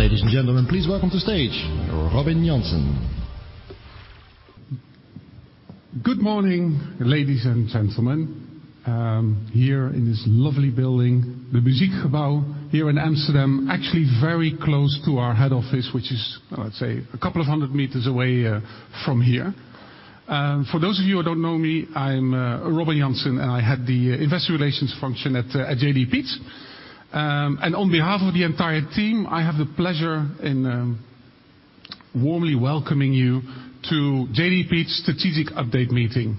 Ladies and gentlemen, please welcome to stage Robin Jansen. Good morning, ladies and gentlemen. Here in this lovely building, the Muziekgebouw, here in Amsterdam, actually very close to our head office, which is, let's say a couple of hundred meters away from here. For those of you who don't know me, I'm Robin Jansen, and I head the Investor Relations function at JDE Peet's. On behalf of the entire team, I have the pleasure in warmly welcoming you to JDE Peet's strategic update meeting.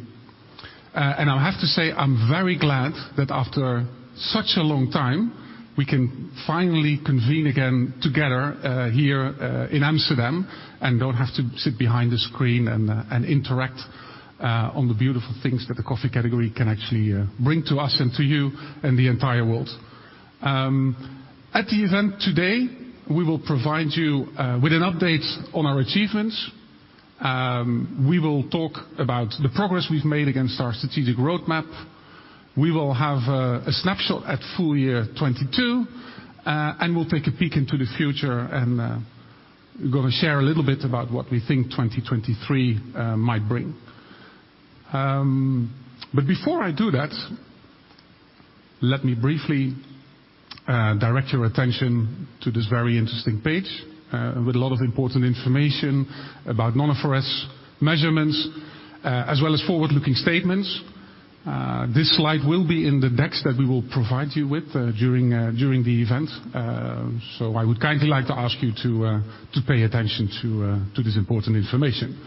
I have to say, I'm very glad that after such a long time, we can finally convene again together here in Amsterdam and don't have to sit behind the screen and interact on the beautiful things that the coffee category can actually bring to us and to you and the entire world. At the event today, we will provide you with an update on our achievements. We will talk about the progress we've made against our strategic roadmap. We will have a snapshot at full year 2022, and we'll take a peek into the future, and we're gonna share a little bit about what we think 2023 might bring. Before I do that, let me briefly direct your attention to this very interesting page with a lot of important information about non-IFRS measurements as well as forward-looking statements. This slide will be in the decks that we will provide you with during the event. I would kindly like to ask you to pay attention to this important information.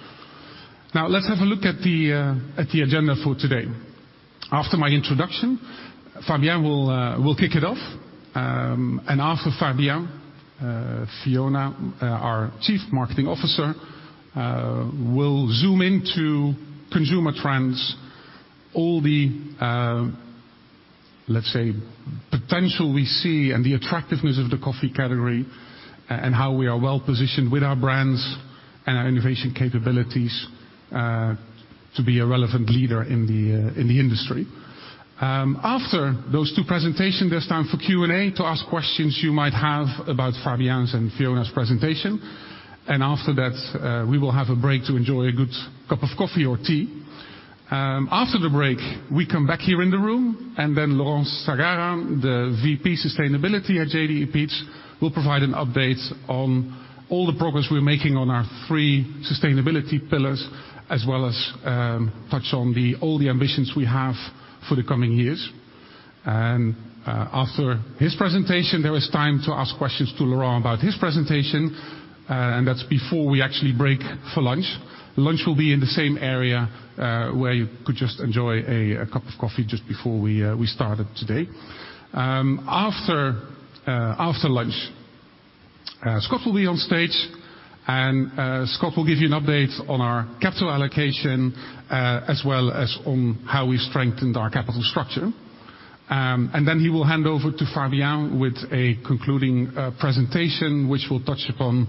Now, let's have a look at the agenda for today. After my introduction, Fabien will kick it off. After Fabien, Fiona, our Chief Marketing Officer, will zoom into consumer trends, all the, let's say, potential we see and the attractiveness of the coffee category, and how we are well positioned with our brands and our innovation capabilities to be a relevant leader in the industry. After those two presentations, there's time for Q&A to ask questions you might have about Fabien's and Fiona's presentation. After that, we will have a break to enjoy a good cup of coffee or tea. After the break, we come back here in the room, then Laurent Sagarra, the VP Sustainability at JDE Peet's, will provide an update on all the progress we're making on our three sustainability pillars, as well as touch on all the ambitions we have for the coming years. After his presentation, there is time to ask questions to Laurent about his presentation, and that's before we actually break for lunch. Lunch will be in the same area, where you could just enjoy a cup of coffee just before we started today. After lunch, Scott will be on stage, Scott will give you an update on our capital allocation, as well as on how we strengthened our capital structure. Then he will hand over to Fabien with a concluding presentation, which will touch upon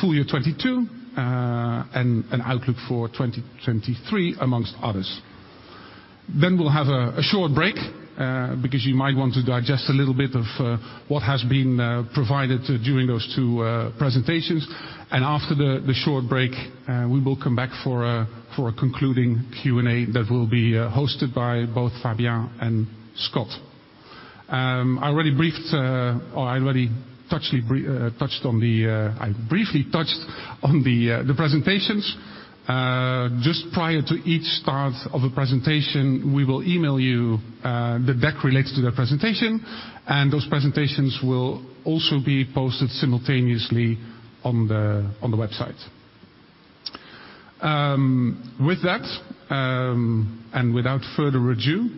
full year 2022 and an outlook for 2023 amongst others. We'll have a short break because you might want to digest a little bit of what has been provided during those two presentations. After the short break, we will come back for a concluding Q&A that will be hosted by both Fabien and Scott. I briefly touched on the presentations. Just prior to each start of a presentation, we will email you the deck relates to their presentation, and those presentations will also be posted simultaneously on the website. With that, and without further ado,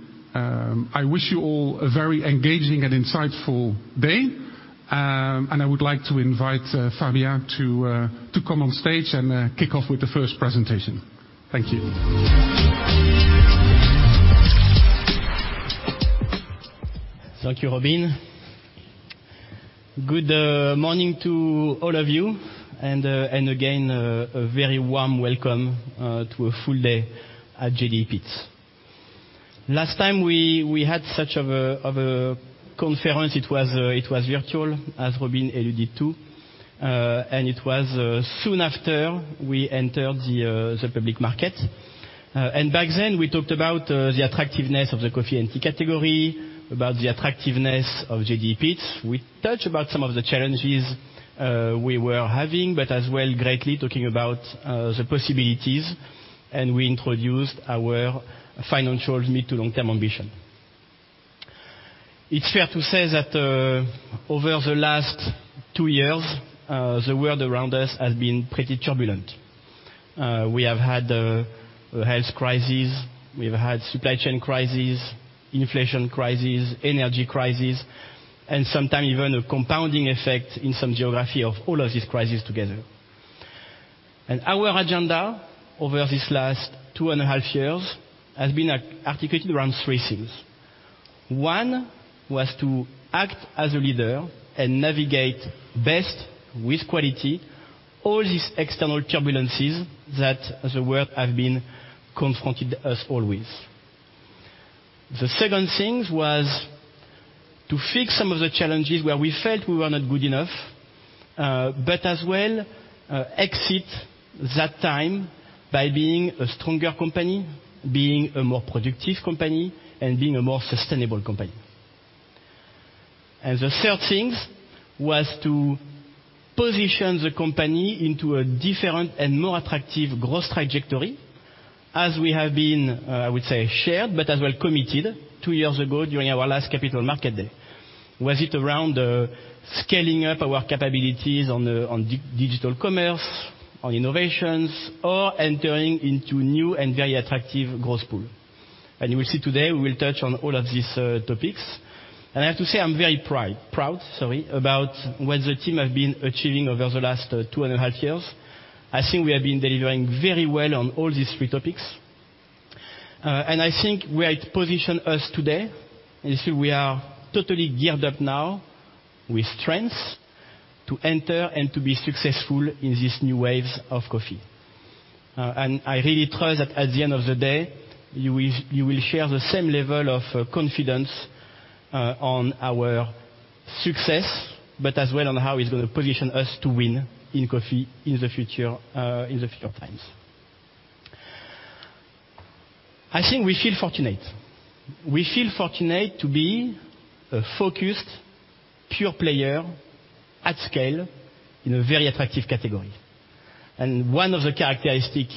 I wish you all a very engaging and insightful day, and I would like to invite Fabien to come on stage and kick off with the first presentation. Thank you. Thank you, Robin. Good morning to all of you, and again, a very warm welcome to a full day at JDE Peet's. Last time we had such of a conference, it was virtual, as Robin alluded to, and it was soon after we entered the public market. Back then, we talked about the attractiveness of the coffee and tea category, about the attractiveness of JDE Peet's. We touched about some of the challenges we were having, but as well, greatly talking about the possibilities, and we introduced our financial mid to long-term ambition. It's fair to say that over the last two years, the world around us has been pretty turbulent. We have had a health crisis, we've had supply chain crisis, inflation crisis, energy crisis, and sometimes even a compounding effect in some geography of all of these crises together. Our agenda over this last 2.5 years has been articulated around three things. One was to act as a leader and navigate best with quality all these external turbulences that the world have been confronted us all with. The second thing was to fix some of the challenges where we felt we were not good enough, but as well, exit that time by being a stronger company, being a more productive company, and being a more sustainable company. The third things was to position the company into a different and more attractive growth trajectory as we have been, I would say shared, but as well committed two years ago during our last Capital Market Day. Was it around scaling up our capabilities on digital commerce, on innovations or entering into new and very attractive growth pool? You will see today we will touch on all of these topics. I have to say I'm very proud, sorry, about what the team have been achieving over the last 2.5 Years. I think we have been delivering very well on all these three topics. I think where it position us today, and I think we are totally geared up now with strengths to enter and to be successful in these new waves of coffee. I really trust that at the end of the day, you will, you will share the same level of confidence on our success, but as well on how it's gonna position us to win in coffee in the future in the future times. I think we feel fortunate. We feel fortunate to be a focused, pure player at scale in a very attractive category. One of the characteristic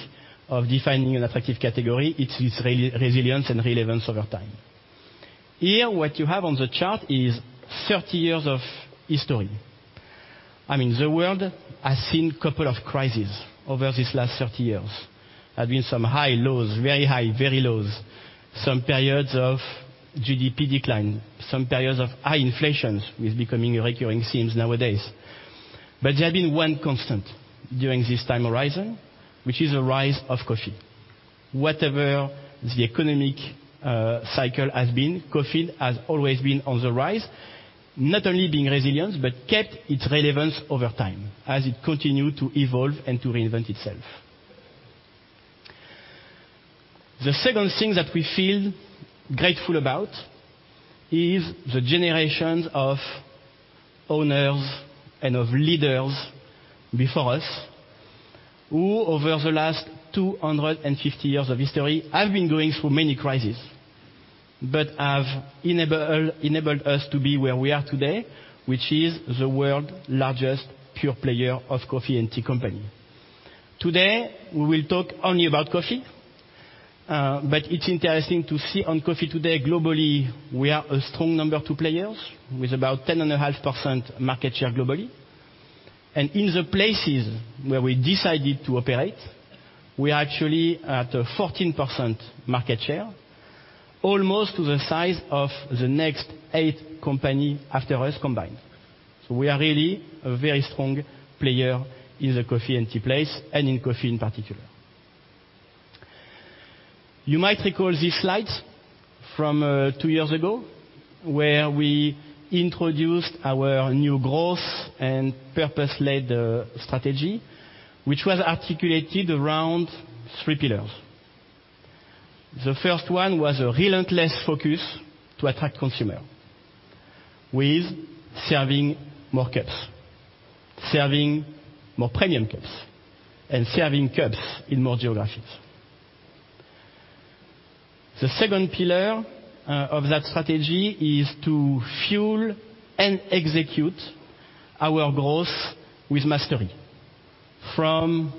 of defining an attractive category, it's its resilience and relevance over time. Here, what you have on the chart is 30 years of history. I mean, the world has seen couple of crises over these last 30 years. There have been some high lows, very high, very lows, some periods of GDP decline, some periods of high inflations, is becoming a recurring themes nowadays. There have been one constant during this time horizon, which is a rise of coffee. Whatever the economic cycle has been, coffee has always been on the rise, not only being resilient, but kept its relevance over time as it continued to evolve and to reinvent itself. The second thing that we feel grateful about is the generations of owners and of leaders before us, who over the last 250 years of history, have been going through many crises, have enabled us to be where we are today, which is the world largest pure player of coffee and tea company. Today, we will talk only about coffee, it's interesting to see on coffee today, globally, we are a strong number two players with about 10.5% market share globally. In the places where we decided to operate, we are actually at a 14% market share, almost to the size of the next eight company after us combined. We are really a very strong player in the coffee and tea place, and in coffee in particular. You might recall this slide from two years ago, where we introduced our new growth and purpose-led strategy, which was articulated around three pillars. The first one was a relentless focus to attract consumer with serving more cups, serving more premium cups, and serving cups in more geographies. The second pillar of that strategy is to fuel and execute our growth with mastery, from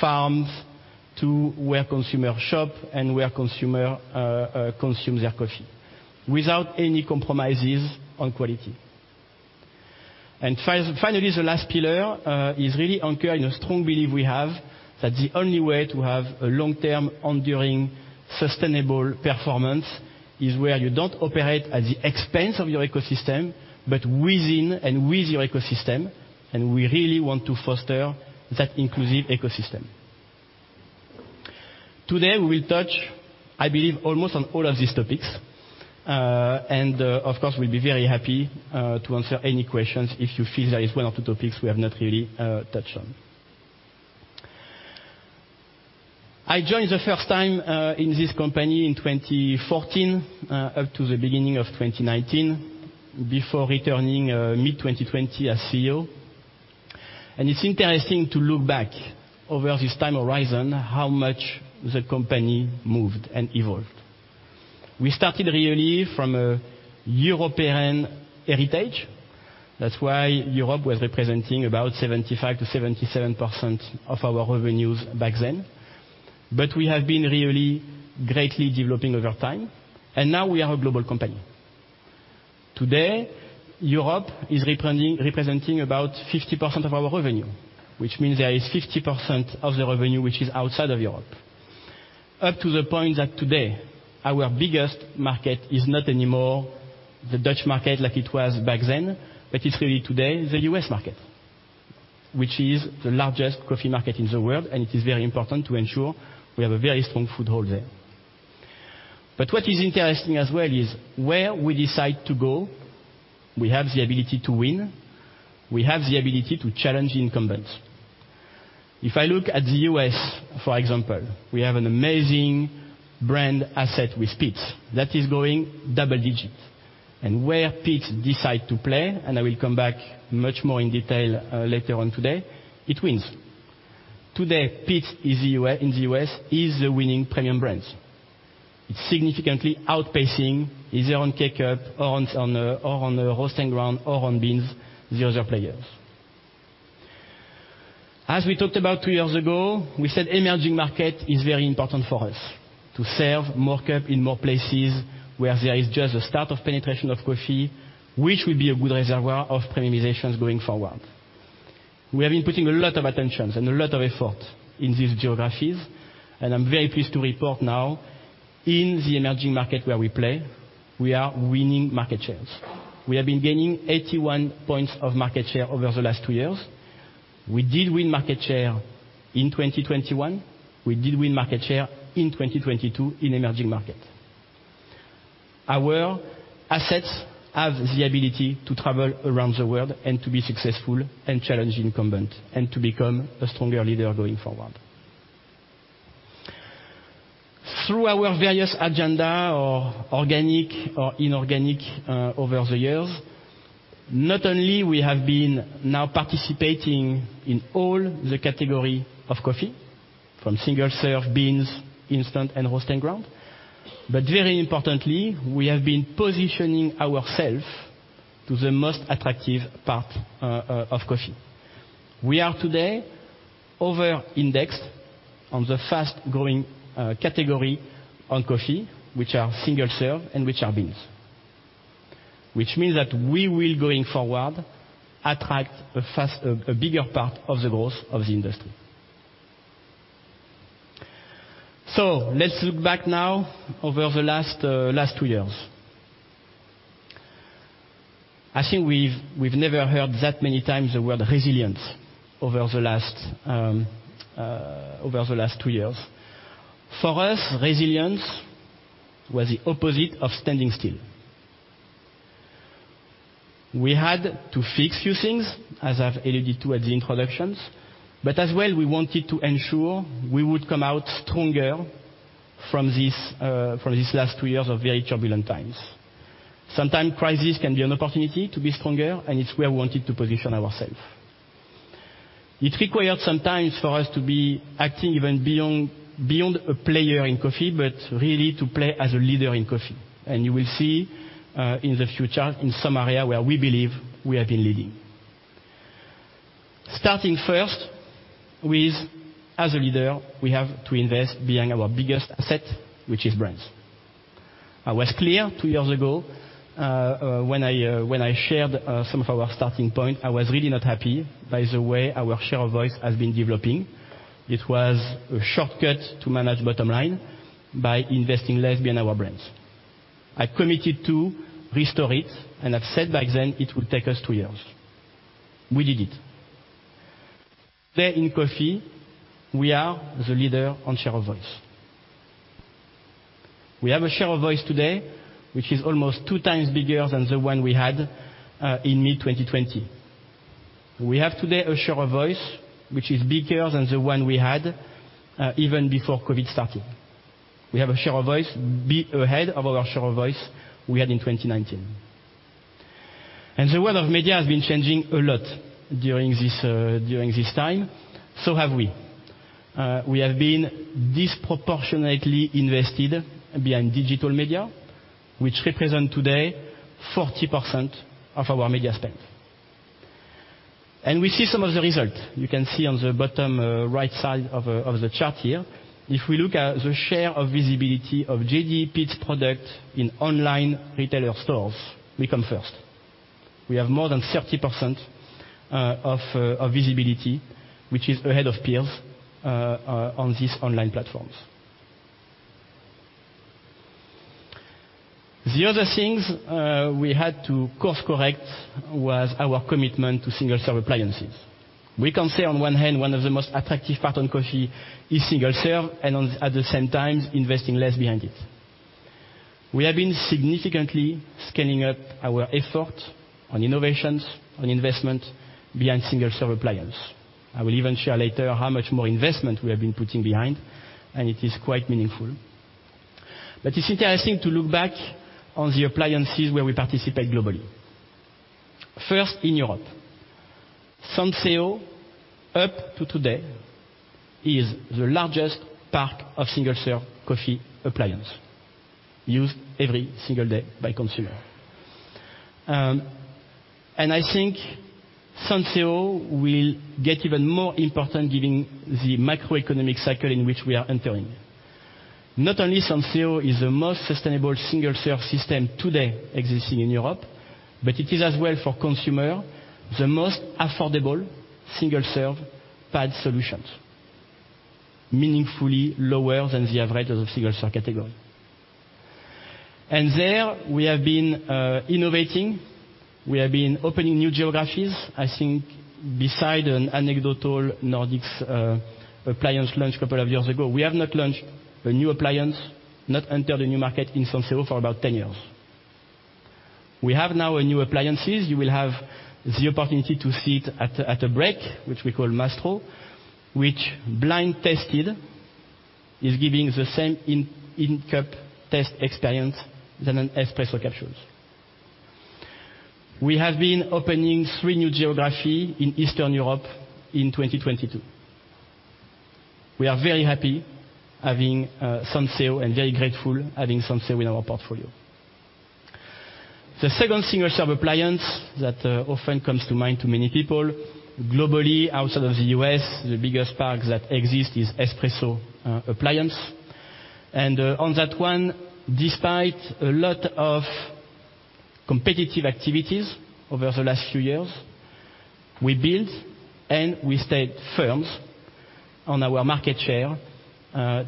farms to where consumer shop and where consumer consume their coffee without any compromises on quality. Finally, the last pillar, is really anchored in a strong belief we have that the only way to have a long-term, enduring, sustainable performance is where you don't operate at the expense of your ecosystem, but within and with your ecosystem, and we really want to foster that inclusive ecosystem. Today, we will touch, I believe, almost on all of these topics, and, of course, we'll be very happy to answer any questions if you feel there is one of the topics we have not really touched on. I joined the first time in this company in 2014, up to the beginning of 2019, before returning mid-2020 as CEO. It's interesting to look back over this time horizon, how much the company moved and evolved. We started really from a European heritage. That's why Europe was representing about 75%-77% of our revenues back then. We have been really greatly developing over time. Now we are a global company. Today, Europe is representing about 50% of our revenue, which means there is 50% of the revenue which is outside of Europe. Up to the point that today, our biggest market is not anymore the Dutch market like it was back then. It's really today the U.S. market, which is the largest coffee market in the world, and it is very important to ensure we have a very strong foothold there. What is interesting as well is where we decide to go, we have the ability to win. We have the ability to challenge the incumbents. If I look at the U.S., for example, we have an amazing brand asset with Peet's that is going double digits. Where Peet's decide to play, and I will come back much more in detail, later on today, it wins. Today, Peet's is the in the U.S. is the winning premium brands. It's significantly outpacing either on K-Cup or on, or on the roasted ground or on beans the other players. As we talked about two years ago, we said emerging market is very important for us to serve more cup in more places where there is just a start of penetration of coffee, which will be a good reservoir of premiumizations going forward. We have been putting a lot of attentions and a lot of effort in these geographies. I'm very pleased to report now in the emerging market where we play, we are winning market shares. We have been gaining 81 points of market share over the last two years. We did win market share in 2021. We did win market share in 2022 in emerging markets. Our assets have the ability to travel around the world and to be successful and challenge incumbent and to become a stronger leader going forward. Through our various agenda or organic or inorganic over the years, not only we have been now participating in all the category of coffee from single-serve, beans, instant and roasted ground, but very importantly, we have been positioning ourself to the most attractive part of coffee. We are today over-indexed on the fast-growing category on coffee, which are single-serve and which are beans. Which means that we will, going forward, attract a bigger part of the growth of the industry. Let's look back now over the last two years. I think we've never heard that many times the word resilience over the last two years. For us, resilience was the opposite of standing still. We had to fix few things, as I've alluded to at the introductions, but as well, we wanted to ensure we would come out stronger from this from these last two years of very turbulent times. Sometimes crisis can be an opportunity to be stronger, and it's where we wanted to position ourself. It required sometimes for us to be acting even beyond a player in coffee, but really to play as a leader in coffee. You will see in the future in some area where we believe we have been leading. Starting first with, as a leader, we have to invest behind our biggest asset, which is brands. I was clear two years ago, when I shared some of our starting point, I was really not happy by the way our share of voice has been developing. It was a shortcut to manage bottom line by investing less behind our brands. I committed to restore it, and I've said back then it will take us two years. We did it. There in coffee, we are the leader on share of voice. We have a share of voice today which is almost two times bigger than the one we had in mid-2020. We have today a share of voice which is bigger than the one we had even before COVID started. We have a share of voice be ahead of our share of voice we had in 2019. The world of media has been changing a lot during this during this time. Have we. We have been disproportionately invested behind digital media, which represent today 40% of our media spend. We see some of the results. You can see on the bottom, right side of the chart here. If we look at the share of visibility of JDE Peet's product in online retailer stores, we come first. We have more than 30% of visibility, which is ahead of peers on these online platforms. The other things we had to course correct was our commitment to single-serve appliances. We can say on one hand one of the most attractive part on coffee is single-serve and at the same time investing less behind it. We have been significantly scaling up our effort on innovations, on investment behind single-serve appliance. I will even share later how much more investment we have been putting behind. It is quite meaningful. It's interesting to look back on the appliances where we participate globally. First, in Europe. Senseo, up to today, is the largest part of single-serve coffee appliance used every single day by consumer. I think Senseo will get even more important giving the macroeconomic cycle in which we are entering. Not only Senseo is the most sustainable single-serve system today existing in Europe, but it is as well for consumer, the most affordable single-serve pad solutions, meaningfully lower than the average of single-serve category. There we have been innovating. We have been opening new geographies. I think beside an anecdotal Nordics appliance launch a couple of years ago, we have not launched a new appliance, not entered a new market in Senseo for about 10 years. We have now a new appliances. You will have the opportunity to see it at a break, which we call Mastro, which blind tested is giving the same in-cup test experience than an espresso capsules. We have been opening 3 new geography in Eastern Europe in 2022. We are very happy having Senseo and very grateful having Senseo in our portfolio. The second single-serve appliance that often comes to mind to many people globally outside of the U.S., the biggest park that exists is espresso appliance. On that one, despite a lot of competitive activities over the last few years, we built and we stayed firms on our market share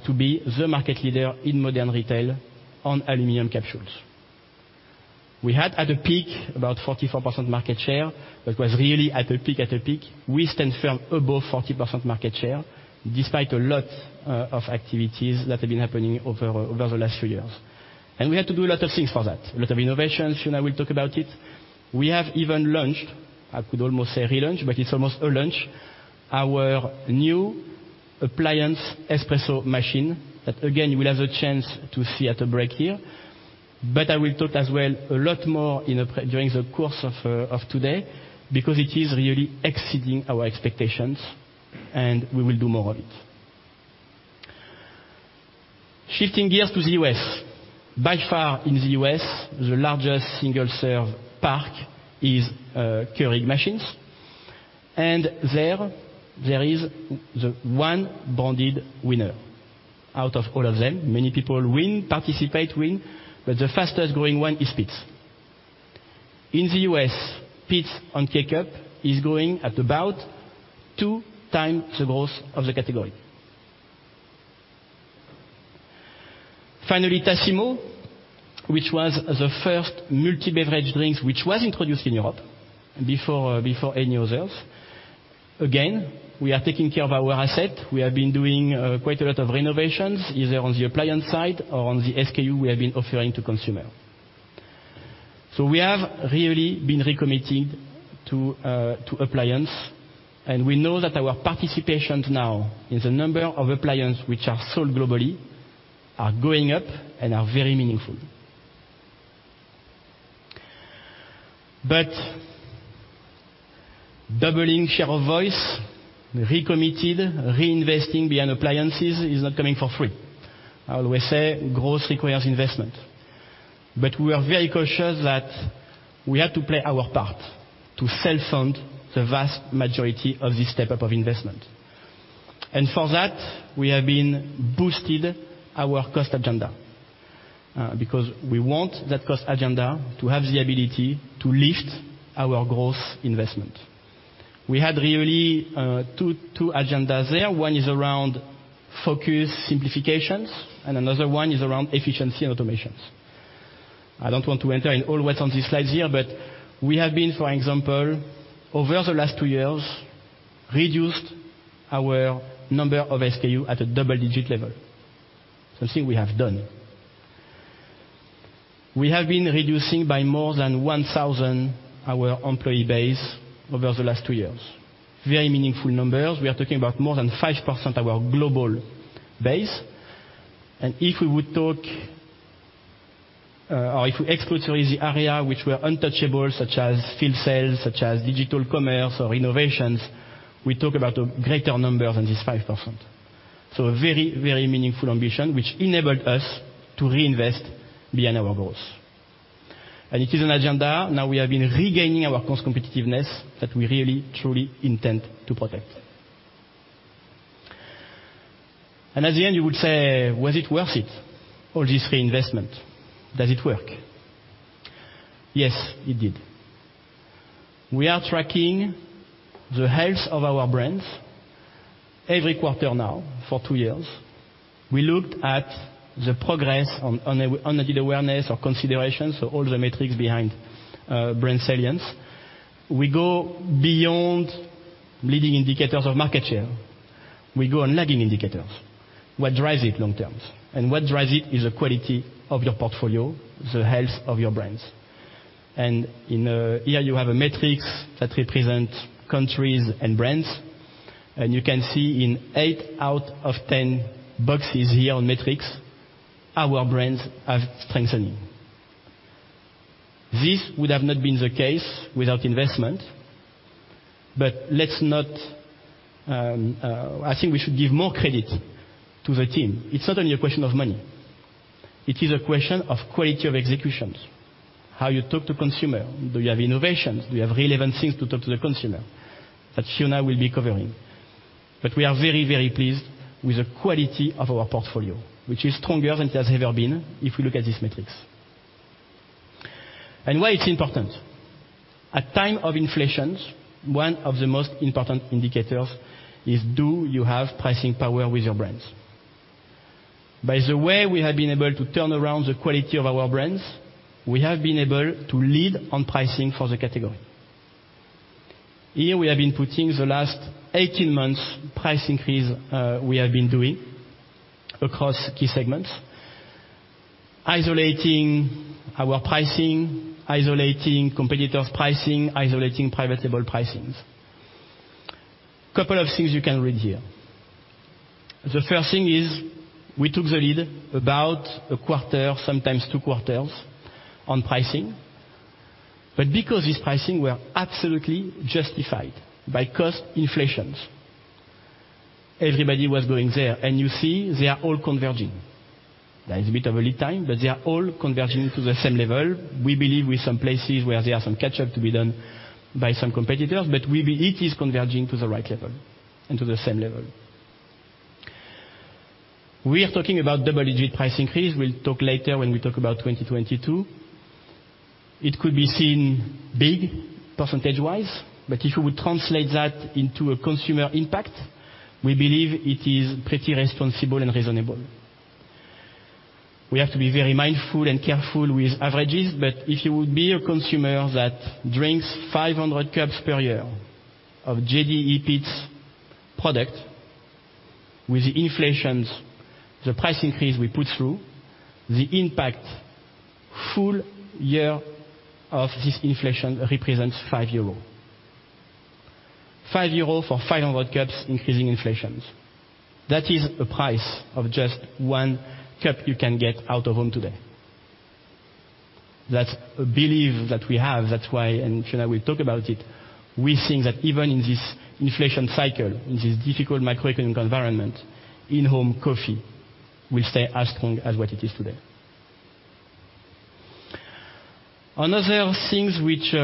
to be the market leader in modern retail on aluminum capsules. We had at a peak about 44% market share. That was really at a peak. We stand firm above 40% market share despite a lot of activities that have been happening over the last few years. We had to do a lot of things for that, a lot of innovations. Fiona will talk about it. We have even launched, I could almost say relaunched, but it's almost a launch, our new appliance espresso machine that again, you will have a chance to see at a break here. But I will talk as well a lot more during the course of today because it is really exceeding our expectations and we will do more of it. Shifting gears to the U.S. By far in the U.S. the largest single-serve park is Keurig machines. There, there is the one bonded winner. Out of all of them, many people win, participate, win, but the fastest growing one is Peet's. In the U.S., Peet's on K-Cup is growing at about 2 times the growth of the category. Finally, Tassimo, which was the first multi-beverage drinks which was introduced in Europe before any others. Again, we are taking care of our asset. We have been doing quite a lot of renovations either on the appliance side or on the SKU we have been offering to consumer. We have really been recommitting to appliance and we know that our participation now in the number of appliance which are sold globally are going up and are very meaningful. Doubling share of voice, recommitted, reinvesting beyond appliances is not coming for free. I always say growth requires investment. We are very cautious that we have to play our part to self-fund the vast majority of this step-up of investment. For that, we have been boosted our cost agenda because we want that cost agenda to have the ability to lift our growth investment. We had really two agendas there. One is around focus simplifications and another one is around efficiency and automations. I don't want to enter in all what's on these slides here, but we have been, for example, over the last two years, reduced our number of SKU at a double-digit level. Something we have done. We have been reducing by more than 1,000 our employee base over the last two years. Very meaningful numbers. We are talking about more than 5% of our global base. If we would talk, or if we exclude through the area which were untouchable such as field sales, such as digital commerce or innovations, we talk about a greater number than this 5%. A very, very meaningful ambition which enabled us to reinvest beyond our growth. It is an agenda now we have been regaining our cost competitiveness that we really truly intend to protect. At the end you would say, "Was it worth it? All this reinvestment, does it work?" Yes, it did. We are tracking the health of our brands every quarter now for two years. We looked at the progress on the awareness or consideration, so all the metrics behind brand salience. We go beyond leading indicators of market share. We go on lagging indicators. What drives it long term? What drives it is the quality of your portfolio, the health of your brands. In here you have a metrics that represent countries and brands, and you can see in eight out of 10 boxes here on metrics, our brands have strengthened. This would have not been the case without investment, let's not. I think we should give more credit to the team. It's not only a question of money, it is a question of quality of executions. How you talk to consumer. Do you have innovations? Do you have relevant things to talk to the consumer? That Fiona will be covering. We are very, very pleased with the quality of our portfolio, which is stronger than it has ever been if we look at this metrics. Why it's important? At time of inflations, one of the most important indicators is do you have pricing power with your brands? By the way we have been able to turn around the quality of our brands, we have been able to lead on pricing for the category. Here we have been putting the last 18 months price increase, we have been doing across key segments, isolating our pricing, isolating competitors' pricing, isolating private label pricings. Couple of things you can read here. The first thing is we took the lead about a quarter, sometimes two quarters on pricing. Because this pricing were absolutely justified by cost inflations, everybody was going there. You see they are all converging. There is a bit of a lead time, but they are all converging to the same level. We believe with some places where there are some catch up to be done by some competitors, but it is converging to the right level and to the same level. We are talking about double-digit price increase. We'll talk later when we talk about 2022. It could be seen big percentage-wise, but if you would translate that into a consumer impact, we believe it is pretty responsible and reasonable. We have to be very mindful and careful with averages, but if you would be a consumer that drinks 500 cups per year of JDE Peet's product with the inflations, the price increase we put through, the impact full year of this inflation represents 5 euro. 5 euro for 500 cups increasing inflations. That is a price of just 1 cup you can get out of home today. That's a belief that we have. That's why, and tonight we'll talk about it, we think that even in this inflation cycle, in this difficult macroeconomic environment, in-home coffee will stay as strong as what it is today. Another things which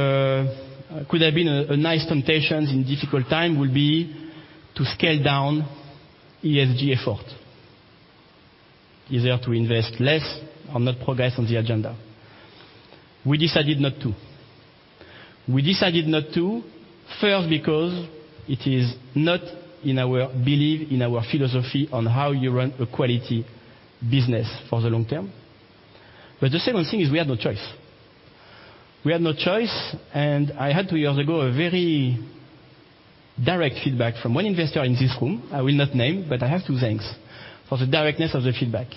could have been a nice temptations in difficult time would be to scale down ESG effort. Either to invest less or not progress on the agenda. We decided not to. We decided not to, first, because it is not in our belief, in our philosophy on how you run a quality business for the long term. The second thing is we had no choice. We had no choice, I had two years ago a very direct feedback from one investor in this room. I will not name, but I have to thanks for the directness of the feedback.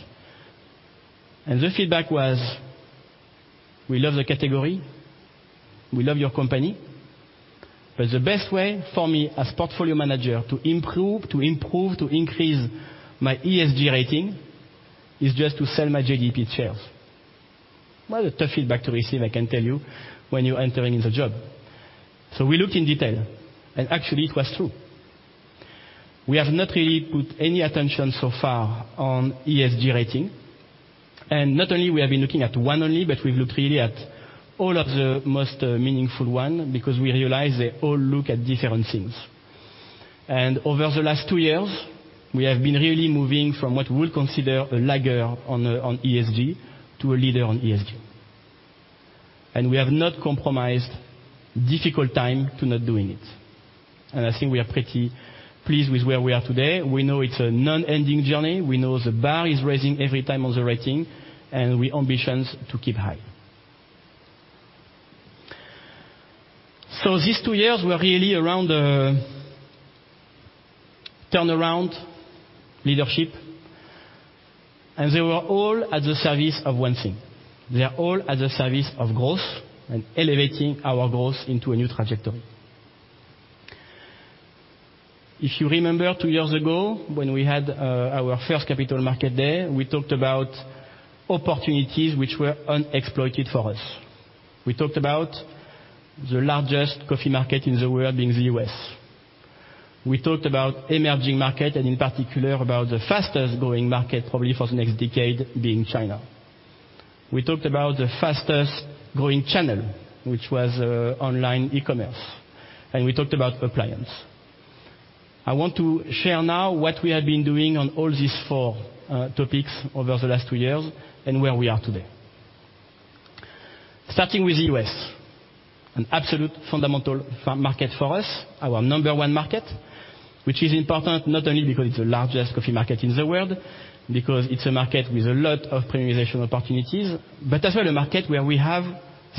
The feedback was, "We love the category. We love your company. The best way for me as portfolio manager to improve, to increase my ESG rating is just to sell my JDE Peet's shares." Quite a tough feedback to receive, I can tell you, when you're entering in the job. We looked in detail, and actually it was true. We have not really put any attention so far on ESG rating. Not only we have been looking at 1 only, but we've looked really at all of the most meaningful one because we realize they all look at different things. Over the last two years, we have been really moving from what we'll consider a lagger on ESG to a leader on ESG. We have not compromised difficult time to not doing it. I think we are pretty pleased with where we are today. We know it's a non-ending journey. We know the bar is raising every time on the rating, and we ambitions to keep high. These two years were really around turnaround leadership, and they were all at the service of 1 thing. They are all at the service of growth and elevating our growth into a new trajectory. If you remember two years ago when we had our first capital market day, we talked about opportunities which were unexploited for us. We talked about the largest coffee market in the world being the US. We talked about emerging market and in particular about the fastest-growing market probably for the next decade being China. We talked about the fastest-growing channel, which was online e-commerce. We talked about appliance. I want to share now what we have been doing on all these four topics over the last two years and where we are today. Starting with the US, an absolute fundamental market for us, our number one market, which is important not only because it's the largest coffee market in the world, because it's a market with a lot of premiumization opportunities, but as well a market where we have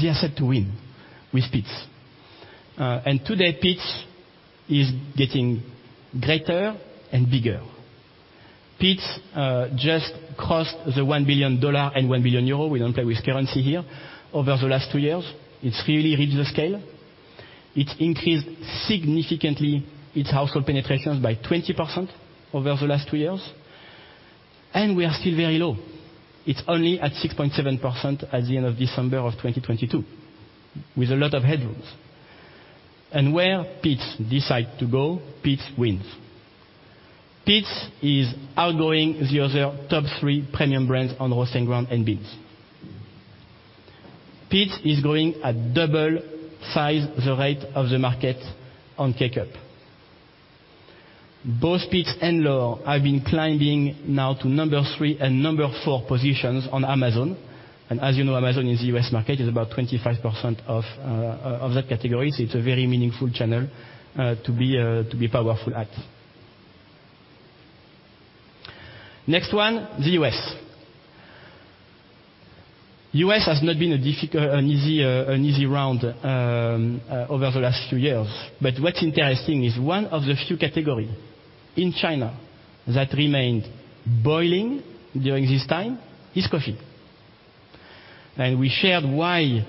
the asset to win with Peet's. Today, Peet's is getting greater and bigger. Peet's just crossed the $1 billion and 1 billion euro. We don't play with currency here. Over the last two years, it's really reached the scale. It's increased significantly its household penetrations by 20% over the last two years, and we are still very low. It's only at 6.7% at the end of December of 2022, with a lot of headrooms. Where Peet's decide to go, Peet's wins. Peet's is outgoing the other top three premium brands on roast and ground and beans. Peet's is growing at 2x the rate of the market on K-Cup. Both Peet's and L'OR have been climbing now to number three and number four positions on Amazon. As you know, Amazon in the U.S. market is about 25% of that category. It's a very meaningful channel to be powerful at. Next one, the U.S. U.S. has not been an easy an easy round over the last few years. What's interesting is one of the few category in China that remained boiling during this time is coffee. We shared why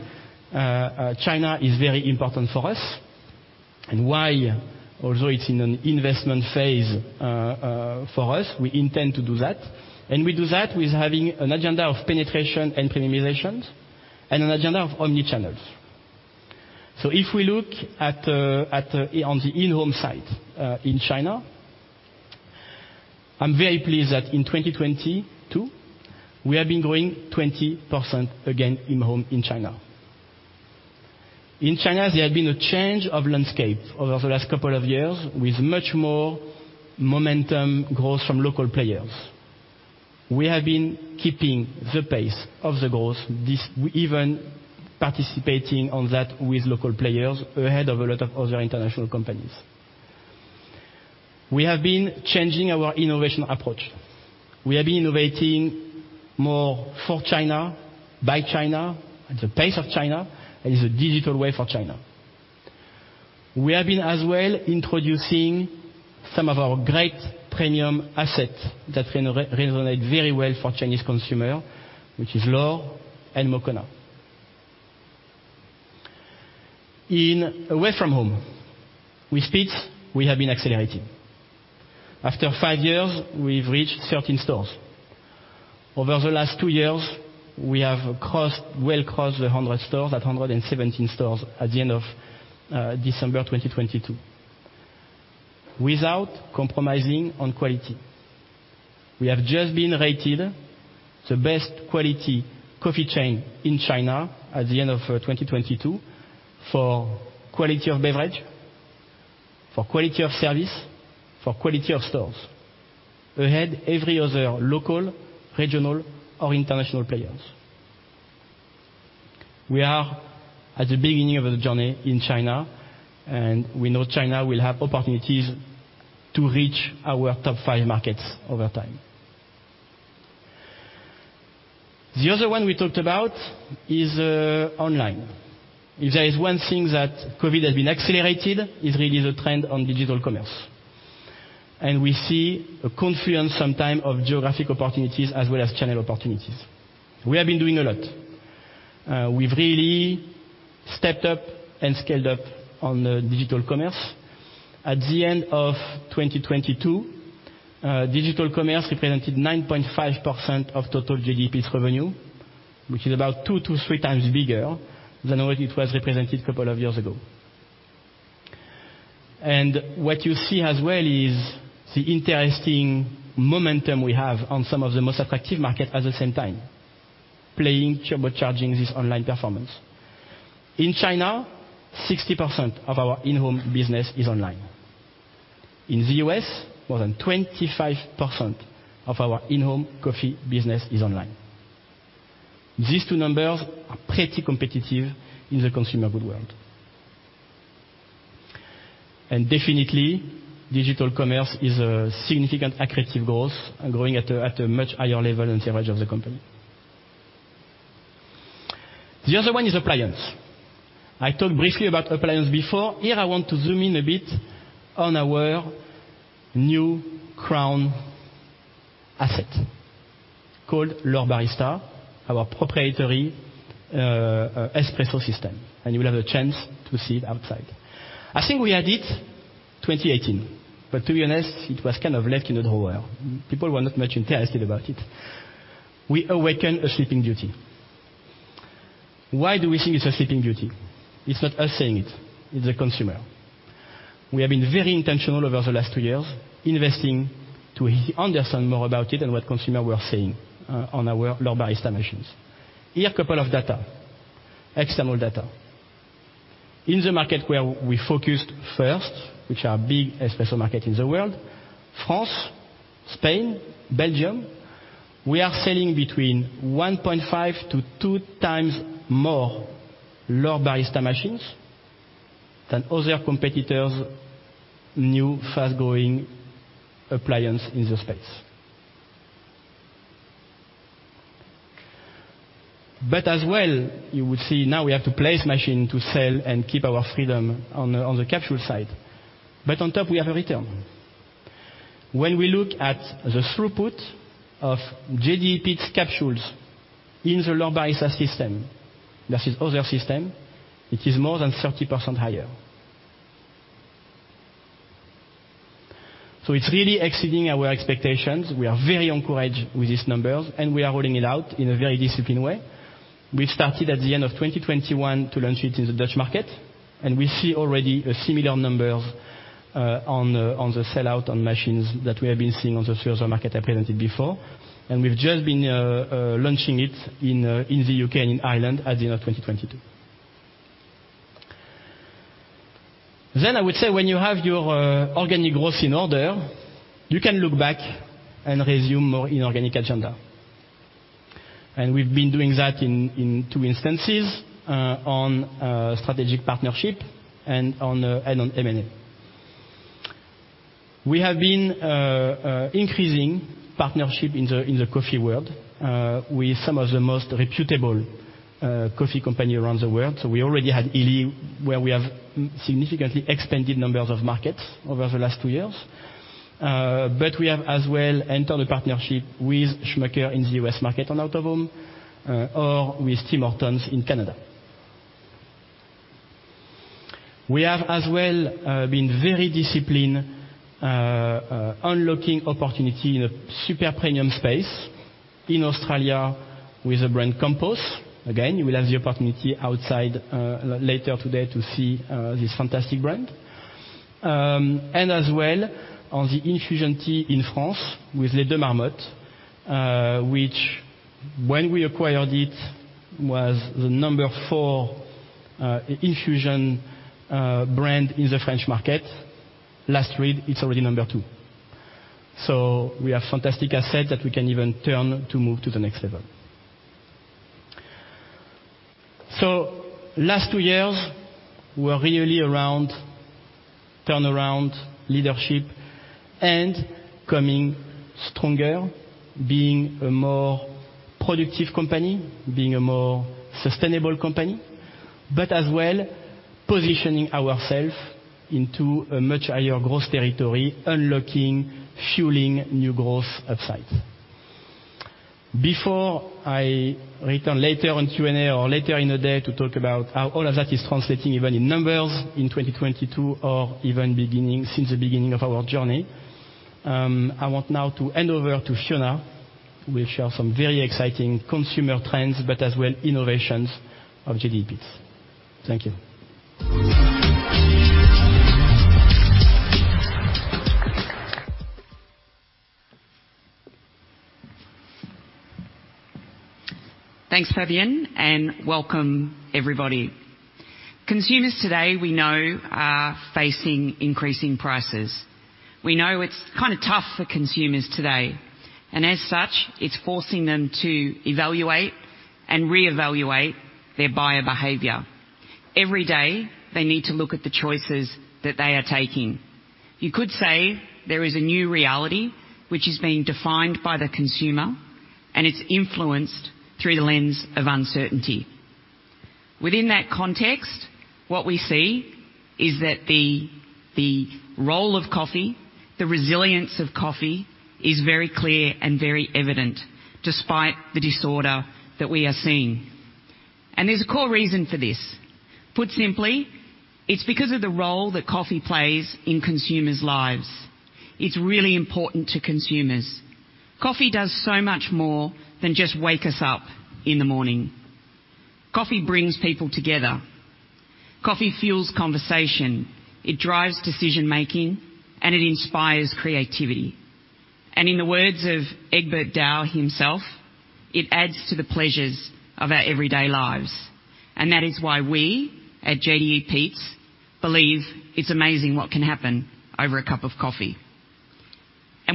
China is very important for us and why, although it's in an investment phase for us, we intend to do that. We do that with having an agenda of penetration and premiumizations and an agenda of omnichannels. If we look at on the in-home side in China, I'm very pleased that in 2022, we have been growing 20% again in-home in China. In China, there had been a change of landscape over the last couple of years with much more momentum growth from local players. We have been keeping the pace of the growth, even participating on that with local players ahead of a lot of other international companies. We have been changing our innovation approach. We have been innovating more for China, by China, at the pace of China, and in the digital way for China. We have been as well introducing some of our great premium assets that resonate very well for Chinese consumer, which is L'OR and Moccona. In away from home, with spits, we have been accelerating. After five years, we've reached 13 stores. Over the last two years, we have well crossed the 100 stores at 117 stores at the end of December 2022. Without compromising on quality. We have just been rated the best quality coffee chain in China at the end of 2022 for quality of beverage, for quality of service, for quality of stores, ahead every other local, regional or international players. We are at the beginning of a journey in China. We know China will have opportunities to reach our top five markets over time. The other one we talked about is online. If there is one thing that COVID has been accelerated, is really the trend on digital commerce. We see a confluence sometime of geographic opportunities as well as channel opportunities. We have been doing a lot. We've really stepped up and scaled up on digital commerce. At the end of 2022, digital commerce represented 9.5% of total JDE Peet's revenue, which is about 2x-3x bigger than what it was represented couple of years ago. What you see as well is the interesting momentum we have on some of the most attractive market at the same time, playing, turbocharging this online performance. In China, 60% of our in-home business is online. In the U.S., more than 25% of our in-home coffee business is online. These two numbers are pretty competitive in the consumer good world. Definitely, digital commerce is a significant accretive growth, growing at a much higher level than the average of the company. The other one is appliance. I talked briefly about appliance before. Here I want to zoom in a bit on our new crown asset called L'OR Barista, our proprietary espresso system, and you will have a chance to see it outside. I think we had it 2018, but to be honest, it was kind of left in a drawer. People were not much interested about it. We awaken a sleeping beauty. Why do we think it's a sleeping beauty? It's not us saying it's the consumer. We have been very intentional over the last two years, investing to understand more about it and what consumer were saying on our L'OR Barista machines. Here a couple of data, external data. In the market where we focused first, which are big espresso market in the world, France, Spain, Belgium, we are selling between 1.5x-2x more L'OR Barista machines than other competitors' new fast-growing appliance in the space. As well, you would see now we have to place machine to sell and keep our freedom on the capsule side. On top, we have a return. When we look at the throughput of JDE Peet's capsules in the L'OR Barista system versus other system, it is more than 30% higher. It's really exceeding our expectations. We are very encouraged with these numbers, and we are rolling it out in a very disciplined way. We started at the end of 2021 to launch it in the Dutch market, we see already a similar numbers on the sellout on machines that we have been seeing on the three other market I presented before. We've just been launching it in the U.K. and in Ireland at the end of 2022. I would say when you have your organic growth in order, you can look back and resume more inorganic agenda. We've been doing that in two instances on strategic partnership and on M&A. We have been increasing partnership in the coffee world with some of the most reputable coffee company around the world. We already had illy, where we have significantly expanded numbers of markets over the last two years. We have as well entered a partnership with The J.M. Smucker Co. in the U.S. market on out of home, or with Tim Hortons in Canada. We have as well been very disciplined unlocking opportunity in a super premium space in Australia with the brand Campos Coffee. Again, you will have the opportunity outside later today to see this fantastic brand. As well on the infusion tea in France with Les 2 Marmottes, which when we acquired it, was the number four infusion brand in the French market. Last read, it's already number two. We have fantastic asset that we can even turn to move to the next level. Last two years, we're really around turnaround leadership and coming stronger, being a more productive company, being a more sustainable company. As well positioning ourself into a much higher growth territory, unlocking, fueling new growth upsides. Before I return later on Q&A or later in the day to talk about how all of that is translating even in numbers in 2022 or even since the beginning of our journey, I want now to hand over to Fiona, who will share some very exciting consumer trends, but as well innovations of JDE Peet's. Thank you. Thanks, Fabien, and welcome everybody. Consumers today we know are facing increasing prices. We know it's kinda tough for consumers today, and as such, it's forcing them to evaluate and reevaluate their buyer behavior. Every day they need to look at the choices that they are taking. You could say there is a new reality which is being defined by the consumer, and it's influenced through the lens of uncertainty. Within that context, what we see is that the role of coffee, the resilience of coffee is very clear and very evident despite the disorder that we are seeing. There's a core reason for this. Put simply, it's because of the role that coffee plays in consumers' lives. It's really important to consumers. Coffee does so much more than just wake us up in the morning. Coffee brings people together. Coffee fuels conversation, it drives decision-making, and it inspires creativity. In the words of Egbert Douwes himself, "It adds to the pleasures of our everyday lives." That is why we, at JDE Peet's, believe it's amazing what can happen over a cup of coffee.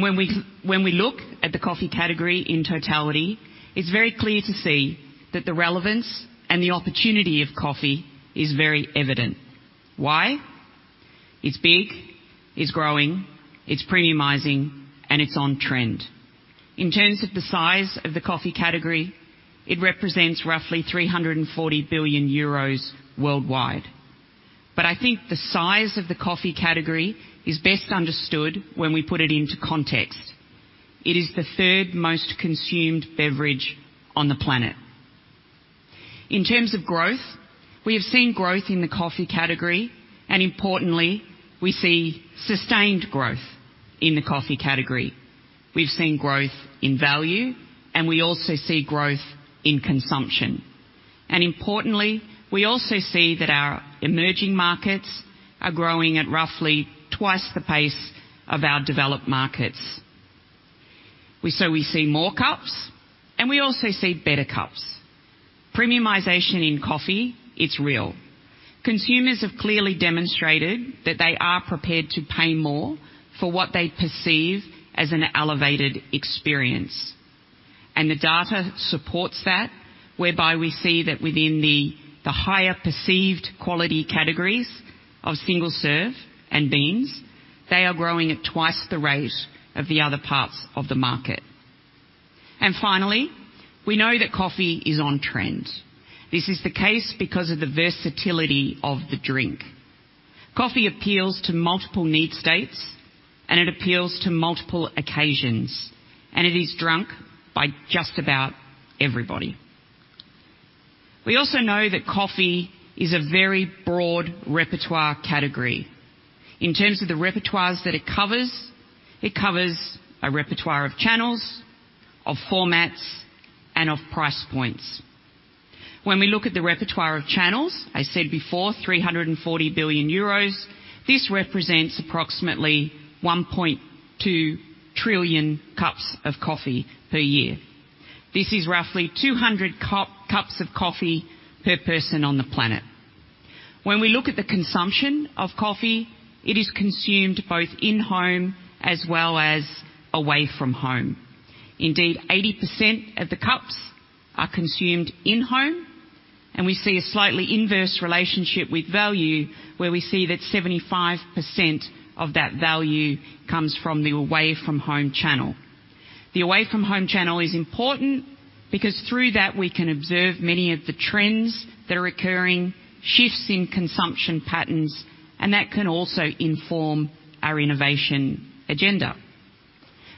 When we look at the coffee category in totality, it's very clear to see that the relevance and the opportunity of coffee is very evident. Why? It's big, it's growing, it's premiumizing, and it's on trend. In terms of the size of the coffee category, it represents roughly 340 billion euros worldwide. I think the size of the coffee category is best understood when we put it into context. It is the third most consumed beverage on the planet. In terms of growth, we have seen growth in the coffee category, and importantly, we see sustained growth in the coffee category. We've seen growth in value, and we also see growth in consumption. Importantly, we also see that our emerging markets are growing at roughly 2x the pace of our developed markets. We see more cups, and we also see better cups. Premiumization in coffee, it's real. Consumers have clearly demonstrated that they are prepared to pay more for what they perceive as an elevated experience. The data supports that, whereby we see that within the higher perceived quality categories of single-serve and beans, they are growing at 2x the rate of the other parts of the market. Finally, we know that coffee is on trend. This is the case because of the versatility of the drink. Coffee appeals to multiple need states, and it appeals to multiple occasions. It is drunk by just about everybody. We also know that coffee is a very broad repertoire category. In terms of the repertoires that it covers, it covers a repertoire of channels, of formats, and of price points. When we look at the repertoire of channels, I said before, 340 billion euros, this represents approximately 1.2 trillion cups of coffee per year. This is roughly 200 cups of coffee per person on the planet. When we look at the consumption of coffee, it is consumed both in-home as well as away from home. Indeed, 80% of the cups are consumed in-home, and we see a slightly inverse relationship with value, where we see that 75% of that value comes from the away from home channel. The away from home channel is important because through that, we can observe many of the trends that are occurring, shifts in consumption patterns, and that can also inform our innovation agenda.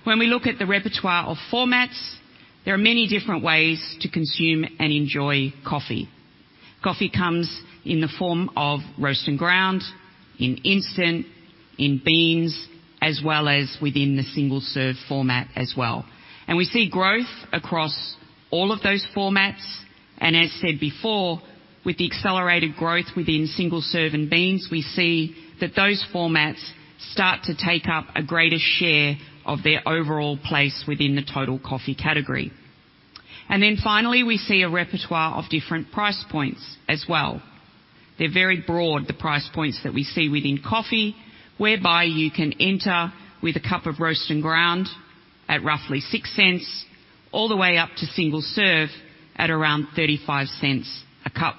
When we look at the repertoire of formats, there are many different ways to consume and enjoy coffee. Coffee comes in the form of roast and ground, in instant, in beans, as well as within the single-serve format as well. We see growth across all of those formats. As said before, with the accelerated growth within single-serve and beans, we see that those formats start to take up a greater share of their overall place within the total coffee category. Finally, we see a repertoire of different price points as well. They're very broad, the price points that we see within coffee, whereby you can enter with a cup of roast and ground at roughly $0.06 all the way up to single serve at around $0.35 a cup.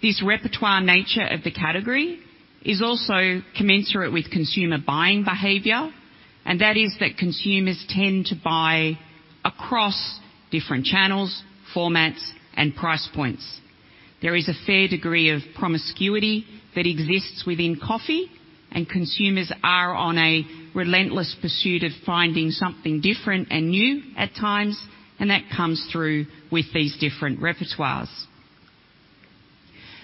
This repertoire nature of the category is also commensurate with consumer buying behavior, that is that consumers tend to buy across different channels, formats, and price points. There is a fair degree of promiscuity that exists within coffee, consumers are on a relentless pursuit of finding something different and new at times, and that comes through with these different repertoires.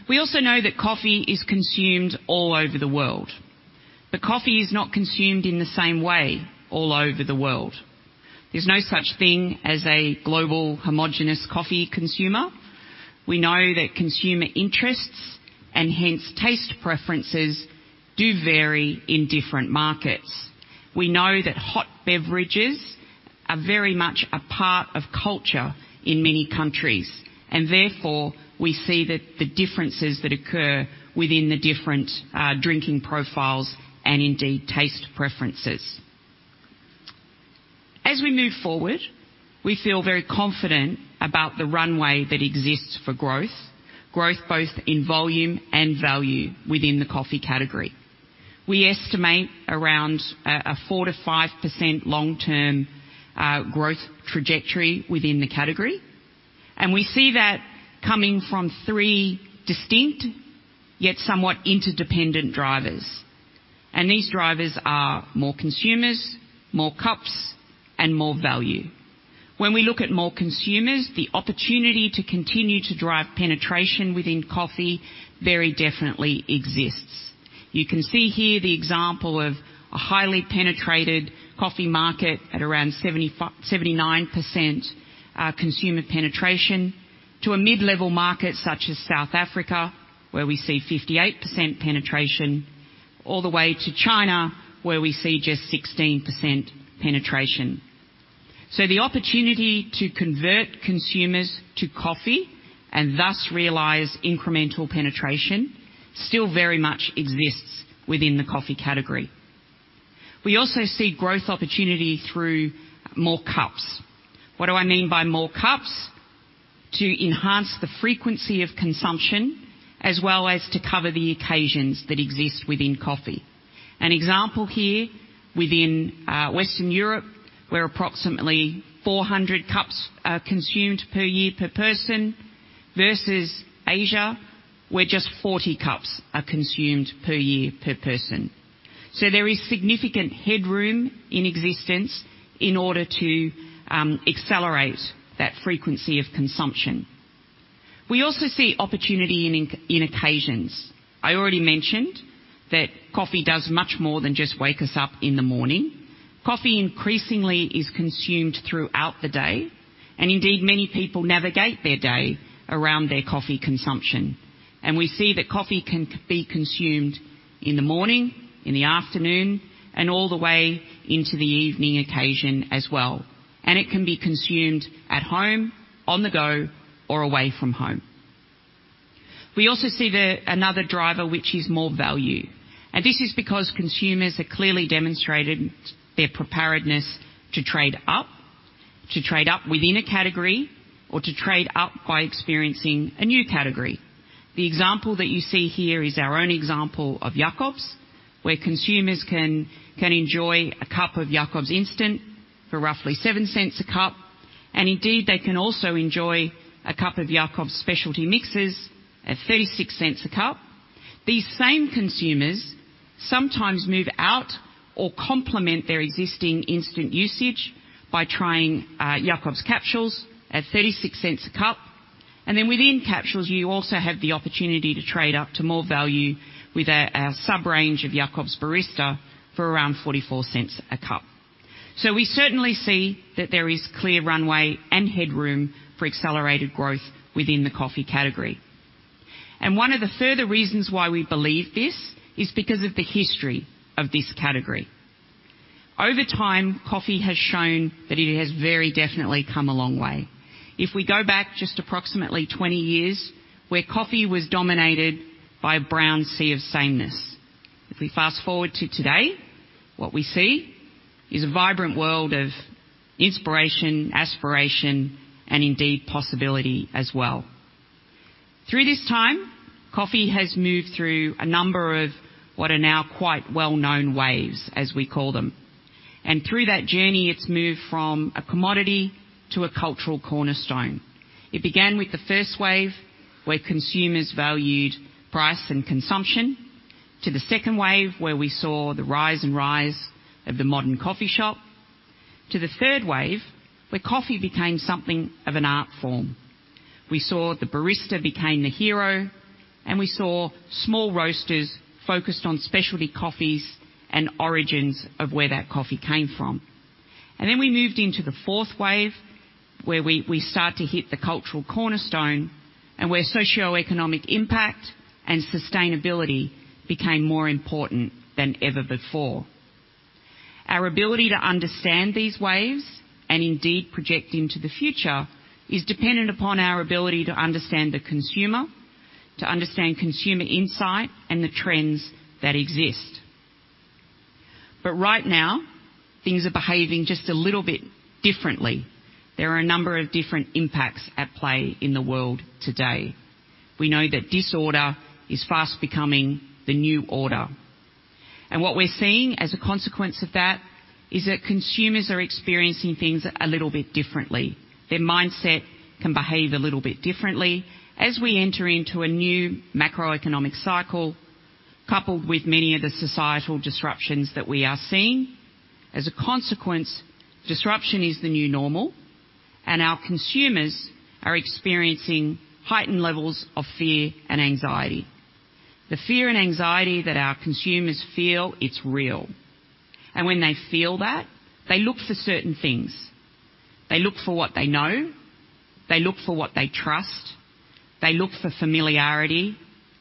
We also know that coffee is consumed all over the world, coffee is not consumed in the same way all over the world. There's no such thing as a global homogeneous coffee consumer. We know that consumer interests and hence taste preferences do vary in different markets. We know that hot beverages are very much a part of culture in many countries, therefore, we see that the differences that occur within the different drinking profiles and indeed taste preferences. As we move forward, we feel very confident about the runway that exists for growth both in volume and value within the coffee category. We estimate around 4%-5% long-term growth trajectory within the category, and we see that coming from three distinct, yet somewhat interdependent drivers. These drivers are more consumers, more cups, and more value. When we look at more consumers, the opportunity to continue to drive penetration within coffee very definitely exists. You can see here the example of a highly penetrated coffee market at around 79% consumer penetration to a mid-level market such as South Africa, where we see 58% penetration all the way to China, where we see just 16% penetration. The opportunity to convert consumers to coffee and thus realize incremental penetration still very much exists within the coffee category. We also see growth opportunity through more cups. What do I mean by more cups? To enhance the frequency of consumption as well as to cover the occasions that exist within coffee. An example here within Western Europe, where approximately 400 cups are consumed per year per person versus Asia, where just 40 cups are consumed per year per person. There is significant headroom in existence in order to accelerate that frequency of consumption. We also see opportunity in occasions. I already mentioned that coffee does much more than just wake us up in the morning. Coffee increasingly is consumed throughout the day, and indeed, many people navigate their day around their coffee consumption. We see that coffee can be consumed in the morning, in the afternoon, and all the way into the evening occasion as well. It can be consumed at home, on the go or away from home. We also see another driver, which is more value. This is because consumers have clearly demonstrated their preparedness to trade up, to trade up within a category, or to trade up by experiencing a new category. The example that you see here is our own example of Jacobs, where consumers can enjoy a cup of Jacobs instant for roughly 0.07 a cup. Indeed, they can also enjoy a cup of Jacobs specialty mixes at 0.36 a cup. These same consumers sometimes move out or complement their existing instant usage by trying Jacobs capsules at 0.36 a cup. Within capsules, you also have the opportunity to trade up to more value with a sub-range of Jacobs Barista for around 0.44 a cup. We certainly see that there is clear runway and headroom for accelerated growth within the coffee category. One of the further reasons why we believe this is because of the history of this category. Over time, coffee has shown that it has very definitely come a long way. If we go back just approximately 20 years, where coffee was dominated by a brown sea of sameness. If we fast-forward to today, what we see is a vibrant world of inspiration, aspiration, and indeed possibility as well. Through this time, coffee has moved through a number of what are now quite well-known waves, as we call them. Through that journey, it's moved from a commodity to a cultural cornerstone. It began with the first wave, where consumers valued price and consumption, to the second wave, where we saw the rise and rise of the modern coffee shop, to the third wave, where coffee became something of an art form. We saw the barista became the hero, and we saw small roasters focused on specialty coffees and origins of where that coffee came from. Then we moved into the fourth wave, where we start to hit the cultural cornerstone and where socioeconomic impact and sustainability became more important than ever before. Our ability to understand these waves and indeed project into the future is dependent upon our ability to understand the consumer, to understand consumer insight and the trends that exist. Right now, things are behaving just a little bit differently. There are a number of different impacts at play in the world today. We know that disorder is fast becoming the new order. What we're seeing as a consequence of that is that consumers are experiencing things a little bit differently. Their mindset can behave a little bit differently as we enter into a new macroeconomic cycle, coupled with many of the societal disruptions that we are seeing. As a consequence, disruption is the new normal, and our consumers are experiencing heightened levels of fear and anxiety. The fear and anxiety that our consumers feel, it's real. When they feel that, they look for certain things. They look for what they know, they look for what they trust, they look for familiarity,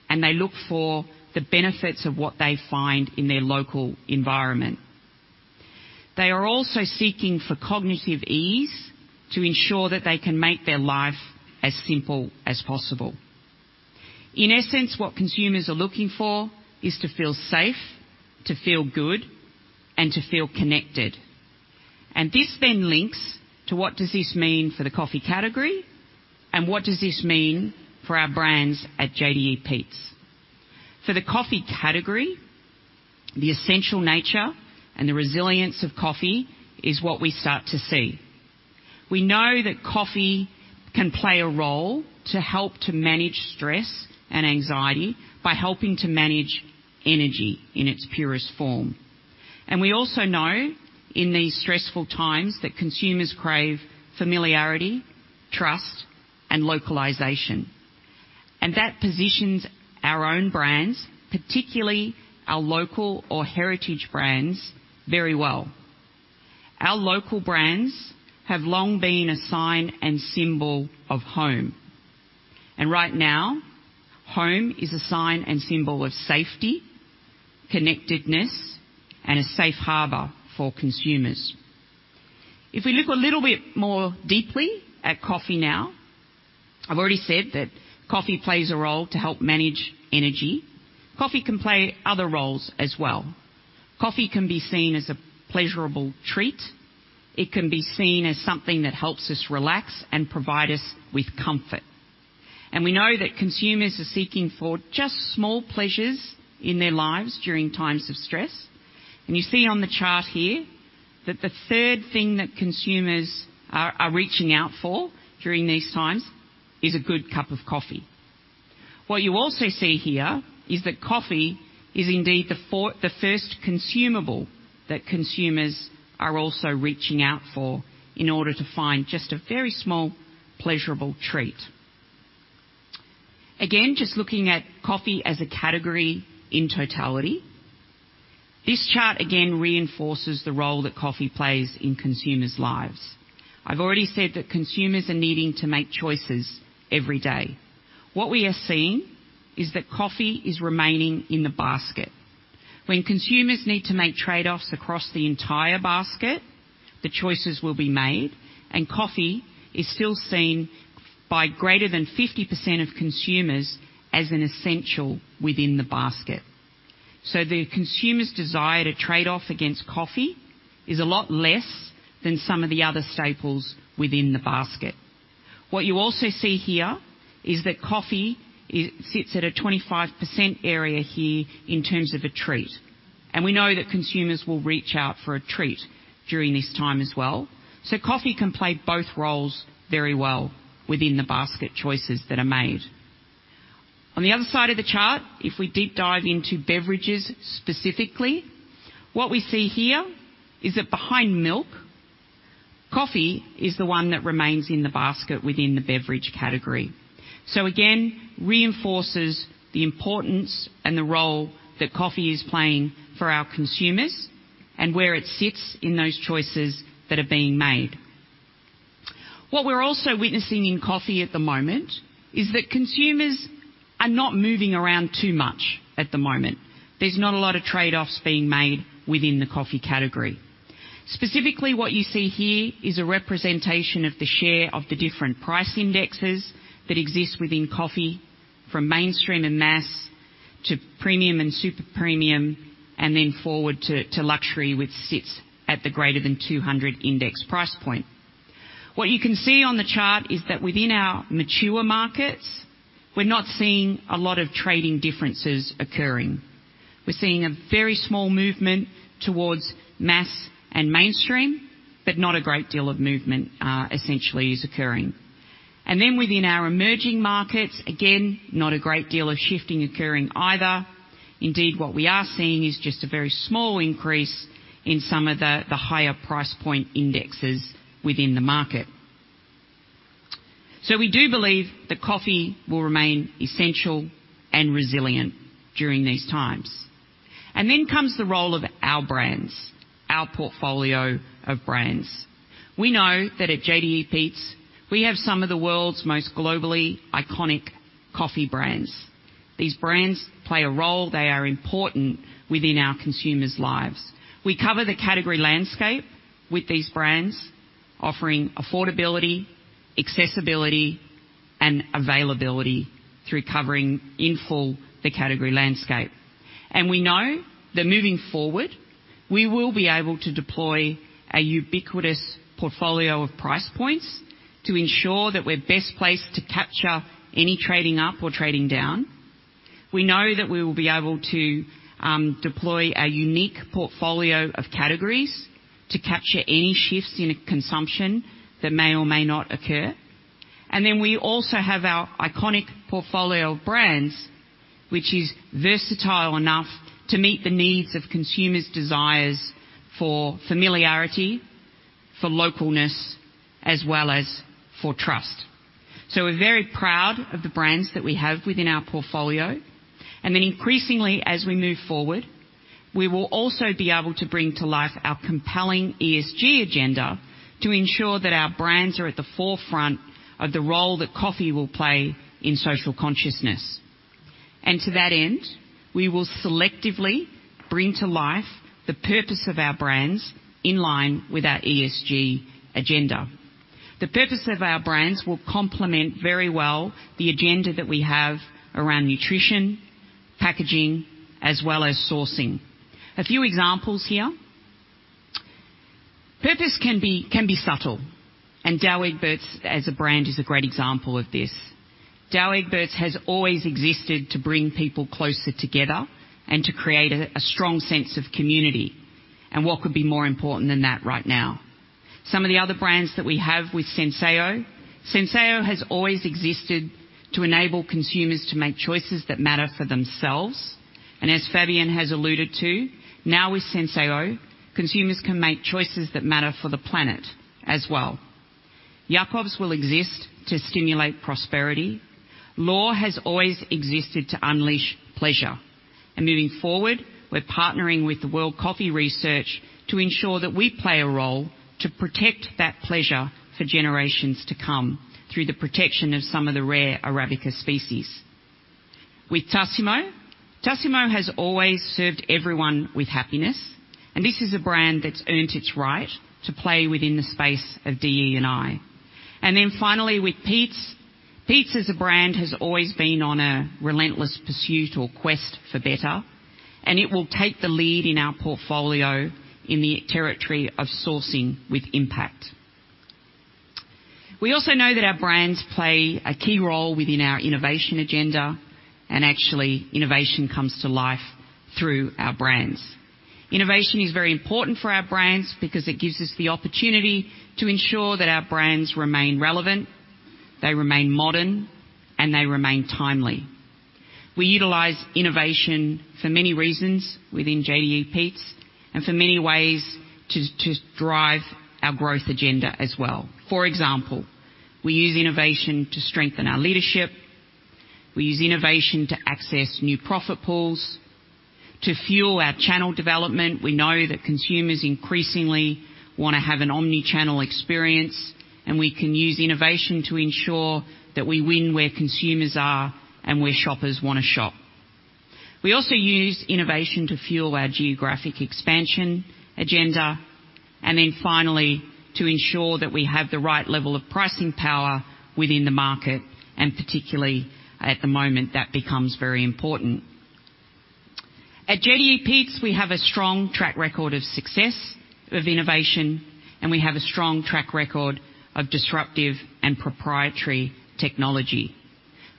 and they look for the benefits of what they find in their local environment. They are also seeking for cognitive ease to ensure that they can make their life as simple as possible. In essence, what consumers are looking for is to feel safe, to feel good, and to feel connected. This then links to what does this mean for the coffee category and what does this mean for our brands at JDE Peet's? For the coffee category, the essential nature and the resilience of coffee is what we start to see. We know that coffee can play a role to help to manage stress and anxiety by helping to manage energy in its purest form. We also know in these stressful times that consumers crave familiarity, trust, and localization. That positions our own brands, particularly our local or heritage brands, very well. Our local brands have long been a sign and symbol of home. Right now, home is a sign and symbol of safety, connectedness, and a safe harbor for consumers. If we look a little bit more deeply at coffee now, I've already said that coffee plays a role to help manage energy. Coffee can play other roles as well. Coffee can be seen as a pleasurable treat. It can be seen as something that helps us relax and provide us with comfort. We know that consumers are seeking for just small pleasures in their lives during times of stress. You see on the chart here that the third thing that consumers are reaching out for during these times is a good cup of coffee. What you also see here is that coffee is indeed the first consumable that consumers are also reaching out for in order to find just a very small pleasurable treat. Just looking at coffee as a category in totality. This chart again reinforces the role that coffee plays in consumers' lives. I've already said that consumers are needing to make choices every day. What we are seeing is that coffee is remaining in the basket. When consumers need to make trade-offs across the entire basket, the choices will be made, and coffee is still seen by greater than 50% of consumers as an essential within the basket. The consumer's desire to trade off against coffee is a lot less than some of the other staples within the basket. What you also see here is that coffee sits at a 25% area here in terms of a treat, and we know that consumers will reach out for a treat during this time as well. Coffee can play both roles very well within the basket choices that are made. On the other side of the chart, if we deep dive into beverages specifically, what we see here is that behind milk, coffee is the one that remains in the basket within the beverage category. Again, reinforces the importance and the role that coffee is playing for our consumers and where it sits in those choices that are being made. What we're also witnessing in coffee at the moment is that consumers are not moving around too much at the moment. There's not a lot of trade-offs being made within the coffee category. Specifically, what you see here is a representation of the share of the different price indexes that exist within coffee from mainstream and mass to premium and super premium, and then forward to luxury, which sits at the greater than 200 index price point. What you can see on the chart is that within our mature markets, we're not seeing a lot of trading differences occurring. We're seeing a very small movement towards mass and mainstream, but not a great deal of movement, essentially is occurring. Within our emerging markets, again, not a great deal of shifting occurring either. Indeed, what we are seeing is just a very small increase in some of the higher price point indexes within the market. We do believe that coffee will remain essential and resilient during these times. Then comes the role of our brands, our portfolio of brands. We know that at JDE Peet's, we have some of the world's most globally iconic coffee brands. These brands play a role. They are important within our consumers' lives. We cover the category landscape with these brands offering affordability, accessibility, and availability through covering in full the category landscape. We know that moving forward, we will be able to deploy a ubiquitous portfolio of price points to ensure that we're best placed to capture any trading up or trading down. We know that we will be able to deploy a unique portfolio of categories to capture any shifts in consumption that may or may not occur. We also have our iconic portfolio of brands, which is versatile enough to meet the needs of consumers' desires for familiarity, for localness, as well as for trust. We're very proud of the brands that we have within our portfolio. Increasingly, as we move forward, we will also be able to bring to life our compelling ESG agenda to ensure that our brands are at the forefront of the role that coffee will play in social consciousness. To that end, we will selectively bring to life the purpose of our brands in line with our ESG agenda. The purpose of our brands will complement very well the agenda that we have around nutrition, packaging, as well as sourcing. A few examples here. Purpose can be subtle, and Douwe Egberts as a brand is a great example of this. Douwe Egberts has always existed to bring people closer together and to create a strong sense of community. What could be more important than that right now? Some of the other brands that we have with Senseo. Senseo has always existed to enable consumers to make choices that matter for themselves. As Fabien has alluded to, now with Senseo, consumers can make choices that matter for the planet as well. Jacobs will exist to stimulate prosperity. L'OR has always existed to unleash pleasure. Moving forward, we're partnering with the World Coffee Research to ensure that we play a role to protect that pleasure for generations to come through the protection of some of the rare Arabica species. With Tassimo has always served everyone with happiness, and this is a brand that's earned its right to play within the space of DE&I. Then finally, with Peet's. Peet's as a brand has always been on a relentless pursuit or quest for better, and it will take the lead in our portfolio in the territory of sourcing with impact. We also know that our brands play a key role within our innovation agenda, and actually, innovation comes to life through our brands. Innovation is very important for our brands because it gives us the opportunity to ensure that our brands remain relevant, they remain modern, and they remain timely. We utilize innovation for many reasons within JDE Peet's and for many ways to drive our growth agenda as well. For example, we use innovation to strengthen our leadership. We use innovation to access new profit pools, to fuel our channel development. We know that consumers increasingly wanna have an omni-channel experience. We can use innovation to ensure that we win where consumers are and where shoppers wanna shop. We also use innovation to fuel our geographic expansion agenda. Finally, to ensure that we have the right level of pricing power within the market, and particularly at the moment, that becomes very important. At JDE Peet's, we have a strong track record of success, of innovation. We have a strong track record of disruptive and proprietary technology.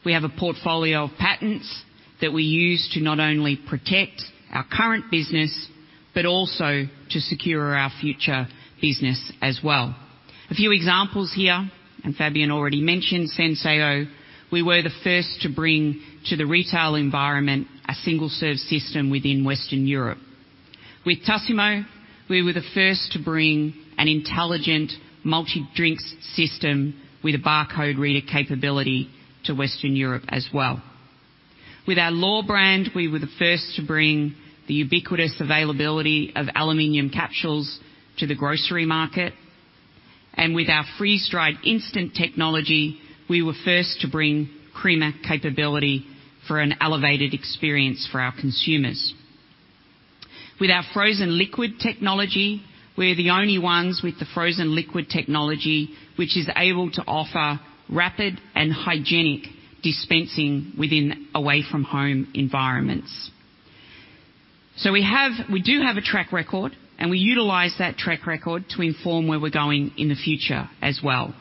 We have a portfolio of patents that we use to not only protect our current business but also to secure our future business as well. A few examples here. Fabien already mentioned Senseo. We were the first to bring to the retail environment a single-serve system within Western Europe. With Tassimo, we were the first to bring an intelligent multi-drinks system with a barcode reader capability to Western Europe as well. With our L'OR brand, we were the first to bring the ubiquitous availability of aluminum capsules to the grocery market. With our free stride instant technology, we were first to bring creamer capability for an elevated experience for our consumers. With our frozen liquid technology, we're the only ones with the frozen liquid technology, which is able to offer rapid and hygienic dispensing within away-from-home environments. We do have a track record, and we utilize that track record to inform where we're going in the future as well.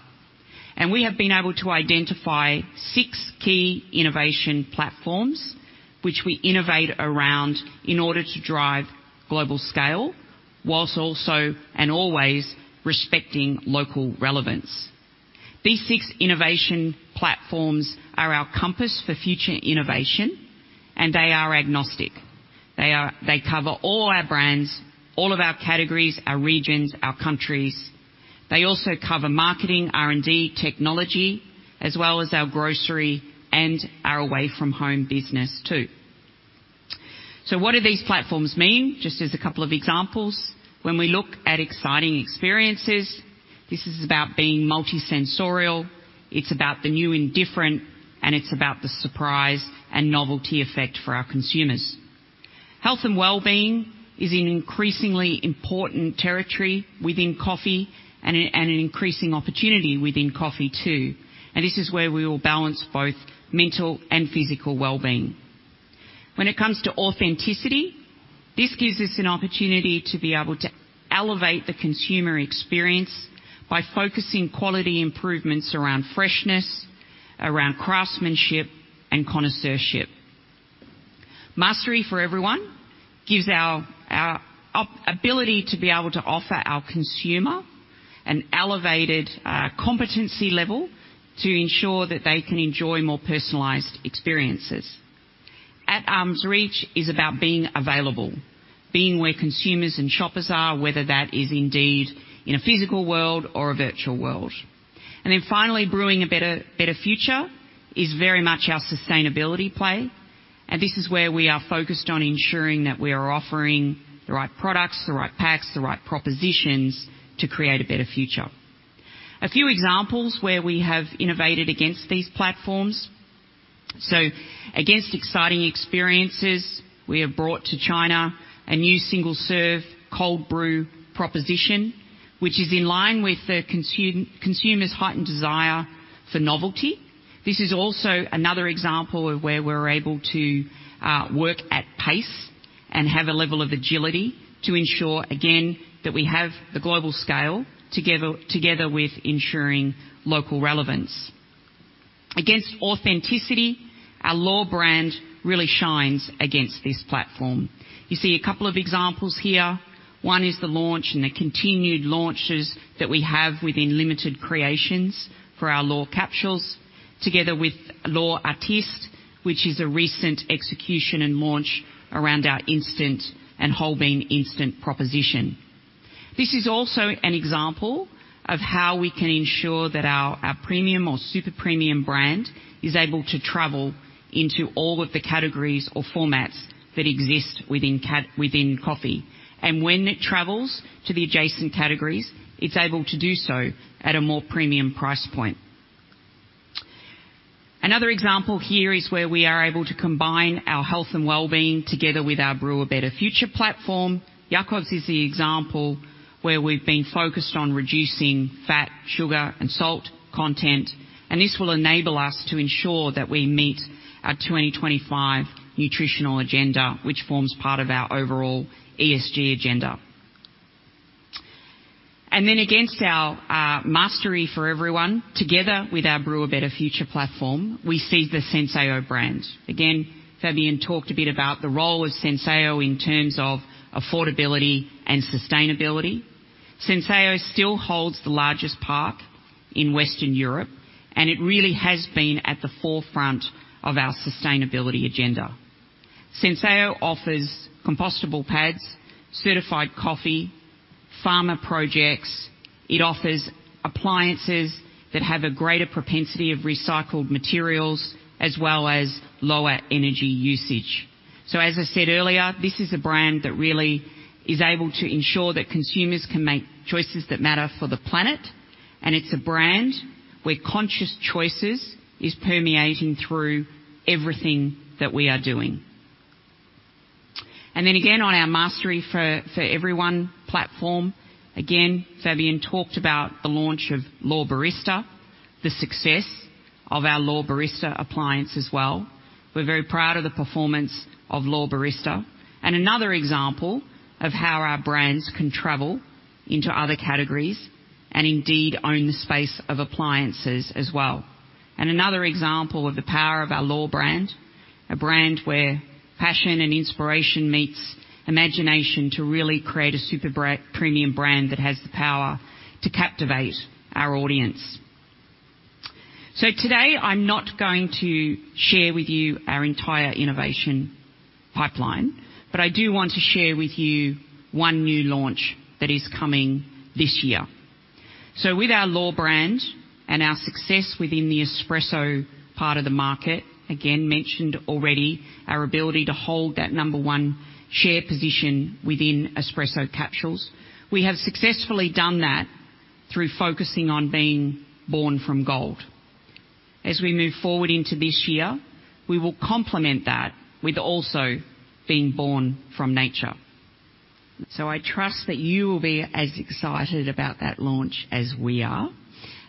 We have been able to identify six key innovation platforms which we innovate around in order to drive global scale whilst also and always respecting local relevance. These 6 innovation platforms are our compass for future innovation. They are agnostic. They cover all our brands, all of our categories, our regions, our countries. They also cover marketing, R&D technology, as well as our grocery and our away-from-home business too. What do these platforms mean? Just as a couple of examples, when we look at exciting experiences, this is about being multisensorial, it's about the new and different, and it's about the surprise and novelty effect for our consumers. Health and wellbeing is an increasingly important territory within coffee and an increasing opportunity within coffee too. This is where we will balance both mental and physical wellbeing. When it comes to authenticity, this gives us an opportunity to be able to elevate the consumer experience by focusing quality improvements around freshness, around craftsmanship and connoisseurship. Mastery for everyone gives our ability to be able to offer our consumer an elevated competency level to ensure that they can enjoy more personalized experiences. At arm's reach is about being available, being where consumers and shoppers are, whether that is indeed in a physical world or a virtual world. Finally, brewing a better future is very much our sustainability play, and this is where we are focused on ensuring that we are offering the right products, the right packs, the right propositions to create a better future. A few examples where we have innovated against these platforms. Against exciting experiences, we have brought to China a new single-serve cold brew proposition, which is in line with the consumers' heightened desire for novelty. This is also another example of where we're able to work at pace and have a level of agility to ensure, again, that we have the global scale together with ensuring local relevance. Against authenticity, our L'OR brand really shines against this platform. You see a couple of examples here. One is the launch and the continued launches that we have within limited creations for our L'OR capsules, together with L'OR Artiste, which is a recent execution and launch around our instant and whole bean instant proposition. This is also an example of how we can ensure that our premium or super premium brand is able to travel into all of the categories or formats that exist within coffee. When it travels to the adjacent categories, it's able to do so at a more premium price point. Another example here is where we are able to combine our health and wellbeing together with our Brew a Better Future platform. Jacobs is the example where we've been focused on reducing fat, sugar, and salt content. This will enable us to ensure that we meet our 2025 nutritional agenda, which forms part of our overall ESG agenda. Against our Mastery for Everyone, together with our Brew a Better Future platform, we see the Senseo brand. Again, Fabien talked a bit about the role of Senseo in terms of affordability and sustainability. Senseo still holds the largest part in Western Europe, and it really has been at the forefront of our sustainability agenda. Senseo offers compostable pads, certified coffee, farmer projects. It offers appliances that have a greater propensity of recycled materials as well as lower energy usage. As I said earlier, this is a brand that really is able to ensure that consumers can make choices that matter for the planet, and it's a brand where conscious choices is permeating through everything that we are doing. Then again on our Mastery for Everyone platform, again, Fabien talked about the launch of L'OR Barista, the success of our L'OR Barista appliance as well. We're very proud of the performance of L'OR Barista. Another example of how our brands can travel into other categories and indeed own the space of appliances as well. Another example of the power of our L'OR brand, a brand where passion and inspiration meets imagination to really create a super premium brand that has the power to captivate our audience. Today, I'm not going to share with you our entire innovation pipeline, but I do want to share with you one new launch that is coming this year. With our L'OR brand and our success within the espresso part of the market, again, mentioned already our ability to hold that number one share position within espresso capsules. We have successfully done that through focusing on being born from gold. As we move forward into this year, we will complement that with also being born from nature. I trust that you will be as excited about that launch as we are.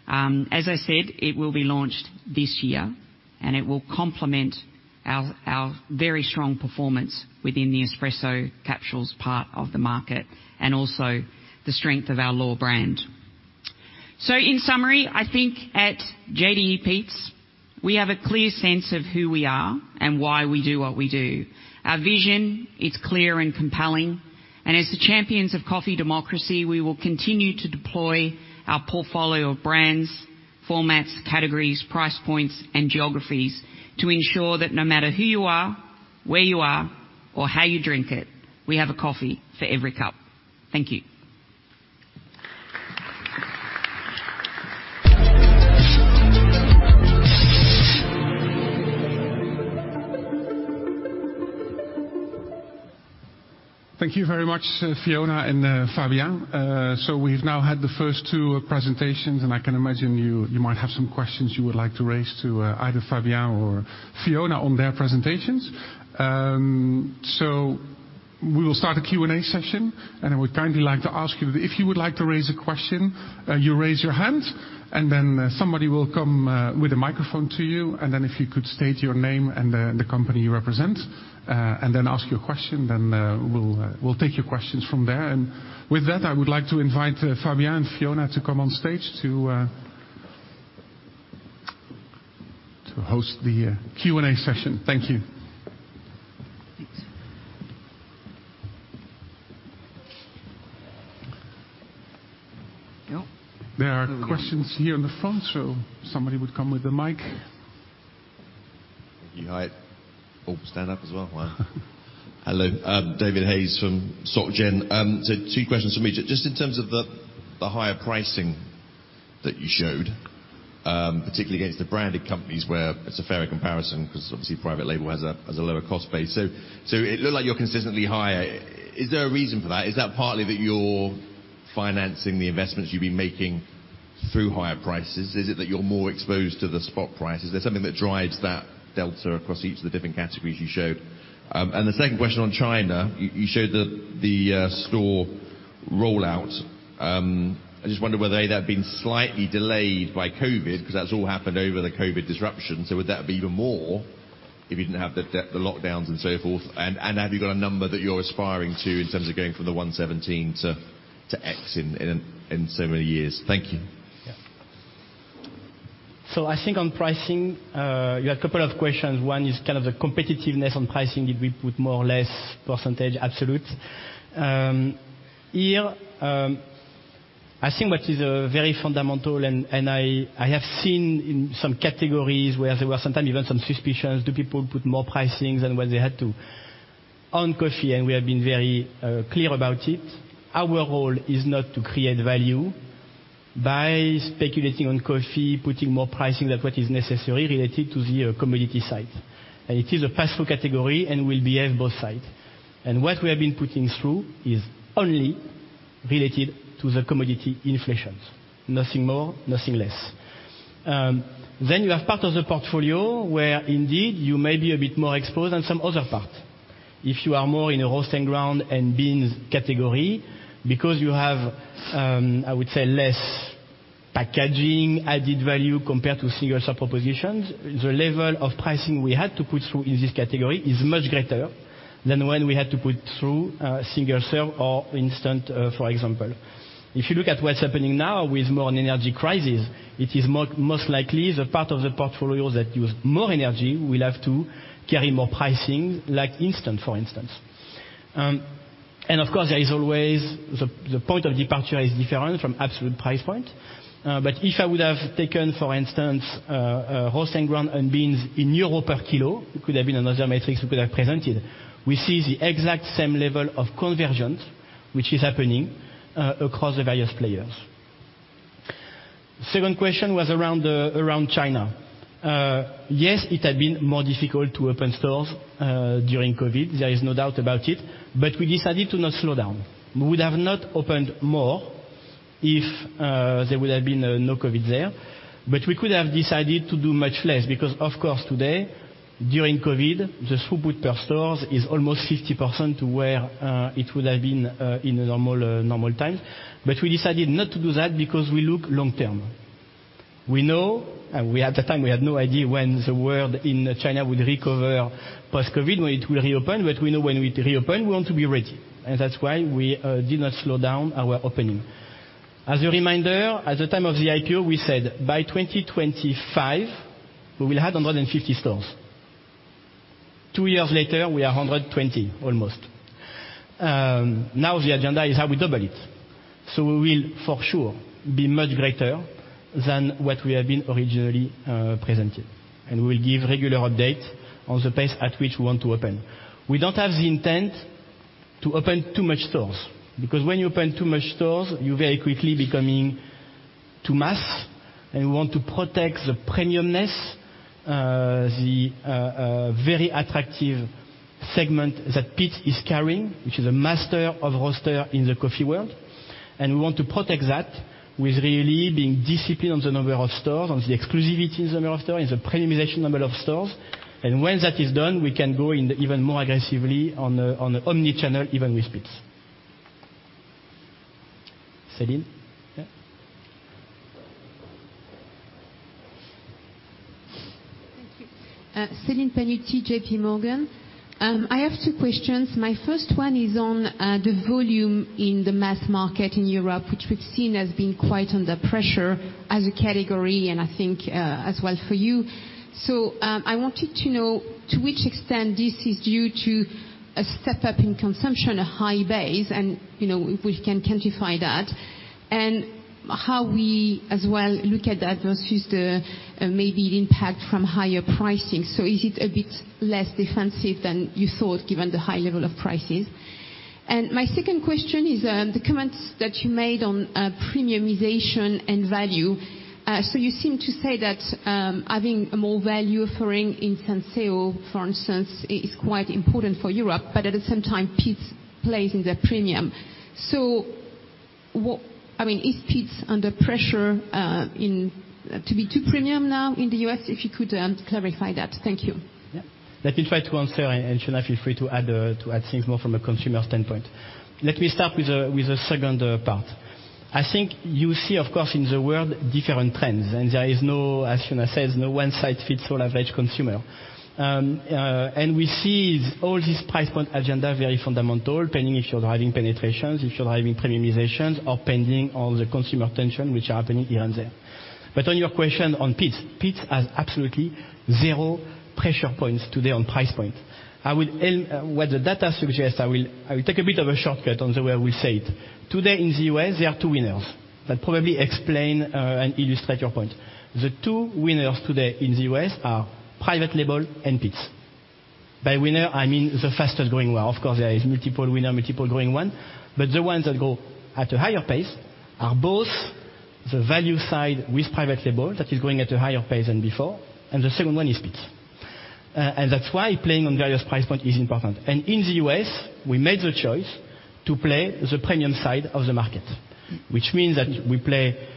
As I said, it will be launched this year, and it will complement our very strong performance within the espresso capsules part of the market and also the strength of our L'OR brand. In summary, I think at JDE Peet's, we have a clear sense of who we are and why we do what we do. Our vision is clear and compelling. As the champions of coffee democracy, we will continue to deploy our portfolio of brands, formats, categories, price points, and geographies to ensure that no matter who you are, where you are, or how you drink it, we have a coffee for every cup. Thank you. Thank you very much, Fiona and Fabien. We've now had the first two presentations, and I can imagine you might have some questions you would like to raise to either Fabien or Fiona on their presentations. We will start a Q&A session, and I would kindly like to ask you, if you would like to raise a question, you raise your hand, somebody will come with a microphone to you. If you could state your name and the company you represent, ask your question, then we'll take your questions from there. With that, I would like to invite Fabien and Fiona to come on stage to host the Q&A session. Thank you. Thanks. There we go. There are questions here in the front, so if somebody would come with the mic. Hi. Oh, stand up as well. Fine. Hello, I'm David Hayes from SocGen. Two questions from me. Just in terms of the higher pricing that you showed, particularly against the branded companies where it's a fairer comparison 'cause obviously private label has a lower cost base. It looked like you're consistently higher. Is there a reason for that? Is that partly that you're financing the investments you've been making through higher prices? Is it that you're more exposed to the spot prices? There's something that drives that delta across each of the different categories you showed. The second question on China, you showed the store rollout. I just wonder whether they have been slightly delayed by COVID, 'cause that's all happened over the COVID disruption. Would that be even more if you didn't have the lockdowns and so forth? Have you got a number that you're aspiring to in terms of going from the 117 to X in so many years? Thank you. Yeah. I think on pricing, you had a couple of questions. One is kind of the competitiveness on pricing. Did we put more or less percentage absolute? Here, I think what is very fundamental, and I have seen in some categories where there were some time even some suspicions, do people put more pricing than what they had to? On coffee, and we have been very clear about it, our role is not to create value by speculating on coffee, putting more pricing than what is necessary related to the commodity side. It is a pass-through category and will behave both sides. What we have been putting through is only related to the commodity inflations. Nothing more, nothing less. You have part of the portfolio where indeed you may be a bit more exposed on some other part. If you are more in a host and ground and beans category, because you have, I would say less packaging, added value compared to single-serve propositions, the level of pricing we had to put through in this category is much greater than when we had to put through single-serve or instant, for example. If you look at what's happening now with more energy crisis, it is most likely the part of the portfolio that use more energy will have to carry more pricing like instant, for instance. Of course, there is always the point of departure is different from absolute price point. If I would have taken, for instance, roast and ground and beans in EUR per kilo, it could have been another matrix we could have presented. We see the exact same level of convergence, which is happening across the various players. Second question was around China. Yes, it had been more difficult to open stores during COVID. There is no doubt about it, we decided to not slow down. We would have not opened more if there would have been no COVID there, we could have decided to do much less because of course today, during COVID, the throughput per stores is almost 50% to where it would have been in a normal normal time. We decided not to do that because we look long-term. We know, we, at the time, we had no idea when the world in China would recover post-COVID, when it will reopen. We know when we reopen, we want to be ready. That's why we did not slow down our opening. As a reminder, at the time of the IPO, we said, "By 2025, we will have 150 stores." Two years later, we are 120 almost. Now the agenda is how we double it. We will, for sure, be much greater than what we have been originally presented. We will give regular updates on the pace at which we want to open. We don't have the intent to open too much stores. Because when you open too much stores, you very quickly becoming to mass, we want to protect the premiumness, the very attractive segment that Peet's is carrying, which is a master roaster in the coffee world. We want to protect that with really being disciplined on the number of stores, on the exclusivity in the number of stores, in the premiumization number of stores. When that is done, we can go in even more aggressively on the, on the omni-channel, even with Peet's. Celine? Yeah. Thank you. Celine Pannuti, JP Morgan. I have two questions. My first one is on the volume in the mass market in Europe, which we've seen as being quite under pressure as a category, and I think as well for you. I wanted to know to which extent this is due to a step-up in consumption, a high base, and, you know, if we can quantify that, and how we as well look at that versus the maybe impact from higher pricing. Is it a bit less defensive than you thought, given the high level of prices? My second question is on the comments that you made on premiumization and value. You seem to say that, having a more value offering in Senseo, for instance, is quite important for Europe. At the same time, Peet's plays in the premium. I mean, is Peet's under pressure to be too premium now in the U.S.? If you could clarify that. Thank you. Yeah. Let me try to answer, and Fiona, feel free to add to add things more from a consumer standpoint. Let me start with the second part. I think you see, of course, in the world different trends. There is no, as Fiona says, no one-size-fits-all average consumer. We see all this price point agenda very fundamental, depending if you're driving penetrations, if you're driving premiumizations or pending all the consumer tension which are happening here and there. On your question on Peet's has absolutely zero pressure points today on price point. What the data suggests, I will take a bit of a shortcut on the way I will say it. Today in the U.S., there are two winners that probably explain and illustrate your point. The two winners today in the US are private label and Peet's. By winner, I mean the fastest-growing one. Of course, there is multiple winner, multiple growing one, but the ones that grow at a higher pace are both the value side with private label, that is growing at a higher pace than before, and the second one is Peet's. That's why playing on various price point is important. In the US, we made the choice to play the premium side of the market, which means that we play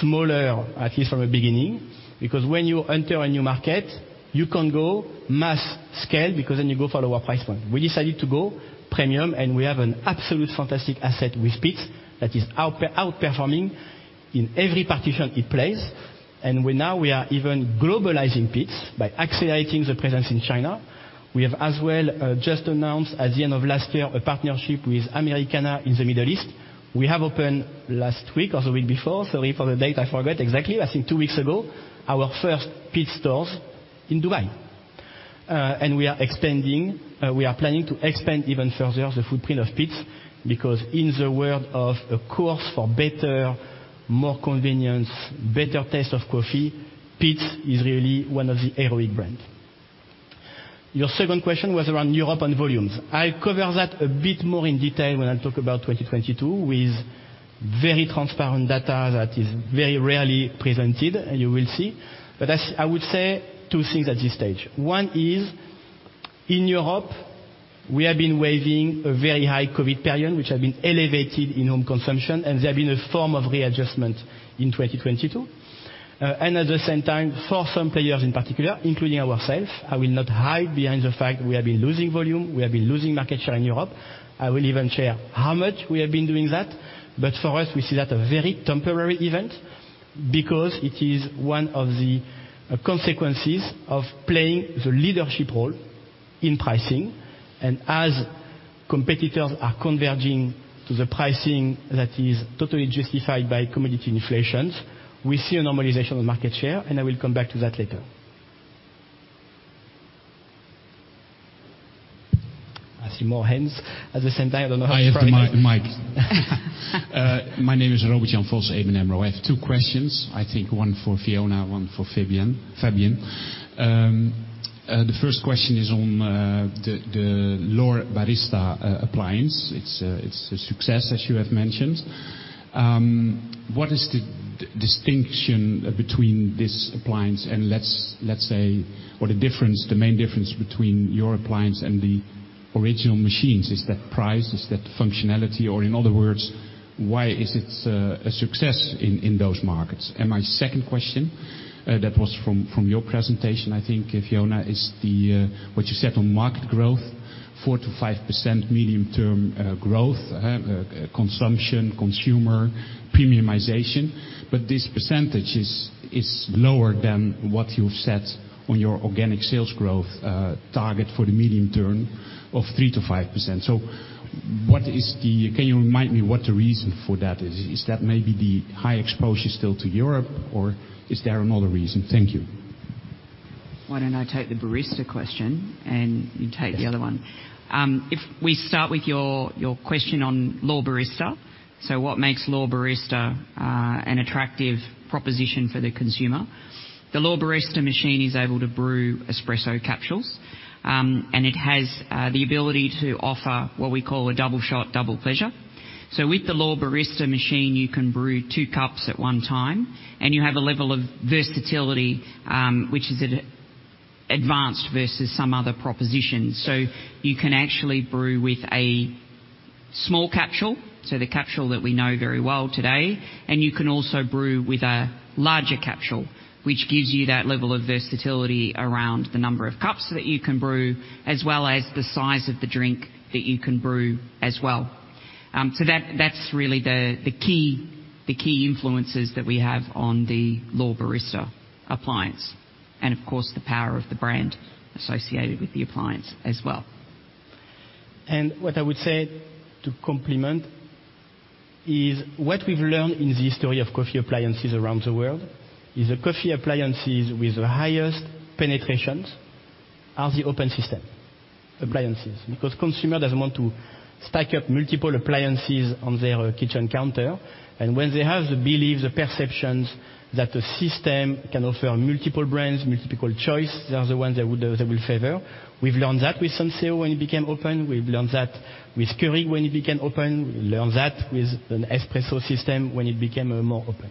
smaller, at least from the beginning, because when you enter a new market, you can go mass scale because then you go for lower price point. We decided to go premium, and we have an absolute fantastic asset with Peet's that is outperforming in every partition it plays. Now we are even globalizing Peet's by accelerating the presence in China. We have as well, just announced at the end of last year a partnership with Americana in the Middle East. We have opened last week or the week before. Sorry for the date, I forget exactly. I think two weeks ago, our first Peet's stores in Dubai. We are expanding. We are planning to expand even further the footprint of Peet's because in the world of a course for better, more convenience, better taste of coffee, Peet's is really one of the heroic brand. Your second question was around Europe and volumes. I cover that a bit more in detail when I talk about 2022 with very transparent data that is very rarely presented, you will see. I would say two things at this stage. One is, in Europe, we have been waving a very high COVID period, which have been elevated in home consumption, and there have been a form of readjustment in 2022. At the same time, for some players in particular, including ourselves, I will not hide behind the fact we have been losing volume, we have been losing market share in Europe. I will even share how much we have been doing that. For us, we see that a very temporary event because it is one of the consequences of playing the leadership role in pricing. As competitors are converging to the pricing that is totally justified by commodity inflations, we see a normalization of market share, and I will come back to that later. I see more hands. At the same time, I don't know how to prioritize. I have the mic. My name is Robert Jan Vos, ABN AMRO. I have two questions. I think one for Fiona, one for Fabien. The first question is on the L'OR Barista appliance. It's a success, as you have mentioned. What is the distinction between this appliance and let's say, what the difference, the main difference between your appliance and the original machines? Is that price? Is that functionality? Or in other words, why is it a success in those markets? My second question, that was from your presentation, I think, Fiona, is what you said on market growth, 4%-5% medium-term growth, consumption, consumer premiumization. This percentage is lower than what you've set on your organic sales growth, target for the medium term of 3%-5%. Can you remind me what the reason for that is? Is that maybe the high exposure still to Europe, or is there another reason? Thank you. Why don't I take the Barista question and you take the other one? If we start with your question on L'OR Barista. What makes L'OR Barista an attractive proposition for the consumer? The L'OR Barista machine is able to brew espresso capsules, and it has the ability to offer what we call a double shot, double pleasure. With the L'OR Barista machine, you can brew two cups at one time, and you have a level of versatility, which is advanced versus some other propositions. You can actually brew with a small capsule, so the capsule that we know very well today, and you can also brew with a larger capsule, which gives you that level of versatility around the number of cups that you can brew, as well as the size of the drink that you can brew as well. That's really the key influences that we have on the L'OR Barista appliance and of course, the power of the brand associated with the appliance as well. What I would say to complement is what we've learned in the history of coffee appliances around the world, is that coffee appliances with the highest penetrations are the open system appliances. Consumer doesn't want to stack up multiple appliances on their kitchen counter, and when they have the beliefs or perceptions that a system can offer multiple brands, multiple choice, they are the ones that they will favor. We've learned that with Senseo when it became open. We've learned that with Keurig when it became open. We learned that with an espresso system when it became more open.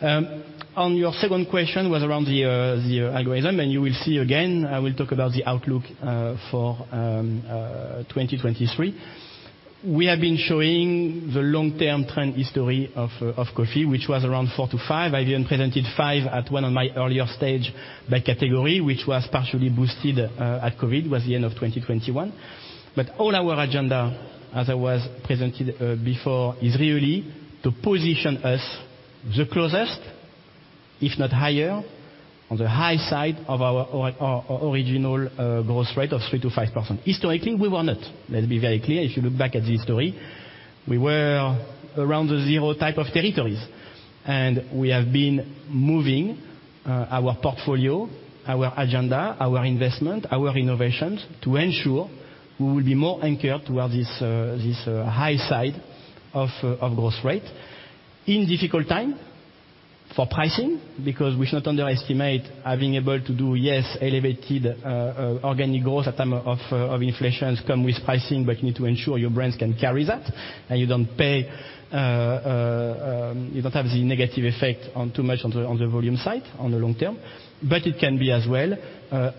On your second question was around the algorithm, and you will see again, I will talk about the outlook for 2023. We have been showing the long-term trend history of coffee, which was around four to five. I even presented five at one of my earlier stage by category, which was partially boosted, at Covid, was the end of 2021. All our agenda, as I was presented, before, is really to position us the closest, if not higher, on the high side of our original growth rate of 3% to 5%. Historically, we were not. Let's be very clear. If you look back at the history, we were around the zero type of territories. We have been moving our portfolio, our agenda, our investment, our innovations to ensure we will be more anchored towards this high side of growth rate in difficult time for pricing, because we should not underestimate our being able to do, yes, elevated organic growth at time of inflations come with pricing, but you need to ensure your brands can carry that, and you don't pay, you don't have the negative effect on too much on the volume side on the long term. It can be as well,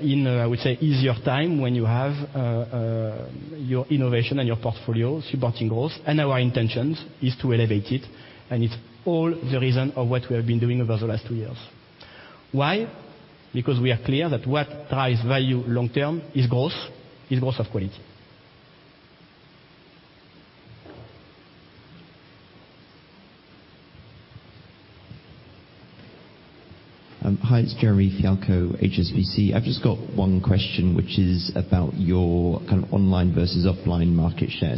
in, I would say, easier time when you have your innovation and your portfolio supporting growth, and our intentions is to elevate it. It's all the reason of what we have been doing over the last two years. Why? Because we are clear that what drives value long term is growth, is growth of quality. Hi, it's Jeremy Fialko, HSBC. I've just got one question, which is about your kind of online versus offline market share.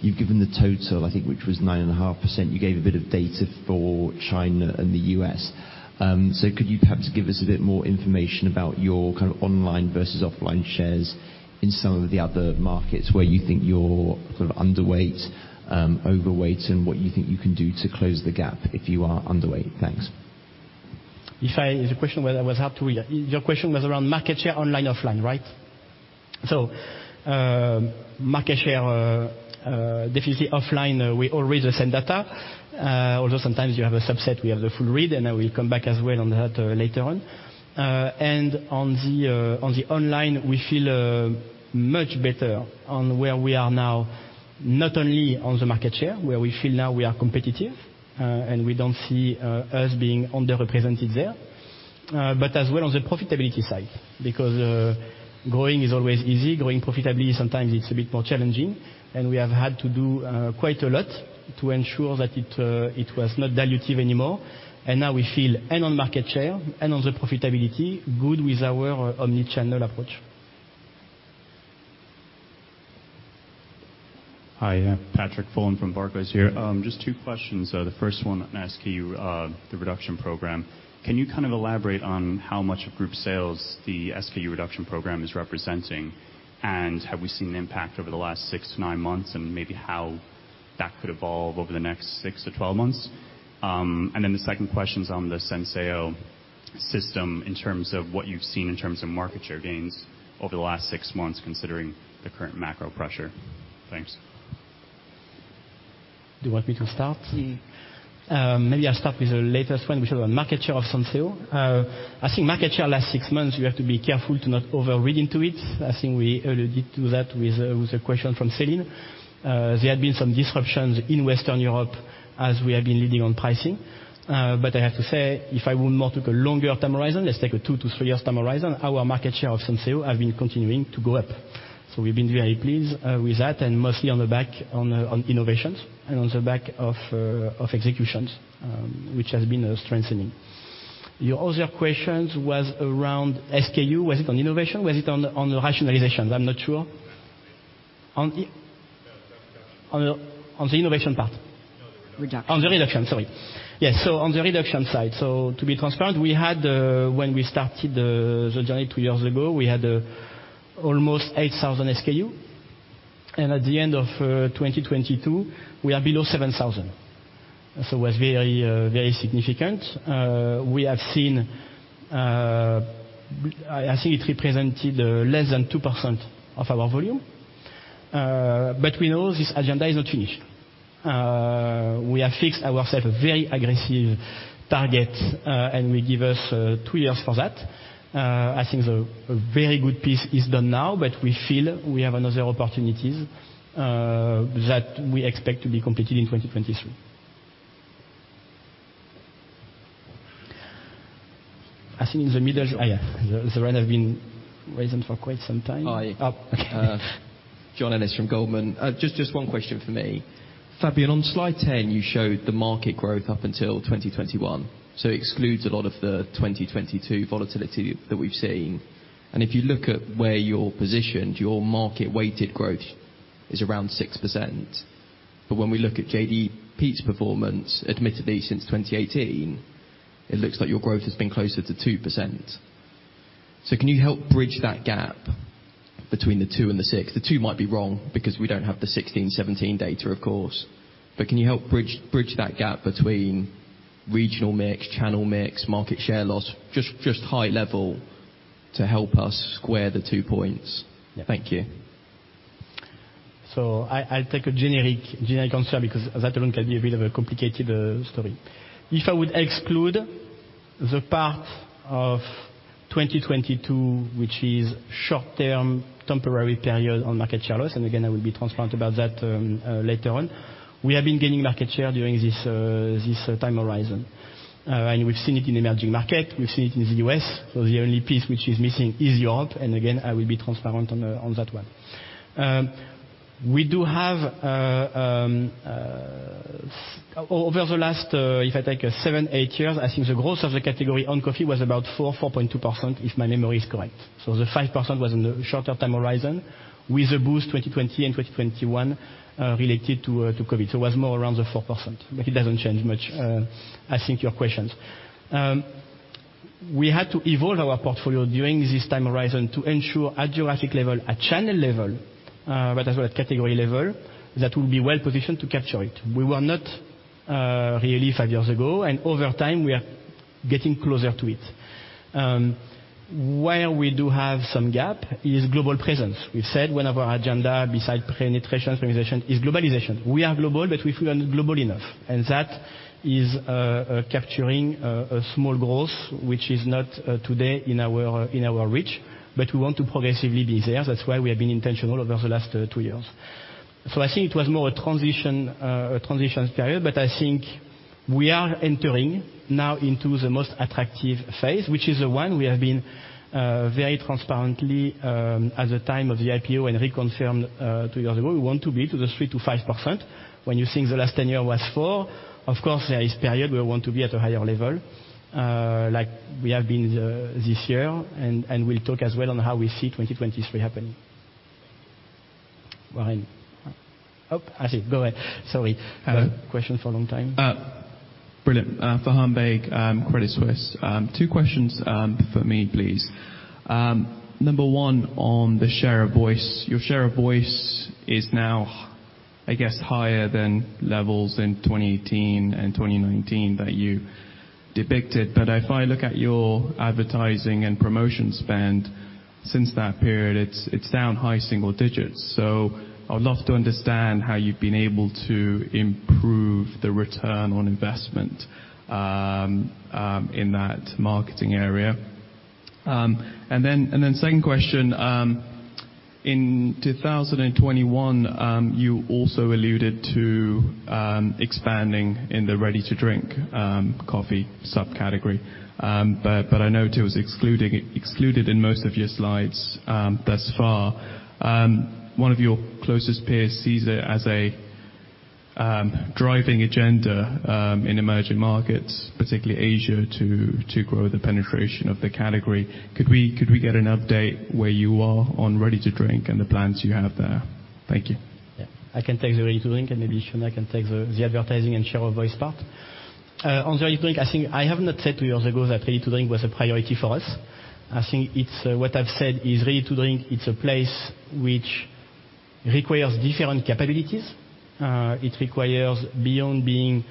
You've given the total, I think, which was 9.5%. You gave a bit of data for China and the US. Could you perhaps give us a bit more information about your kind of online versus offline shares in some of the other markets where you think you're sort of underweight, overweight, and what you think you can do to close the gap if you are underweight? Thanks. The question was hard to hear. Your question was around market share online, offline, right? Market share, definitely offline, we all read the same data. Although sometimes you have a subset, we have the full read, and I will come back as well on that later on. And on the online, we feel much better on where we are now, not only on the market share, where we feel now we are competitive, and we don't see us being underrepresented there, but as well on the profitability side. Because growing is always easy. Growing profitably, sometimes it's a bit more challenging, and we have had to do quite a lot to ensure that it was not dilutive anymore. Now we feel and on market share and on the profitability good with our omnichannel approach. Hi, Patrick Folan from Barclays here. Just two questions. The first one, I'm gonna ask you, the reduction program. Can you kind of elaborate on how much of group sales the SKU reduction program is representing? Have we seen impact over the last six months to nine months and maybe how that could evolve over the next nine months-12 months? Then the second question's on the Senseo system in terms of what you've seen in terms of market share gains over the last six months, considering the current macro pressure. Thanks. Do you want me to start? Mm-hmm. Maybe I'll start with the latest one, which was on market share of Senseo. I think market share last six months, you have to be careful to not overread into it. I think we alluded to that with a question from Celine. There had been some disruptions in Western Europe as we have been leading on pricing. I have to say, if I would now take a longer time horizon, let's take a two years to thretwo years time horizon, our market share of Senseo have been continuing to go up. We've been very pleased with that and mostly on the back, on innovations and on the back of executions, which has been strengthening. Your other questions was around SKU. Was it on innovation? Was it on the rationalizations? I'm not sure. On the innovation part. We can. On the reduction, sorry. Yes. On the reduction side, to be transparent, we had when we started the journey two years ago, we had almost 8,000 SKU. At the end of 2022, we are below 7,000. It was very, very significant. We have seen. I think it represented less than 2% of our volume. We know this agenda is not finished. We have fixed ourself a very aggressive target, we give us two years for that. I think a very good piece is done now, but we feel we have another opportunities that we expect to be completed in 2023. I think in the middle. Oh, yeah. The hand have been raised for quite some time. Hi. John Ennis from Goldman. Just one question for me. Fabien, on slide 10, you showed the market growth up until 2021, so it excludes a lot of the 2022 volatility that we've seen. If you look at where you're positioned, your market-weighted growth is around 6%. When we look at JDE Peet's performance, admittedly since 2018, it looks like your growth has been closer to 2%. Can you help bridge that gap between the two and the six? The two might be wrong because we don't have the 16, 17 data, of course. Can you help bridge that gap between regional mix, channel mix, market share loss, just high level to help us square the two points? Yeah. Thank you. I'll take a generic answer because that alone can be a bit of a complicated story. If I would exclude the part of 2022, which is short-term temporary period on market share loss, and again, I will be transparent about that later on. We have been gaining market share during this time horizon. We've seen it in emerging market. We've seen it in the U.S. The only piece which is missing is Europe, and again, I will be transparent on that one. We do have over the last, if I take seven, eight years, I think the growth of the category on coffee was about 4%-4.2%, if my memory is correct. The 5% was on the shorter time horizon with a boost 2020 and 2021, related to Covid. It was more around the 4%, but it doesn't change much, I think your questions. We had to evolve our portfolio during this time horizon to ensure at geographic level, at channel level, but as well at category level, that we'll be well positioned to capture it. We were not, really five years ago, and over time we are getting closer to it. Where we do have some gap is global presence. We've said one of our agenda besides penetration, optimization is globalization. We are global, but we feel not global enough, and that is capturing a small growth, which is not today in our, in our reach, but we want to progressively be there. That's why we have been intentional over the last two years. I think it was more a transition period, but I think we are entering now into the most attractive phase, which is the one we have been very transparently at the time of the IPO and reconfirmed two years ago. We want to be to the 3%-5%. You think the last 10 year was four, of course, there is period we want to be at a higher level, like we have been this year and we'll talk as well on how we see 2023 happening. Warren. Oh, I see. Go ahead. Sorry. Hello. Question for a long time. Brilliant. Farhan Baig, Credit Suisse. Two questions for me, please. Number one on the share of voice. Your share of voice is now, I guess, higher than levels in 2018 and 2019 that you depicted. If I look at your advertising and promotion spend since that period, it's down high single digits. I would love to understand how you've been able to improve the return on investment in that marketing area. Then second question. In 2021, you also alluded to expanding in the ready-to-drink coffee subcategory. I note it was excluded in most of your slides thus far. One of your closest peers sees it as a driving agenda in emerging markets, particularly Asia, to grow the penetration of the category. Could we get an update where you are on ready-to-drink and the plans you have there? Thank you. Yeah. I can take the ready-to-drink and maybe Shawnna can take the advertising and share of voice part. On the ready-to-drink, I think I have not said two years ago that ready-to-drink was a priority for us. I think it's what I've said is ready-to-drink, it's a place which requires different capabilities. It requires beyond being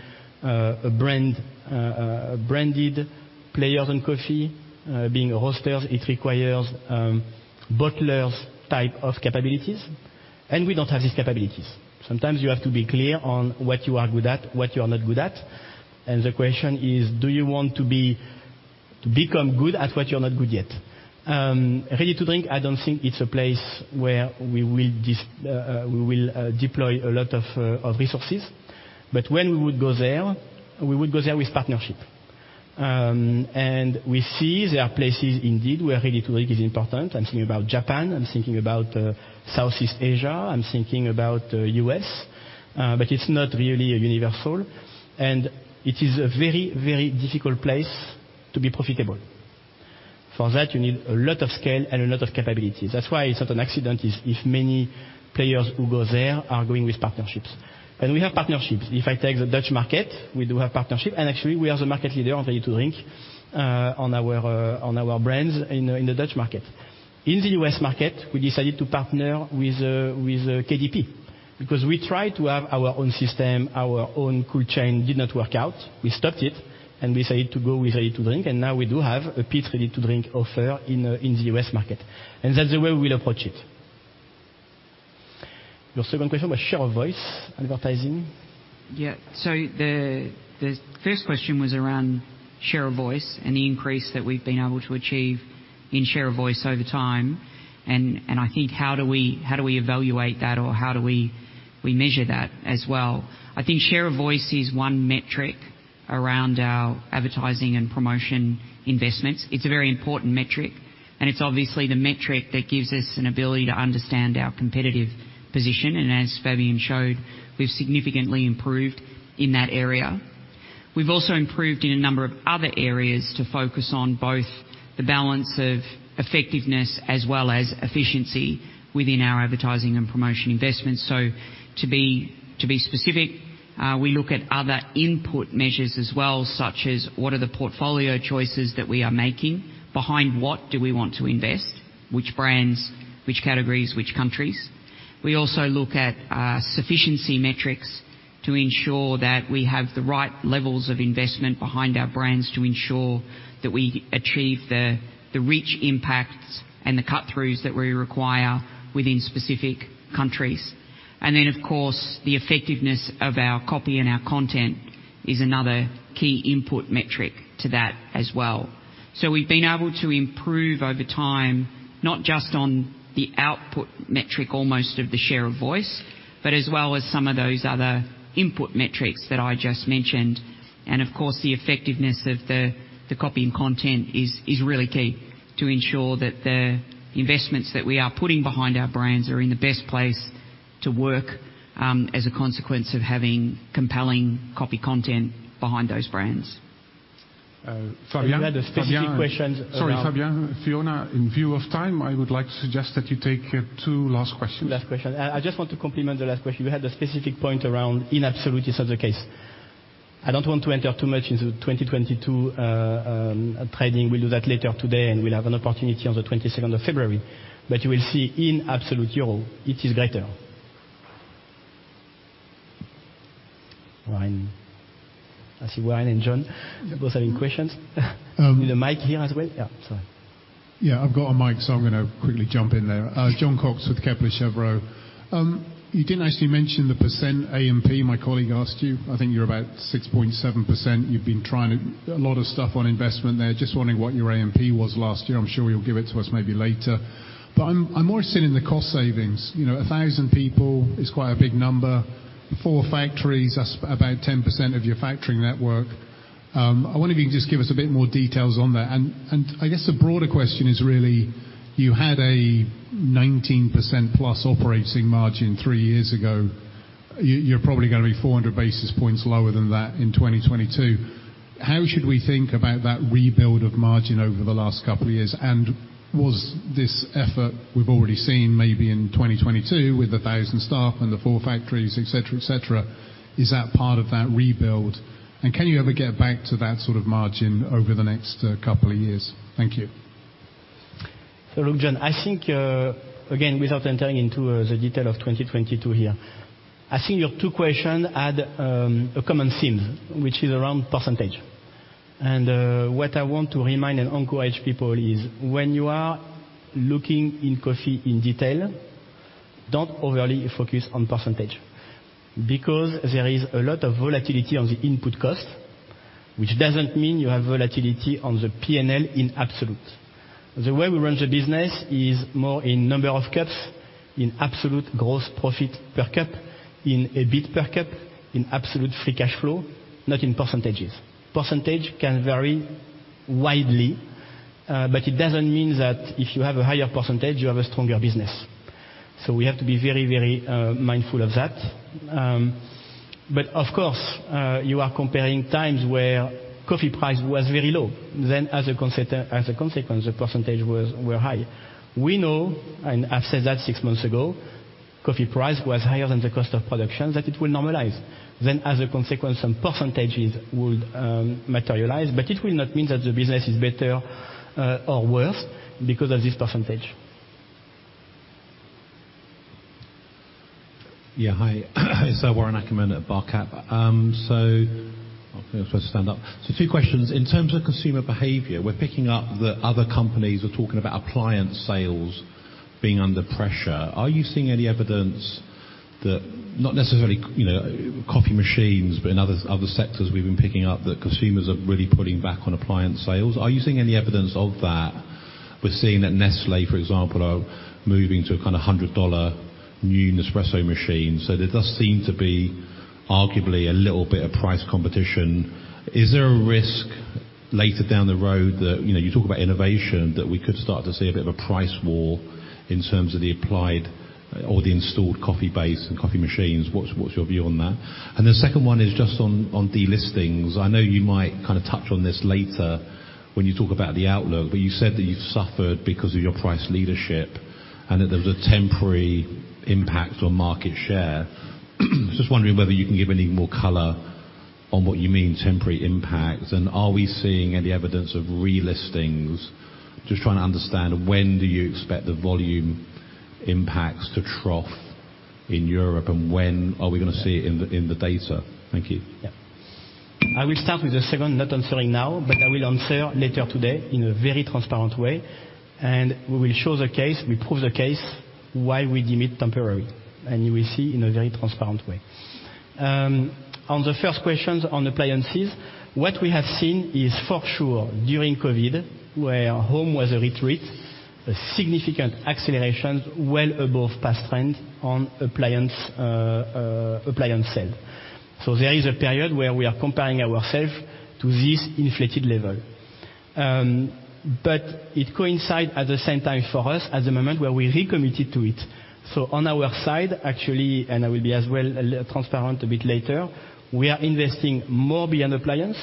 a brand, a branded player in coffee, being hosters. It requires bottlers type of capabilities, and we don't have these capabilities. Sometimes you have to be clear on what you are good at, what you are not good at, and the question is, do you want to become good at what you're not good yet? Ready-to-drink, I don't think it's a place where we will deploy a lot of resources. When we would go there, we would go there with partnership. We see there are places indeed where ready-to-drink is important. I'm thinking about Japan, I'm thinking about Southeast Asia, I'm thinking about U.S., but it's not really a universal, and it is a very, very difficult place to be profitable. For that you need a lot of scale and a lot of capabilities. That's why it's not an accident if many players who go there are going with partnerships. We have partnerships. If I take the Dutch market, we do have partnership. Actually we are the market leader on ready to drink on our brands in the Dutch market. In the U.S. market, we decided to partner with KDP. We tried to have our own system, our own cold chain, did not work out. We stopped it. We decided to go with ready to drink. Now we do have a peach ready to drink offer in the U.S. market. That's the way we'll approach it. Your second question was share of voice advertising. The first question was around share of voice and the increase that we've been able to achieve in share of voice over time, and I think how do we evaluate that or how do we measure that as well? I think share of voice is one metric around our advertising and promotion investments. It's a very important metric, and it's obviously the metric that gives us an ability to understand our competitive position. As Fabien showed, we've significantly improved in that area. We've also improved in a number of other areas to focus on both the balance of effectiveness as well as efficiency within our advertising and promotion investments. To be specific, we look at other input measures as well, such as what are the portfolio choices that we are making? Behind what do we want to invest? Which brands, which categories, which countries? We also look at sufficiency metrics to ensure that we have the right levels of investment behind our brands to ensure that we achieve the rich impacts and the cut-throughs that we require within specific countries. Then, of course, the effectiveness of our copy and our content is another key input metric to that as well. We've been able to improve over time, not just on the output metric almost of the share of voice, but as well as some of those other input metrics that I just mentioned. Of course, the effectiveness of the copy and content is really key to ensure that the investments that we are putting behind our brands are in the best place to work, as a consequence of having compelling copy content behind those brands. Fabien. You had a specific question. Sorry, Fabien. Fiona, in view of time, I would like to suggest that you take two last questions. Two last question. I just want to complement the last question. We had a specific point around in absolutes of the case. I don't want to enter too much into 2022 trading. We'll do that later today, and we'll have an opportunity on the 22nd of February. You will see in absolute euro, it is greater. Ryan. I see Ryan and John both having questions. Um- Need a mic here as well? Yeah. Sorry. Yeah, I've got a mic, so I'm gonna quickly jump in there. Jon Cox with Kepler Cheuvreux. You didn't actually the percent AMP my colleague asked you. I think you're about 6.7%. You've been trying a lot of stuff on investment there. Just wondering what your AMP was last year. I'm sure you'll give it to us maybe later. I'm more interested in the cost savings. You know, 1,000 people is quite a big number. Four factories, that's about 10% of your factory network. I wonder if you can just give us a bit more details on that. I guess the broader question is really, you had a 19%+ operating margin three years ago. You're probably gonna be 400 basis points lower than that in 2022. How should we think about that rebuild of margin over the last couple of years? Was this effort we've already seen maybe in 2022 with 1,000 staff and the four factories, et cetera, et cetera, is that part of that rebuild? Can you ever get back to that sort of margin over the next couple of years? Thank you. Look, Jon, I think again, without entering into the detail of 2022 here, I think your two question had a common theme, which is around percentage. What I want to remind and encourage people is when you are looking in coffee in detail, don't overly focus on percentage because there is a lot of volatility on the input cost, which doesn't mean you have volatility on the P&L in absolute. The way we run the business is more in number of cups, in absolute gross profit per cup, in EBIT per cup, in absolute free cash flow, not in percentage. Percentage can vary widely, but it doesn't mean that if you have a higher percentage, you have a stronger business. We have to be very, very mindful of that. Of course, you are comparing times where coffee price was very low. As a consequence, the percentages were high. We know, and I've said that six months ago, coffee price was higher than the cost of production, that it will normalize. As a consequence, some percentages would materialize, but it will not mean that the business is better or worse because of this percentage. Yeah. Hi. It's Warren Ackerman at Barclays. Oh, think I'm supposed to stand up. Two questions. In terms of consumer behavior, we're picking up that other companies are talking about appliance sales being under pressure. Are you seeing any evidence that not necessarily, you know, coffee machines, but in other sectors we've been picking up that consumers are really pulling back on appliance sales? Are you seeing any evidence of that? We're seeing that Nestlé, for example, are moving to a kinda $100 new Nespresso machine. There does seem to be arguably a little bit of price competition. Is there a risk later down the road, you know, you talk about innovation, that we could start to see a bit of a price war in terms of the applied or the installed coffee base and coffee machines? What's your view on that? The second one is just on delistings. I know you might kind of touch on this later when you talk about the outlook, but you said that you've suffered because of your price leadership and that there's a temporary impact on market share. Just wondering whether you can give any more color on what you mean, temporary impact, and are we seeing any evidence of relistings? Just trying to understand when do you expect the volume impacts to trough in Europe, and when are we gonna see it in the, in the data? Thank you. Yeah. I will start with the second, not answering now, but I will answer later today in a very transparent way, and we will show the case, we prove the case why we deem it temporary. You will see in a very transparent way. On the first questions on appliances, what we have seen is, for sure, during COVID, where home was a retreat, a significant acceleration well above past trend on appliance sale. It coincide at the same time for us at the moment where we recommitted to it. On our side, actually, and I will be as well a little transparent a bit later, we are investing more beyond appliance.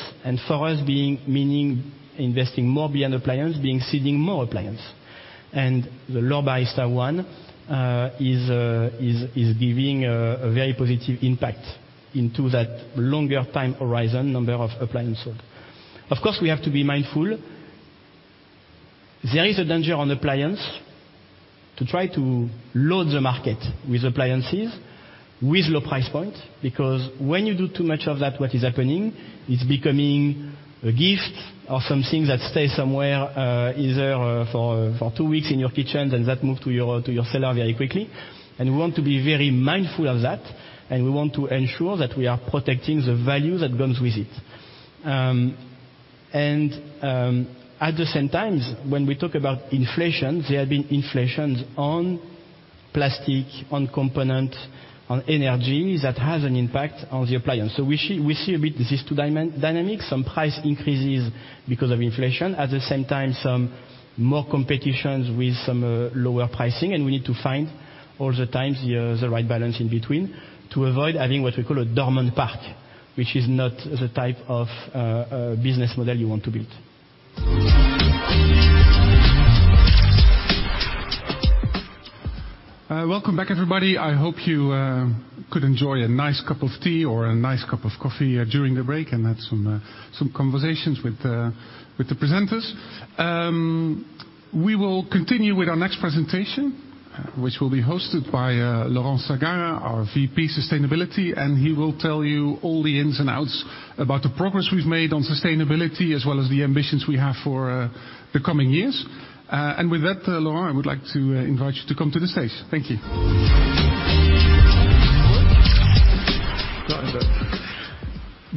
For us meaning investing more beyond appliance, being ceding more appliance. The L'OR Barista one is giving a very positive impact into that longer time horizon number of appliance sold. Of course, we have to be mindful. There is a danger on appliance to try to load the market with appliances with low price point. When you do too much of that, what is happening, it's becoming a gift or something that stays somewhere, either for two weeks in your kitchen, then that move to your cellar very quickly. We want to be very mindful of that, and we want to ensure that we are protecting the value that comes with it. At the same time, when we talk about inflation, there have been inflations on plastic, on component, on energy that has an impact on the appliance. We see a bit these two dynamics, some price increases because of inflation, at the same time, some more competitions with some lower pricing. We need to find all the times the right balance in between to avoid having what we call a dormant pack, which is not the type of business model you want to build. Welcome back, everybody. I hope you could enjoy a nice cup of tea or a nice cup of coffee during the break and had some conversations with the presenters. We will continue with our next presentation, which will be hosted by Laurent Sagarra, our VP Sustainability. He will tell you all the ins and outs about the progress we've made on sustainability as well as the ambitions we have for the coming years. With that, Laurent, I would like to invite you to come to the stage. Thank you.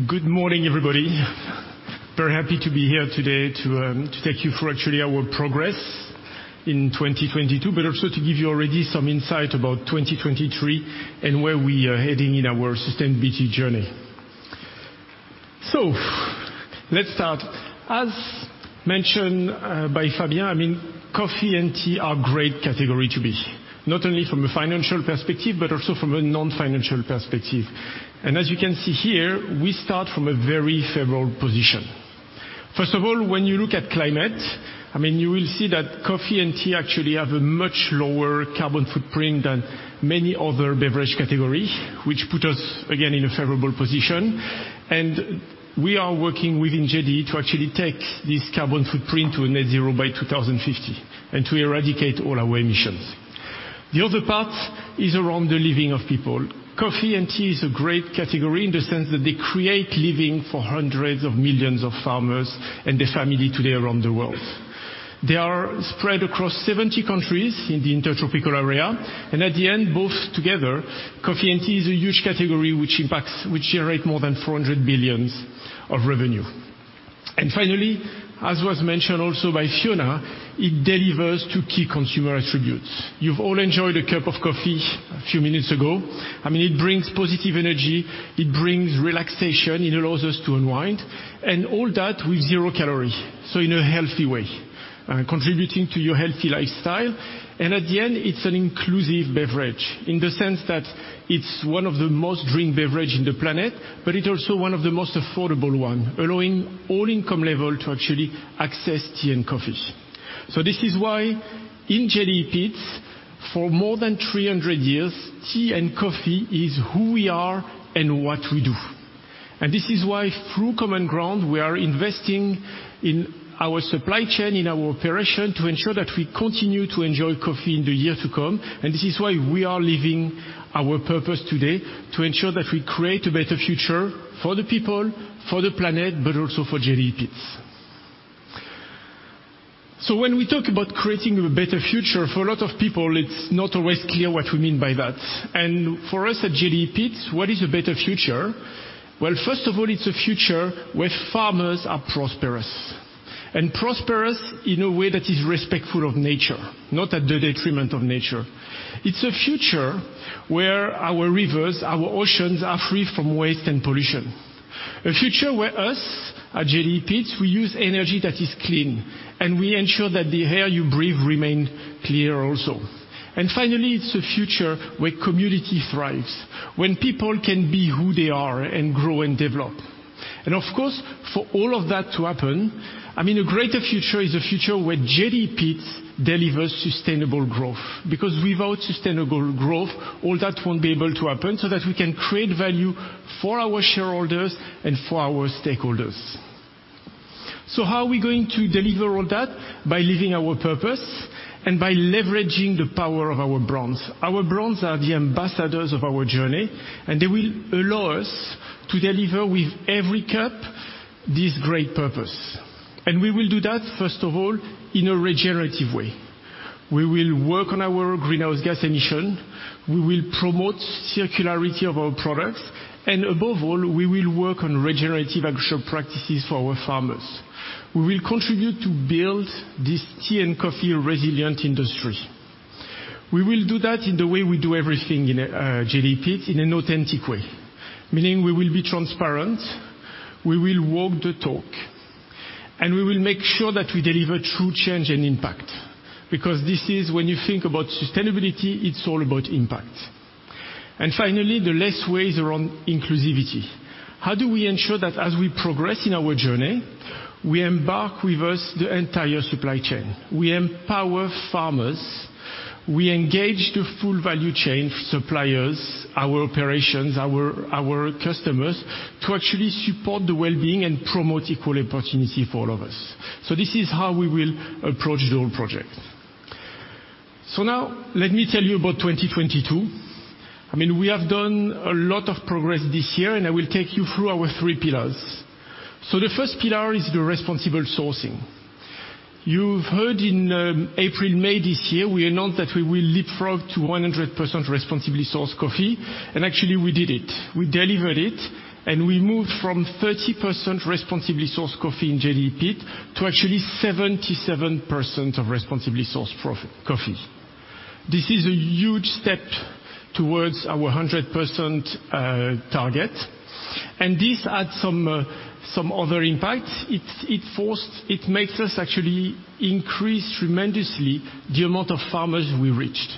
Good morning, everybody. Very happy to be here today to take you through, actually, our progress in 2022, but also to give you already some insight about 2023 and where we are heading in our sustainability journey. Let's start. As mentioned by Fabien, I mean, coffee and tea are great category to be, not only from a financial perspective, but also from a non-financial perspective. As you can see here, we start from a very favorable position. First of all, when you look at climate, I mean, you will see that coffee and tea actually have a much lower carbon footprint than many other beverage category, which put us, again, in a favorable position. We are working within JDE to actually take this carbon footprint to net zero by 2050 and to eradicate all our emissions. The other part is around the living of people. Coffee and tea is a great category in the sense that they create living for hundreds of millions of farmers and their family today around the world. They are spread across 70 countries in the intertropical area. At the end, both together, coffee and tea is a huge category which generate more than 400 billions of revenue. Finally, as was mentioned also by Fiona, it delivers two key consumer attributes. You've all enjoyed a cup of coffee a few minutes ago. I mean, it brings positive energy, it brings relaxation, it allows us to unwind, and all that with zero calories, so in a healthy way, contributing to your healthy lifestyle. At the end, it's an inclusive beverage in the sense that it's one of the most drink beverage in the planet, but it's also one of the most affordable one, allowing all income level to actually access tea and coffee. This is why in JDE Peet's, for more than 300 years, tea and coffee is who we are and what we do. This is why through Common Grounds, we are investing in our supply chain, in our operation to ensure that we continue to enjoy coffee in the year to come. This is why we are living our purpose today, to ensure that we create a better future for the people, for the planet, but also for JDE Peet's. When we talk about creating a better future, for a lot of people, it's not always clear what we mean by that. For us at JDE Peet's, what is a better future? Well, first of all, it's a future where farmers are prosperous. Prosperous in a way that is respectful of nature, not at the detriment of nature. It's a future where our rivers, our oceans are free from waste and pollution. A future where us at JDE Peet's, we use energy that is clean, and we ensure that the air you breathe remain clear also. Finally, it's a future where community thrives, when people can be who they are and grow and develop. Of course, for all of that to happen, I mean, a greater future is a future where JDE Peet's delivers sustainable growth. Because without sustainable growth, all that won't be able to happen so that we can create value for our shareholders and for our stakeholders. How are we going to deliver all that? By living our purpose and by leveraging the power of our brands. Our brands are the ambassadors of our journey, and they will allow us to deliver with every cup this great purpose. We will do that, first of all, in a regenerative way. We will work on our greenhouse gas emissions, we will promote circularity of our products, and above all, we will work on regenerative agricultural practices for our farmers. We will contribute to build this tea and coffee-resilient industry. We will do that in the way we do everything in JDE Peet's, in an authentic way, meaning we will be transparent, we will walk the talk, and we will make sure that we deliver true change and impact. This is when you think about sustainability, it's all about impact. Finally, the last way is around inclusivity. How do we ensure that as we progress in our journey, we embark with us the entire supply chain? We empower farmers, we engage the full value chain suppliers, our operations, our customers, to actually support the well-being and promote equal opportunity for all of us. This is how we will approach the whole project. Now let me tell you about 2022. I mean, we have done a lot of progress this year. I will take you through our three pillars. The first pillar is the responsible sourcing. You've heard in April, May this year, we announced that we will leapfrog to 100% responsibly sourced coffee. Actually we did it, we delivered it, we moved from 30% responsibly sourced coffee in JDE Peet's to actually 77% of responsibly sourced coffee. This is a huge step towards our 100% target, and this had some other impacts. It makes us actually increase tremendously the amount of farmers we reached,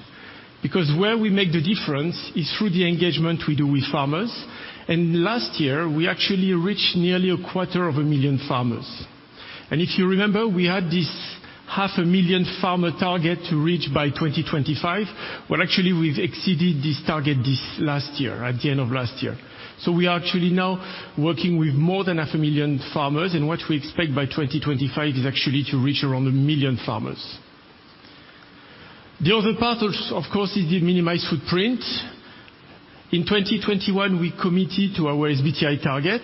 because where we make the difference is through the engagement we do with farmers. Last year we actually reached nearly a quarter of a million farmers. If you remember, we had this half a million farmer target to reach by 2025. Well, actually, we've exceeded this target this last year, at the end of last year. We are actually now working with more than half a million farmers. What we expect by 2025 is actually to reach around 1 million farmers. The other part, of course, is the minimized footprint. In 2021, we committed to our SBTi target,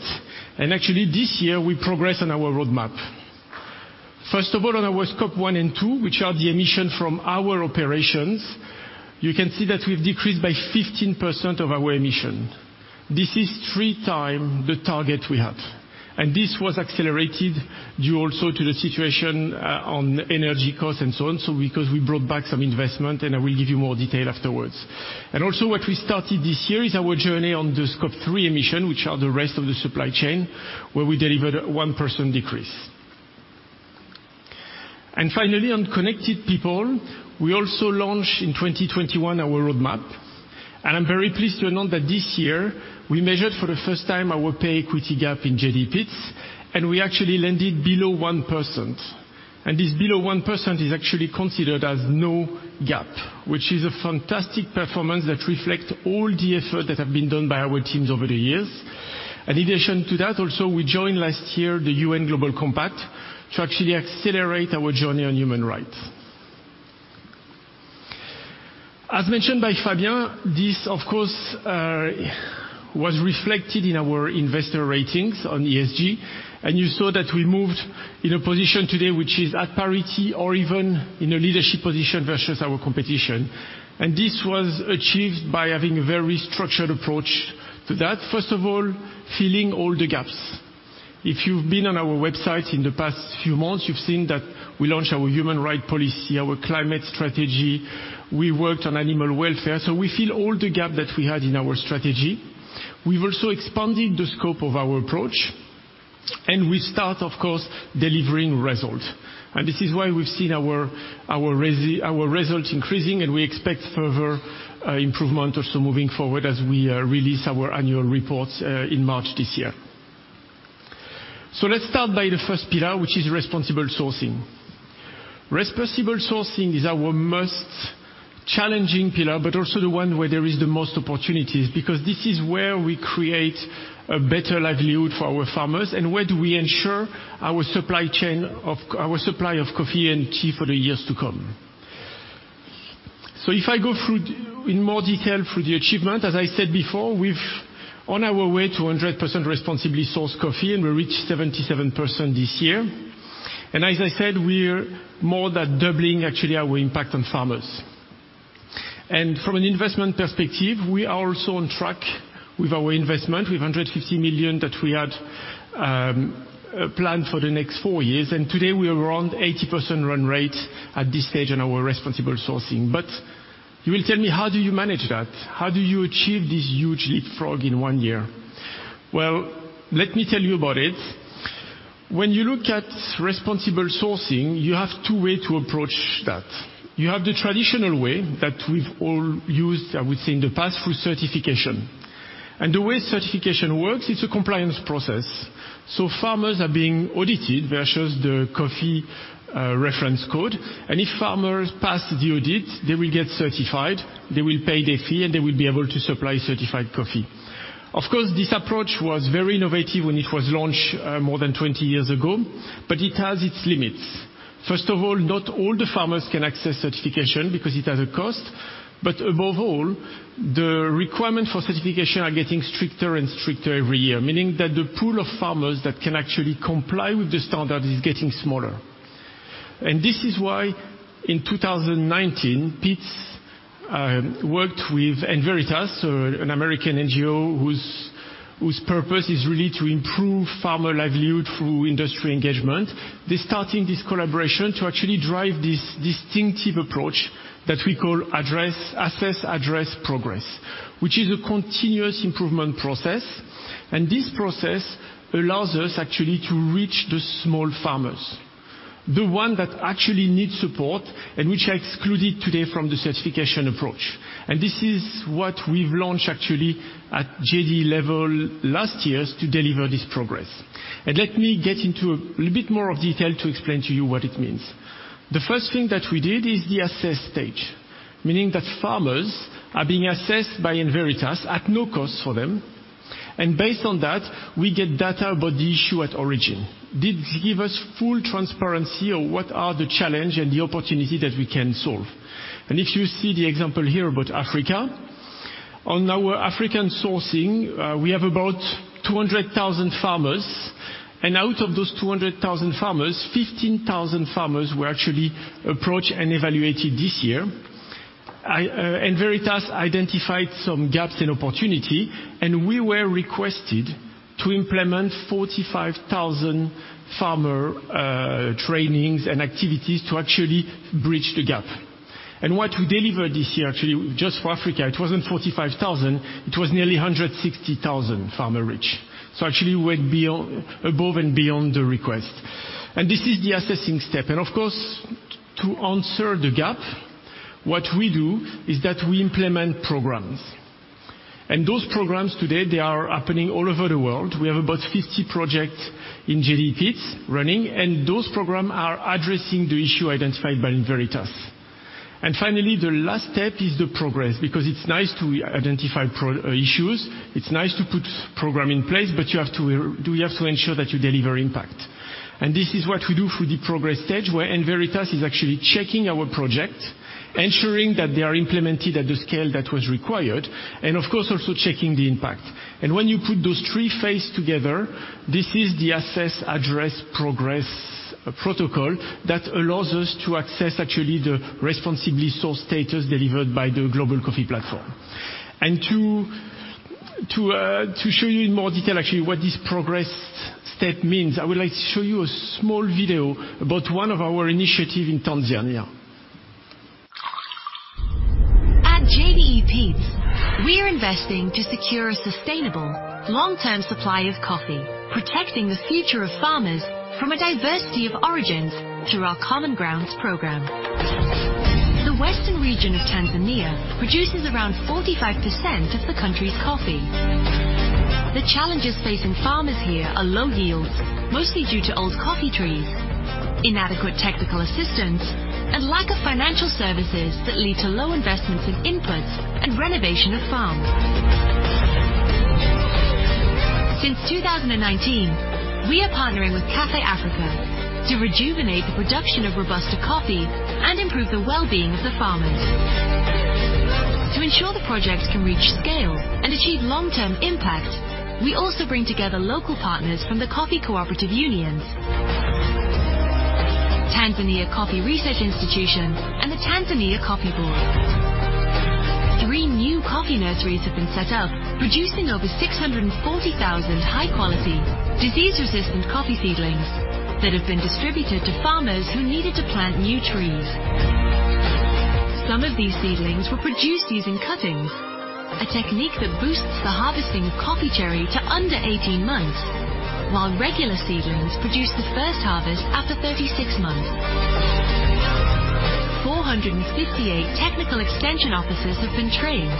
and actually this year we progressed on our roadmap. First of all, on our Scope 1 and 2, which are the emission from our operations, you can see that we've decreased by 15% of our emission. This is three times the target we have. This was accelerated due also to the situation on energy costs and so on. Because we brought back some investment. I will give you more detail afterwards. Also what we started this year is our journey on the Scope 3 emission, which are the rest of the supply chain, where we delivered 1% decrease. Finally, on connected people, we also launched in 2021 our roadmap. I'm very pleased to announce that this year we measured for the first time our pay equity gap in JDE Peet's. We actually landed below 1%. This below 1% is actually considered as no gap, which is a fantastic performance that reflects all the effort that have been done by our teams over the years. In addition to that, also, we joined last year the UN Global Compact to actually accelerate our journey on human rights. As mentioned by Fabien, this of course, was reflected in our investor ratings on ESG, and you saw that we moved in a position today which is at parity or even in a leadership position versus our competition. This was achieved by having a very structured approach to that. First of all, filling all the gaps. If you've been on our website in the past few months, you've seen that we launched our human rights policy, our climate strategy. We worked on animal welfare, so we fill all the gap that we had in our strategy. We've also expanded the scope of our approach, and we start, of course, delivering results. This is why we've seen our results increasing and we expect further improvement also moving forward as we release our annual reports in March this year. Let's start by the first pillar, which is responsible sourcing. Responsible sourcing is our most challenging pillar, but also the one where there is the most opportunities, because this is where we create a better livelihood for our farmers and where do we ensure our supply of coffee and tea for the years to come. If I go through, in more detail through the achievement, as I said before, we've on our way to 100% responsibly sourced coffee, and we reached 77% this year. As I said, we're more than doubling actually our impact on farmers. From an investment perspective, we are also on track with our investment. We have 150 million that we had planned for the next four years, and today we are around 80% run rate at this stage in our responsible sourcing. You will tell me, how do you manage that? How do you achieve this huge leapfrog in one year? Let me tell you about it. When you look at responsible sourcing, you have two way to approach that. You have the traditional way that we've all used, I would say, in the past, through certification. The way certification works, it's a compliance process. So farmers are being audited versus the coffee reference code. If farmers pass the audit, they will get certified. They will pay their fee, and they will be able to supply certified coffee. Of course, this approach was very innovative when it was launched, more than 20 years ago, but it has its limits. First of all, not all the farmers can access certification because it has a cost. Above all, the requirement for certification are getting stricter and stricter every year, meaning that the pool of farmers that can actually comply with the standard is getting smaller. This is why in 2019, Peet's worked with Enveritas, an American NGO, whose purpose is really to improve farmer livelihood through industry engagement. They're starting this collaboration to actually drive this distinctive approach that we call Assess, Address, Progress, which is a continuous improvement process. This process allows us actually to reach the small farmers, the one that actually needs support and which are excluded today from the certification approach. This is what we've launched actually at JDE level last years to deliver this progress. Let me get into a little bit more of detail to explain to you what it means. The first thing that we did is the assess stage, meaning that farmers are being assessed by Enveritas at no cost for them. Based on that, we get data about the issue at origin. This give us full transparency on what are the challenge and the opportunity that we can solve. If you see the example here about Africa. On our African sourcing, we have about 200,000 farmers. Out of those 200,000 farmers, 15,000 farmers were actually approached and evaluated this year. Enveritas identified some gaps in opportunity. We were requested to implement 45,000 farmer trainings and activities to actually bridge the gap. What we delivered this year actually just for Africa, it wasn't 45,000, it was nearly 160,000 farmer reach. Actually went above and beyond the request. This is the assessing step. Of course, to answer the gap, what we do is that we implement programs. Those programs today, they are happening all over the world. We have about 50 projects in JDE Peet's running. Those program are addressing the issue identified by Enveritas. Finally, the last step is the progress because it's nice to identify issues, it's nice to put program in place, but you have to ensure that you deliver impact. This is what we do through the progress stage, where Enveritas is actually checking our project, ensuring that they are implemented at the scale that was required, and of course also checking the impact. When you put those three phase together, this is the Assess, Address, Progress protocol that allows us to access actually the responsibly sourced status delivered by the Global Coffee Platform. To show you in more detail actually what this progress step means, I would like to show you a small video about one of our initiative in Tanzania. At JDE Peet's, we're investing to secure a sustainable long-term supply of coffee, protecting the future of farmers from a diversity of origins through our Common Grounds program. The western region of Tanzania produces around 45% of the country's coffee. The challenges facing farmers here are low yields, mostly due to old coffee trees, inadequate technical assistance, and lack of financial services that lead to low investments in inputs and renovation of farms. Since 2019, we are partnering with Café Africa to rejuvenate the production of Robusta coffee and improve the well-being of the farmers. To ensure the projects can reach scale and achieve long-term impact, we also bring together local partners from the coffee cooperative unions, Tanzania Coffee Research Institutions and the Tanzania Coffee Board. Three new coffee nurseries have been set up, producing over 640,000 high-quality, disease-resistant coffee seedlings that have been distributed to farmers who needed to plant new trees. Some of these seedlings were produced using cuttings, a technique that boosts the harvesting of coffee cherry to under 18 months, while regular seedlings produce the first harvest after 36 months. 458 technical extension officers have been trained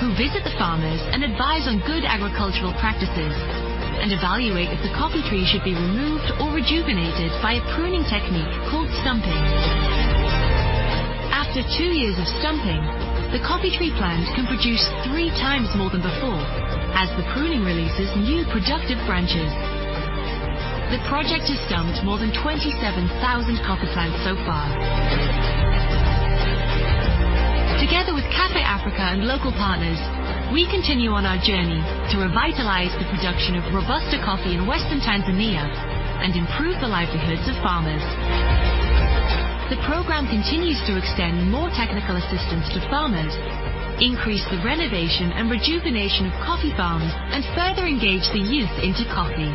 who visit the farmers and advise on good agricultural practices and evaluate if the coffee tree should be removed or rejuvenated by a pruning technique called stumping. After two years of stumping, the coffee tree plants can produce three times more than before as the pruning releases new productive branches. The project has stumped more than 27,000 coffee plants so far. Together with Café Africa and local partners, we continue on our journey to revitalize the production of Robusta coffee in Western Tanzania and improve the livelihoods of farmers. The program continues to extend more technical assistance to farmers, increase the renovation and rejuvenation of coffee farms, and further engage the youth into coffee.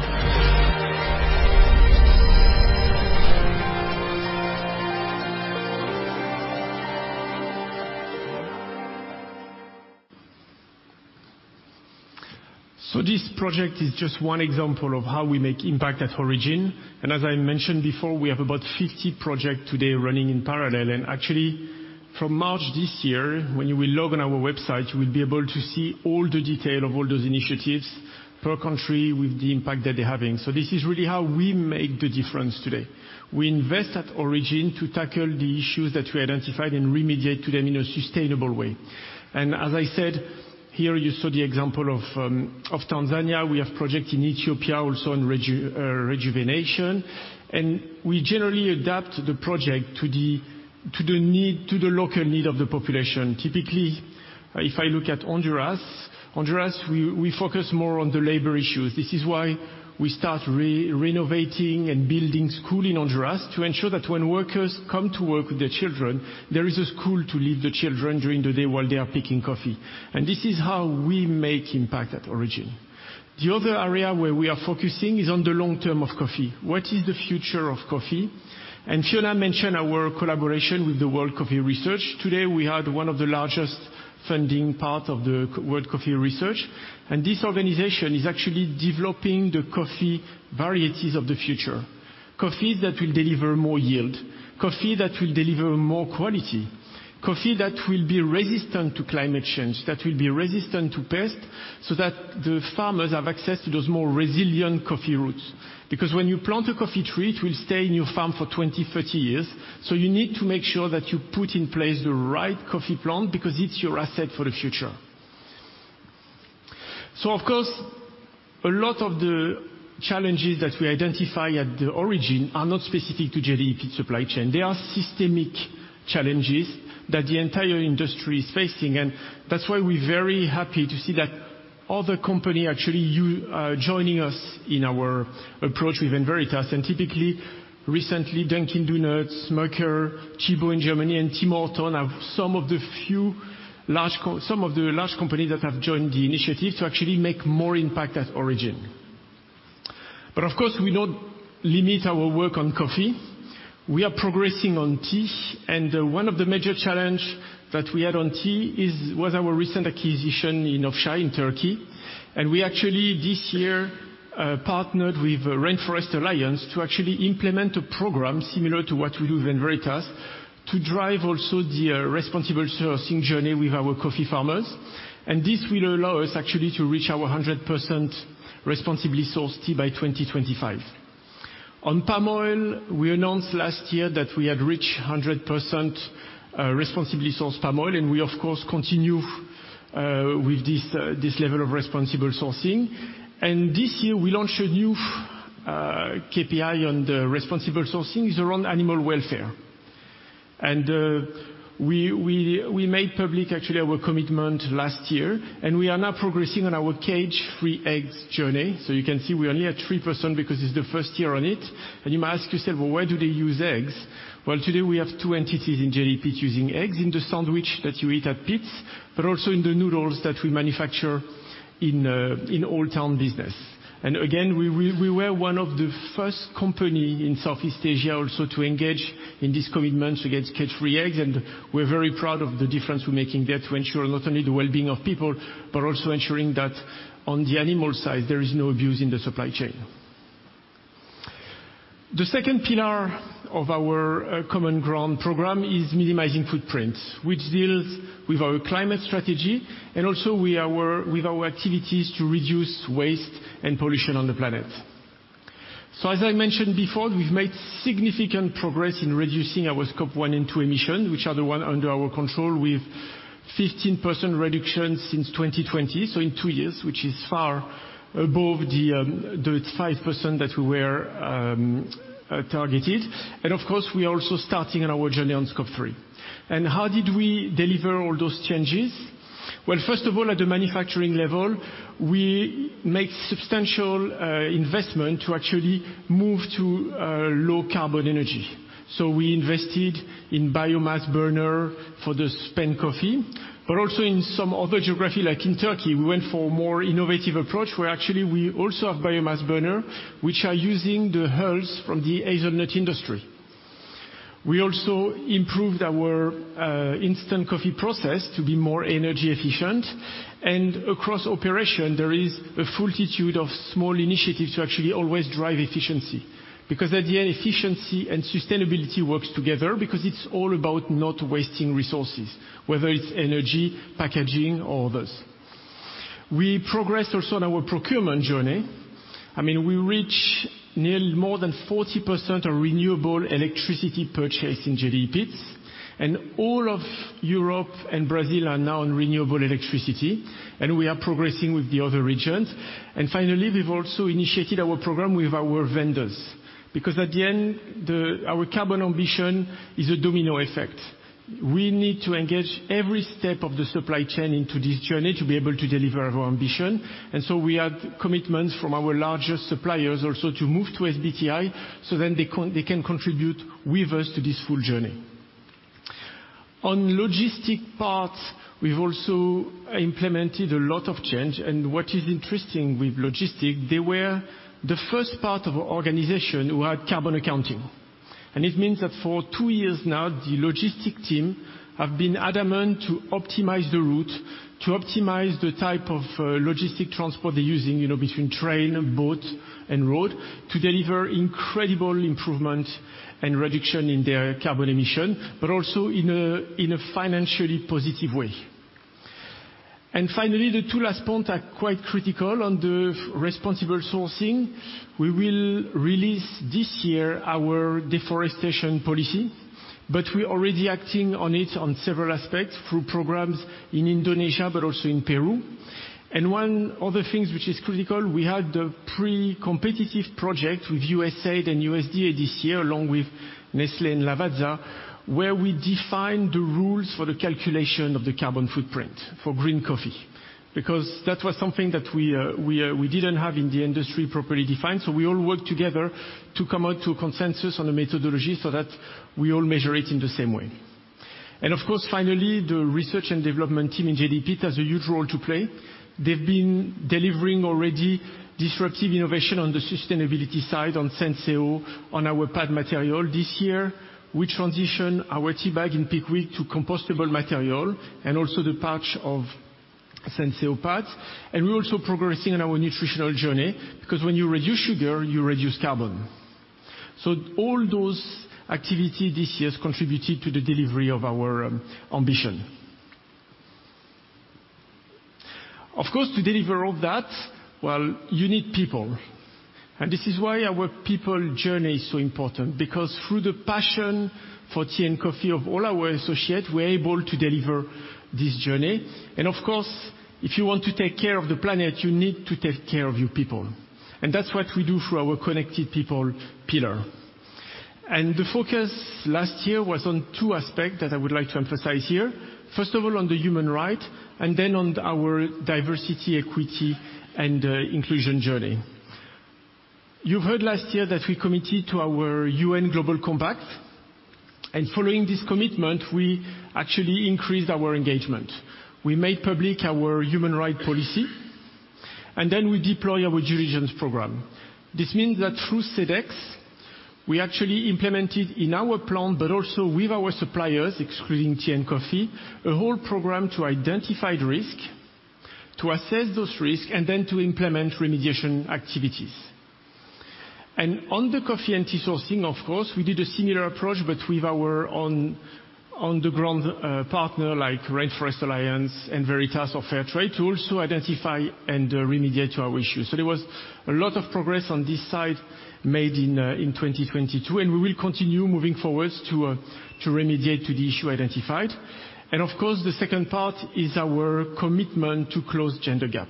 This project is just one example of how we make impact at origin. As I mentioned before, we have about 50 project today running in parallel. Actually from March this year, when you will log on our website, you will be able to see all the detail of all those initiatives per country with the impact that they're having. This is really how we make the difference today. We invest at origin to tackle the issues that we identified and remediate to them in a sustainable way. As I said, here you saw the example of Tanzania. We have project in Ethiopia also in rejuvenation, and we generally adapt the project to the local need of the population. Typically, if I look at Honduras. Honduras, we focus more on the labor issues. This is why we start re-renovating and building school in Honduras to ensure that when workers come to work with their children, there is a school to leave the children during the day while they are picking coffee. This is how we make impact at origin. The other area where we are focusing is on the long-term of coffee. What is the future of coffee? Fiona mentioned our collaboration with the World Coffee Research. Today, we are one of the largest funding part of the World Coffee Research, and this organization is actually developing the coffee varieties of the future. Coffees that will deliver more yield, coffee that will deliver more quality, coffee that will be resistant to climate change, that will be resistant to pest, so that the farmers have access to those more resilient coffee roots. When you plant a coffee tree, it will stay in your farm for 20 years, 30 years. You need to make sure that you put in place the right coffee plant because it's your asset for the future. Of course, a lot of the challenges that we identify at the origin are not specific to JDE Peet's supply chain. They are systemic challenges that the entire industry is facing, and that's why we're very happy to see that other company actually joining us in our approach with Enveritas. Typically, recently, Dunkin', Merkur, Tchibo in Germany, and Tim Hortons have some of the large companies that have joined the initiative to actually make more impact at origin. Of course, we don't limit our work on coffee. We are progressing on tea, one of the major challenge that we had on tea was our recent acquisition in Ofçay in Turkey. We actually this year, partnered with Rainforest Alliance to actually implement a program similar to what we do with Enveritas to drive also the responsible sourcing journey with our coffee farmers. This will allow us actually to reach our 100% responsibly sourced tea by 2025. On palm oil, we announced last year that we had reached 100% responsibly sourced palm oil, and we of course, continue with this this level of responsible sourcing. This year, we launched a new KPI on the responsible sourcing. It's around animal welfare. We made public actually our commitment last year, and we are now progressing on our cage-free eggs journey. You can see we are only at 3% because it's the first year on it. You might ask yourself, "Well, why do they use eggs?" Well, today we have two entities in JDE Peet's using eggs in the sandwich that you eat at Peet's, but also in the noodles that we manufacture in OldTown business. Again, we were one of the first company in Southeast Asia also to engage in this commitment against cage-free eggs, and we're very proud of the difference we're making there to ensure not only the well-being of people, but also ensuring that on the animal side, there is no abuse in the supply chain. The second pillar of our Common Grounds program is minimizing footprints, which deals with our climate strategy and also with our activities to reduce waste and pollution on the planet. As I mentioned before, we've made significant progress in reducing our Scope 1 and 2 emissions, which are the one under our control with 15% reduction since 2020. In two years, which is far above the 5% that we were targeted. Of course, we are also starting our journey on Scope 3. How did we deliver all those changes? First of all, at the manufacturing level, we make substantial investment to actually move to low carbon energy. We invested in biomass burner for the spent coffee, but also in some other geography, like in Turkey, we went for more innovative approach, where actually we also have biomass burner, which are using the hulls from the hazelnut industry. We also improved our instant coffee process to be more energy efficient. Across operation, there is a multitude of small initiatives to actually always drive efficiency. At the end, efficiency and sustainability works together because it's all about not wasting resources, whether it's energy, packaging or others. We progress also on our procurement journey. I mean, we reach near more than 40% of renewable electricity purchase in JDE Peet's. All of Europe and Brazil are now on renewable electricity, and we are progressing with the other regions. Finally, we've also initiated our program with our vendors, because at the end, our carbon ambition is a domino effect. We need to engage every step of the supply chain into this journey to be able to deliver our ambition. So we have commitments from our largest suppliers also to move to SBTi, so then they can contribute with us to this full journey. On logistic parts, we've also implemented a lot of change. What is interesting with logistic, they were the first part of our organization who had carbon accounting. It means that for two years now, the logistic team have been adamant to optimize the route, to optimize the type of logistic transport they're using, you know, between train, boat and road, to deliver incredible improvement and reduction in their carbon emission, but also in a financially positive way. Finally, the two last point are quite critical. On the responsible sourcing, we will release this year our deforestation policy, but we're already acting on it on several aspects, through programs in Indonesia, but also in Peru. One other things which is critical, we had the pre-competitive project with USAID and USDA this year, along with Nestlé and Lavazza, where we defined the rules for the calculation of the carbon footprint for green coffee. Because that was something that we didn't have in the industry properly defined, so we all worked together to come out to a consensus on a methodology so that we all measure it in the same way. Of course, finally, the research and development team in JDE Peet's has a huge role to play. They've been delivering already disruptive innovation on the sustainability side on Senseo, on our pad material this year. We transition our teabag in Pickwick to compostable material, also the pouch of Senseo pods. We're also progressing on our nutritional journey, because when you reduce sugar, you reduce carbon. All those activity this year has contributed to the delivery of our ambition. Of course, to deliver all that, well, you need people. This is why our people journey is so important, because through the passion for tea and coffee of all our associates, we're able to deliver this journey. Of course, if you want to take care of the planet, you need to take care of your people. That's what we do through our connected people pillar. The focus last year was on two aspect that I would like to emphasize here. First of all, on the human right, and then on our diversity, equity and inclusion journey. You've heard last year that we committed to our UN Global Compact, and following this commitment, we actually increased our engagement. We made public our human right policy, and then we deploy our due diligence program. This means that through Sedex, we actually implemented in our plant, but also with our suppliers, excluding tea and coffee, a whole program to identify the risk, to assess those risks, and then to implement remediation activities. On the coffee and tea sourcing, of course, we did a similar approach, but with our on-the-ground partner like Rainforest Alliance, Enveritas or Fairtrade, to also identify and remediate our issues. There was a lot of progress on this side made in 2022, and we will continue moving forwards to remediate to the issue identified. Of course, the second part is our commitment to close gender gap.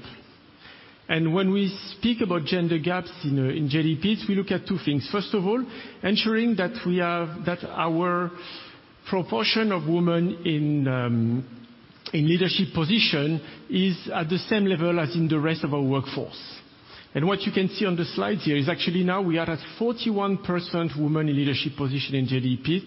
When we speak about gender gaps in JDE Peet's, we look at two things. First of all, ensuring that our proportion of women in leadership position is at the same level as in the rest of our workforce. What you can see on the slide here is actually now we are at 41% women in leadership position in JDE Peet's,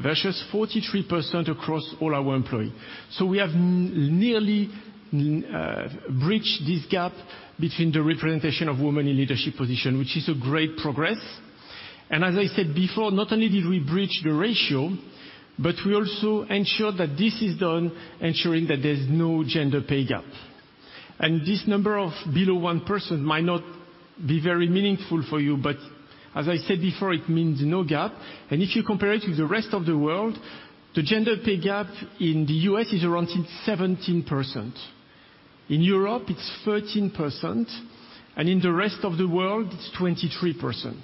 versus 43% across all our employee. We have nearly bridged this gap between the representation of women in leadership position, which is a great progress. As I said before, not only did we bridge the ratio, but we also ensure that this is done ensuring that there's no gender pay gap. This number of below one person might not be very meaningful for you, but as I said before, it means no gap. If you compare it to the rest of the world, the gender pay gap in the U.S. is around 17%. In Europe, it's 13%, and in the rest of the world, it's 23%.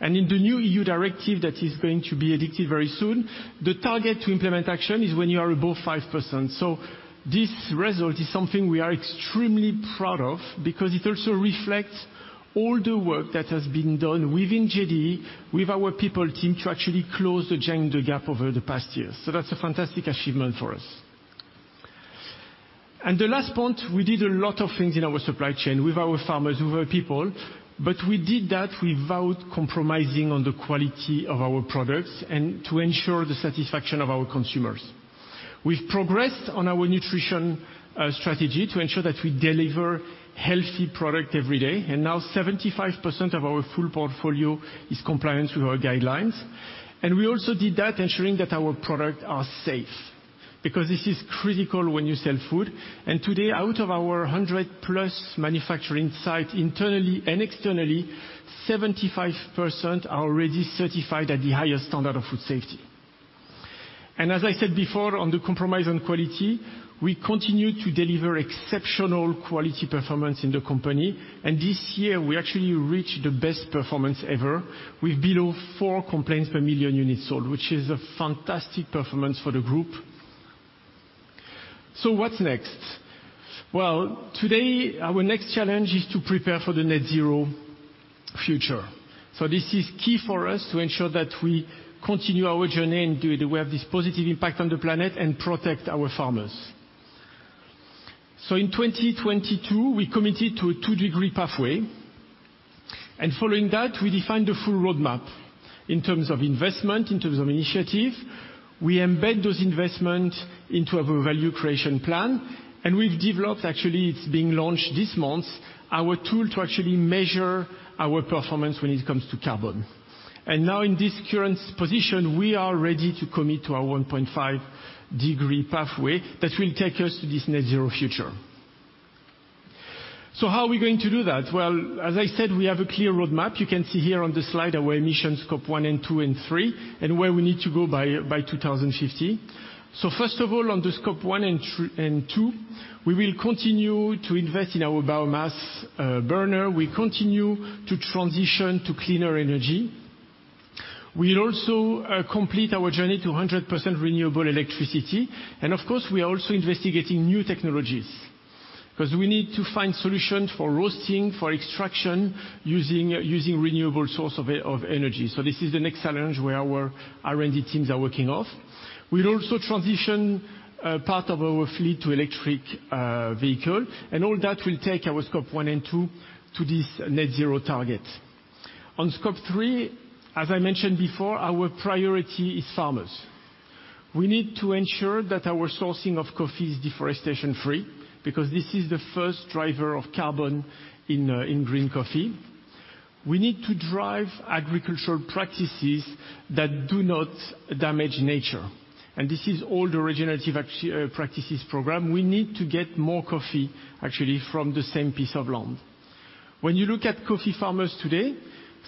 In the new EU directive that is going to be addicted very soon, the target to implement action is when you are above 5%. This result is something we are extremely proud of, because it also reflects all the work that has been done within JDE with our people team to actually close the gender gap over the past years. That's a fantastic achievement for us. The last point, we did a lot of things in our supply chain with our farmers, with our people, but we did that without compromising on the quality of our products and to ensure the satisfaction of our consumers. We've progressed on our nutrition strategy to ensure that we deliver healthy product every day. Now 75% of our full portfolio is compliant with our guidelines. We also did that ensuring that our product are safe, because this is critical when you sell food. Today, out of our 100-plus manufacturing site internally and externally, 75% are already certified at the highest standard of food safety. As I said before, on the compromise on quality, we continue to deliver exceptional quality performance in the company. This year, we actually reached the best performance ever with below four complaints per million units sold, which is a fantastic performance for the group. What's next? Well, today our next challenge is to prepare for the net zero future. This is key for us to ensure that we continue our journey and do it. We have this positive impact on the planet and protect our farmers. In 2022, we committed to a two-degree pathway. Following that, we defined the full roadmap in terms of investment, in terms of initiative. We embed those investments into our value creation plan. We've developed actually it's being launched this month, our tool to actually measure our performance when it comes to carbon. Now in this current position, we are ready to commit to our 1.5 degree pathway that will take us to this net zero future. How are we going to do that? Well, as I said, we have a clear roadmap. You can see here on the slide our emission Scope 1, 2, and 3 and where we need to go by 2050. First of all, on the Scope 1 and 2, we will continue to invest in our biomass burner. We continue to transition to cleaner energy. We'll also complete our journey to 100% renewable electricity. Of course, we are also investigating new technologies because we need to find solutions for roasting, for extraction, using renewable source of energy. This is the next challenge where our R&D teams are working off. We'll also transition part of our fleet to electric vehicle, and all that will take our Scope 1 and 2 to this net zero target. On Scope 3, as I mentioned before, our priority is farmers. We need to ensure that our sourcing of coffee is deforestation free because this is the first driver of carbon in green coffee. We need to drive agricultural practices that do not damage nature. This is all the regenerative practices program. We need to get more coffee actually from the same piece of land. When you look at coffee farmers today,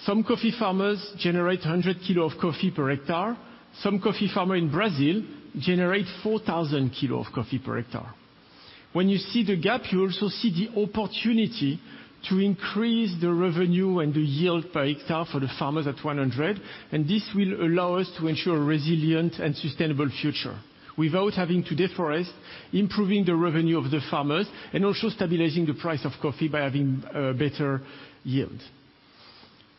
some coffee farmers generate 100 kilo of coffee per hectare. Some coffee farmer in Brazil generate 4,000 kilo of coffee per hectare. When you see the gap, you also see the opportunity to increase the revenue and the yield per hectare for the farmers at 100. This will allow us to ensure resilient and sustainable future without having to deforest, improving the revenue of the farmers, and also stabilizing the price of coffee by having better yield.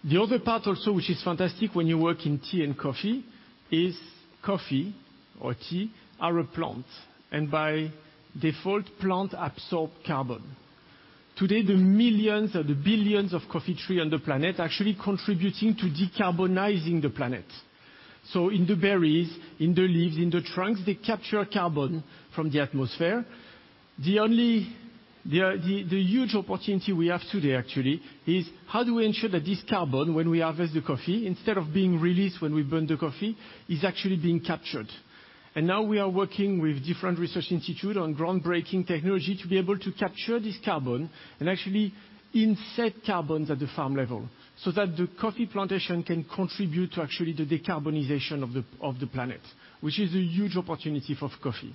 The other part also, which is fantastic when you work in tea and coffee, is coffee or tea are a plant, and by default, plant absorb carbon. Today, the millions or the billions of coffee tree on the planet actually contributing to decarbonizing the planet. In the berries, in the leaves, in the trunks, they capture carbon from the atmosphere. The huge opportunity we have today actually is how do we ensure that this carbon, when we harvest the coffee, instead of being released when we burn the coffee, is actually being captured. Now we are working with different research institute on groundbreaking technology to be able to capture this carbon and actually inset carbons at the farm level, so that the coffee plantation can contribute to actually the decarbonization of the planet, which is a huge opportunity for coffee.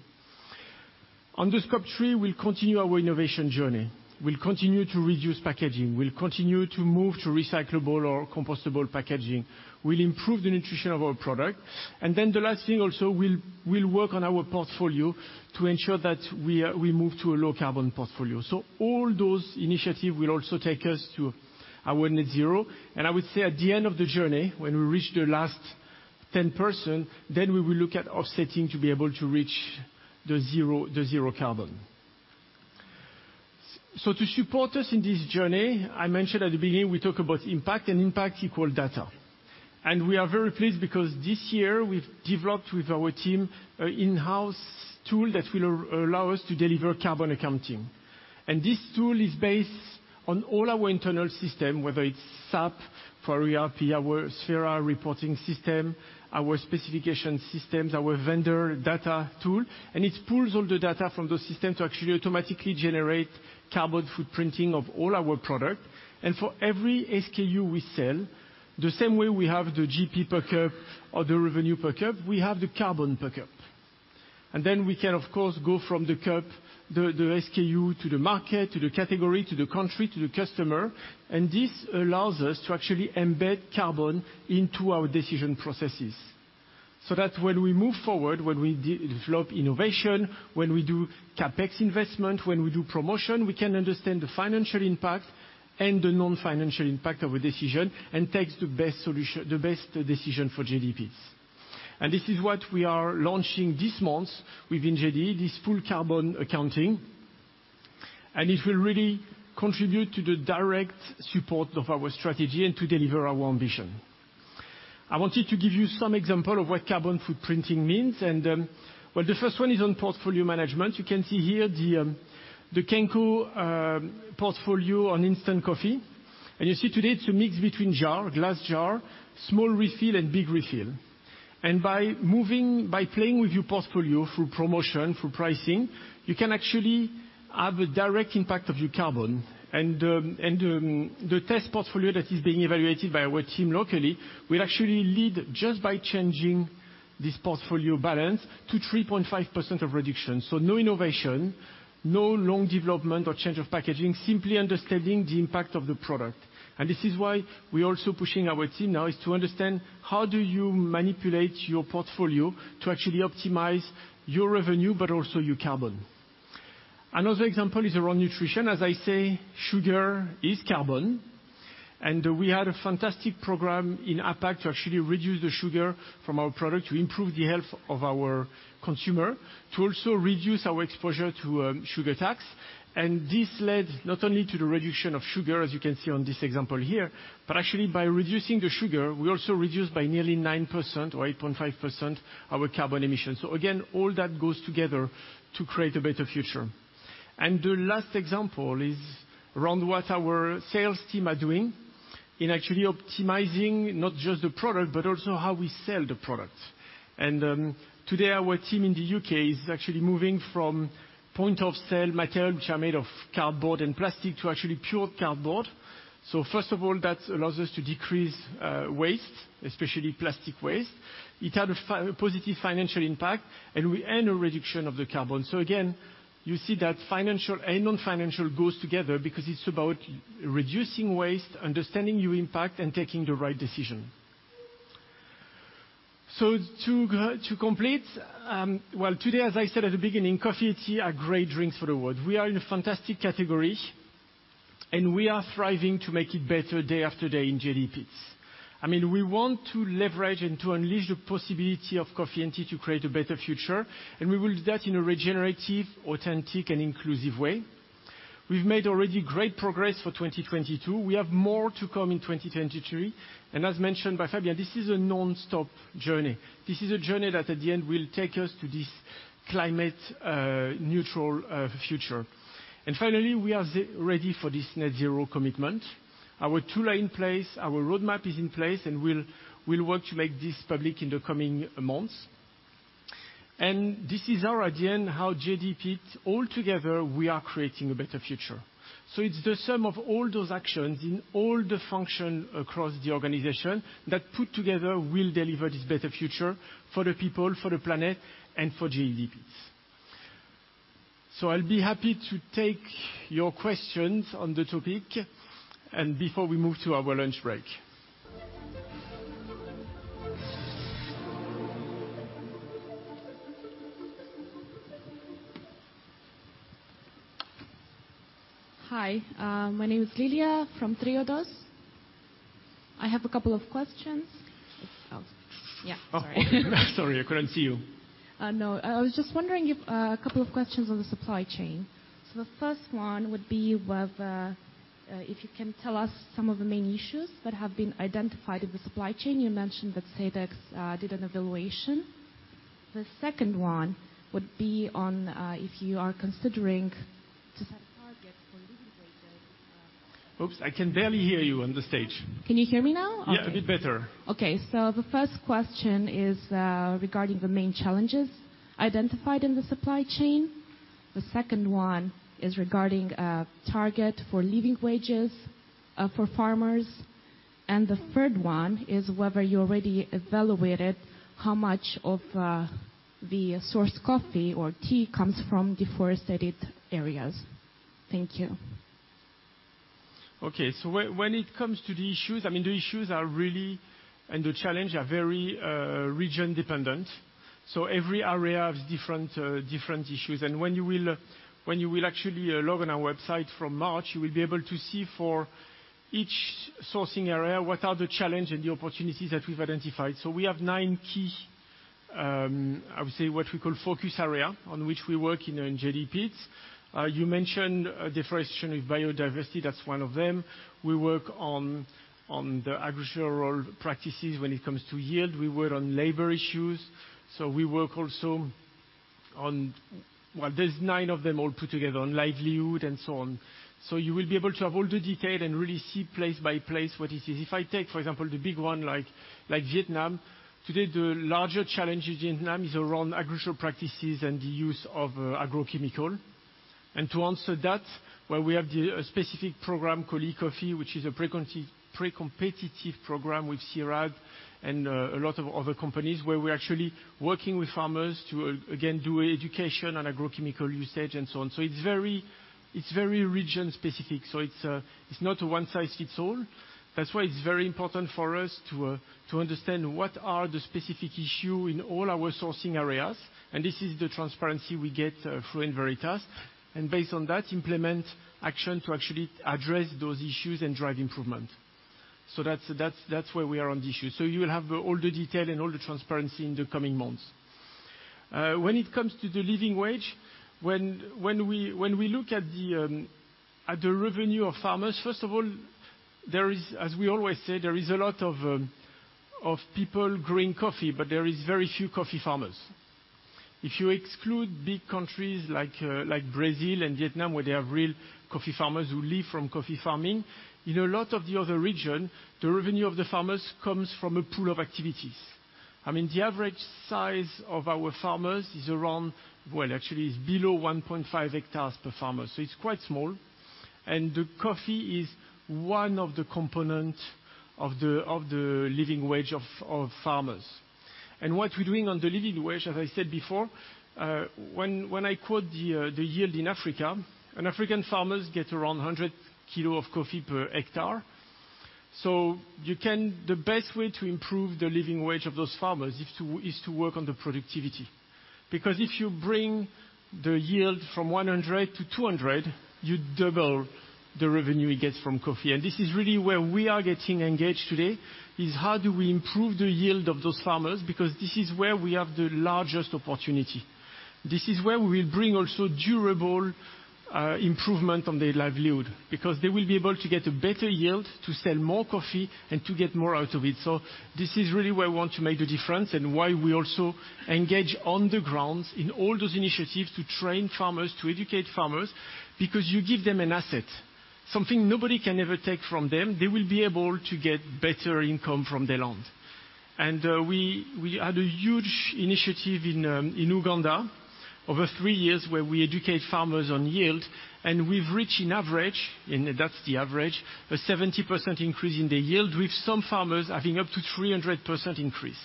On the Scope 3, we'll continue our innovation journey. We'll continue to reduce packaging. We'll continue to move to recyclable or compostable packaging. We'll improve the nutrition of our product. The last thing also, we'll work on our portfolio to ensure that we move to a low carbon portfolio. All those initiative will also take us to our net zero. I would say at the end of the journey, when we reach the last 10%, then we will look at offsetting to be able to reach the zero, the zero carbon. So to support us in this journey, I mentioned at the beginning, we talk about impact, and impact equal data. We are very pleased because this year we've developed with our team a in-house tool that will allow us to deliver carbon accounting. This tool is based on all our internal system, whether it's SAP for ERP, our Sphere reporting system, our specification systems, our vendor data tool. It pulls all the data from the system to actually automatically generate carbon footprinting of all our product. For every SKU we sell, the same way we have the GP per cup or the revenue per cup, we have the carbon per cup. We can of course go from the cup, the SKU to the market, to the category, to the country, to the customer. This allows us to actually embed carbon into our decision processes, so that when we move forward, when we de-develop innovation, when we do CapEx investment, when we do promotion, we can understand the financial impact and the non-financial impact of a decision and takes the best solution, the best decision for JDE Peet's. This is what we are launching this month within JD, this full carbon accounting. It will really contribute to the direct support of our strategy and to deliver our ambition. I wanted to give you some example of what carbon footprinting means. The first one is on portfolio management. You can see here the Kenco portfolio on instant coffee. You see today it's a mix between jar, glass jar, small refill, and big refill. By playing with your portfolio through promotion, through pricing, you can actually have a direct impact of your carbon. The test portfolio that is being evaluated by our team locally will actually lead just by changing this portfolio balance to 3.5% of reduction. No innovation. No long development or change of packaging, simply understanding the impact of the product. This is why we're also pushing our team now is to understand how do you manipulate your portfolio to actually optimize your revenue, but also your carbon. Another example is around nutrition. As I say, sugar is carbon, we had a fantastic program in APAC to actually reduce the sugar from our product to improve the health of our consumer, to also reduce our exposure to sugar tax. This led not only to the reduction of sugar, as you can see on this example here, but actually by reducing the sugar, we also reduced by nearly 9% or 8.5% our carbon emissions. Again, all that goes together to create a better future. The last example is around what our sales team are doing in actually optimizing not just the product, but also how we sell the product. Today our team in the U.K. is actually moving from point of sale materials which are made of cardboard and plastic to actually pure cardboard. First of all, that allows us to decrease waste, especially plastic waste. It had a positive financial impact, and we end a reduction of the carbon. Again, you see that financial and non-financial goes together because it's about reducing waste, understanding your impact, and making the right decision. To complete, well, today, as I said at the beginning, coffee and tea are great drinks for the world. We are in a fantastic category, and we are thriving to make it better day after day in JDE Peet's. I mean, we want to leverage and to unleash the possibility of coffee and tea to create a better future, and we will do that in a regenerative, authentic, and inclusive way. We've made already great progress for 2022. We have more to come in 2023. As mentioned by Fabien, this is a nonstop journey. This is a journey that at the end will take us to this climate neutral future. Finally, we are ready for this net zero commitment. Our tool are in place, our roadmap is in place, we'll work to make this public in the coming months. This is our idea on how JDE Peet's all together, we are creating a better future. It's the sum of all those actions in all the function across the organization that put together will deliver this better future for the people, for the planet, and for JDE Peet's. I'll be happy to take your questions on the topic and before we move to our lunch break. Hi, my name is Lilia from Triodos. I have a couple of questions. Yeah, sorry. Oh. Sorry, I couldn't see you. No. I was just wondering if a couple of questions on the supply chain. The first one would be whether if you can tell us some of the main issues that have been identified in the supply chain. You mentioned that Sedex did an evaluation. The second one would be on if you are considering to set a target for living wages? Oops, I can barely hear you on the stage. Can you hear me now? Yeah, a bit better. Okay. The first question is regarding the main challenges identified in the supply chain. The second one is regarding a target for living wages for farmers. The third one is whether you already evaluated how much of the sourced coffee or tea comes from deforested areas. Thank you. Okay. When it comes to the issues, I mean, the issues are really, and the challenge are very, region dependent. Every area has different issues. When you will actually log on our website from March, you will be able to see for each sourcing area, what are the challenge and the opportunities that we've identified. We have 9 key, I would say, what we call focus area on which we work in JDE Peet's. You mentioned deforestation with biodiversity. That's one of them. We work on the agricultural practices when it comes to yield. We work on labor issues, so we work also on. Well, there's 9 of them all put together on livelihood and so on. You will be able to have all the detail and really see place by place what it is. If I take, for example, the big one like Vietnam. Today, the larger challenge in Vietnam is around agricultural practices and the use of agrochemical. To answer that, well, we have the, a specific program called EcoVadis, which is a pre-competitive program with CIRAD and a lot of other companies where we're actually working with farmers to, again, do education on agrochemical usage and so on. It's very, it's very region specific. It's not a one-size-fits-all. That's why it's very important for us to understand what are the specific issue in all our sourcing areas, and this is the transparency we get through Enveritas. Based on that, implement action to actually address those issues and drive improvement. That's where we are on the issue. You will have all the detail and all the transparency in the coming months. When it comes to the living wage, when we look at the revenue of farmers, first of all, there is, as we always say, a lot of people growing coffee, but there is very few coffee farmers. If you exclude big countries like Brazil and Vietnam, where they have real coffee farmers who live from coffee farming. In a lot of the other region, the revenue of the farmers comes from a pool of activities. I mean, the average size of our farmers is around, well, actually it's below 1.5 hectares per farmer, so it's quite small. The coffee is one of the component of the living wage of farmers. What we're doing on the living wage, as I said before, when I quote the yield in Africa, an African farmers get around 100 kilo of coffee per hectare. The best way to improve the living wage of those farmers is to work on the productivity. Because if you bring the yield from 100 to 200, you double the revenue you get from coffee. This is really where we are getting engaged today, is how do we improve the yield of those farmers, because this is where we have the largest opportunity. This is where we bring also durable improvement on their livelihood, because they will be able to get a better yield to sell more coffee and to get more out of it. This is really where we want to make the difference and why we also engage on the grounds in all those initiatives to train farmers, to educate farmers, because you give them an asset, something nobody can ever take from them. They will be able to get better income from their land. We, we had a huge initiative in Uganda over three years, where we educate farmers on yield, and we've reached an average, and that's the average, a 70% increase in the yield, with some farmers having up to 300% increase.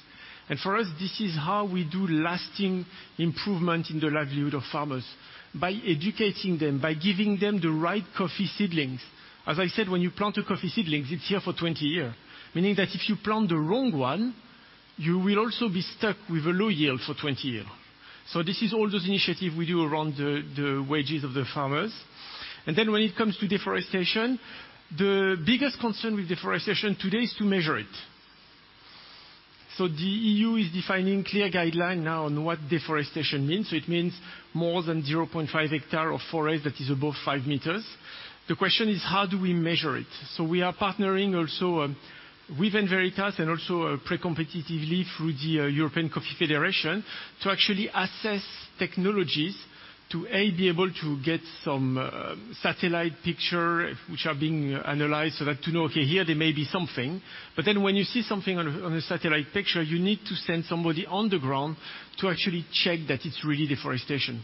For us, this is how we do lasting improvement in the livelihood of farmers, by educating them, by giving them the right coffee seedlings. As I said, when you plant a coffee seedlings, it's here for 20 year. Meaning that if you plant the wrong one, you will also be stuck with a low yield for 20 year. This is all those initiative we do around the wages of the farmers. When it comes to deforestation, the biggest concern with deforestation today is to measure it. The EU is defining clear guideline now on what deforestation means. It means more than 0.5 hectare of forest that is above 5 meters. The question is: How do we measure it? We are partnering also with Enveritas and also pre-competitively through the European Coffee Federation to actually assess technologies to be able to get some satellite picture which are being analyzed so that to know, okay, here there may be something. When you see something on a satellite picture, you need to send somebody on the ground to actually check that it's really deforestation.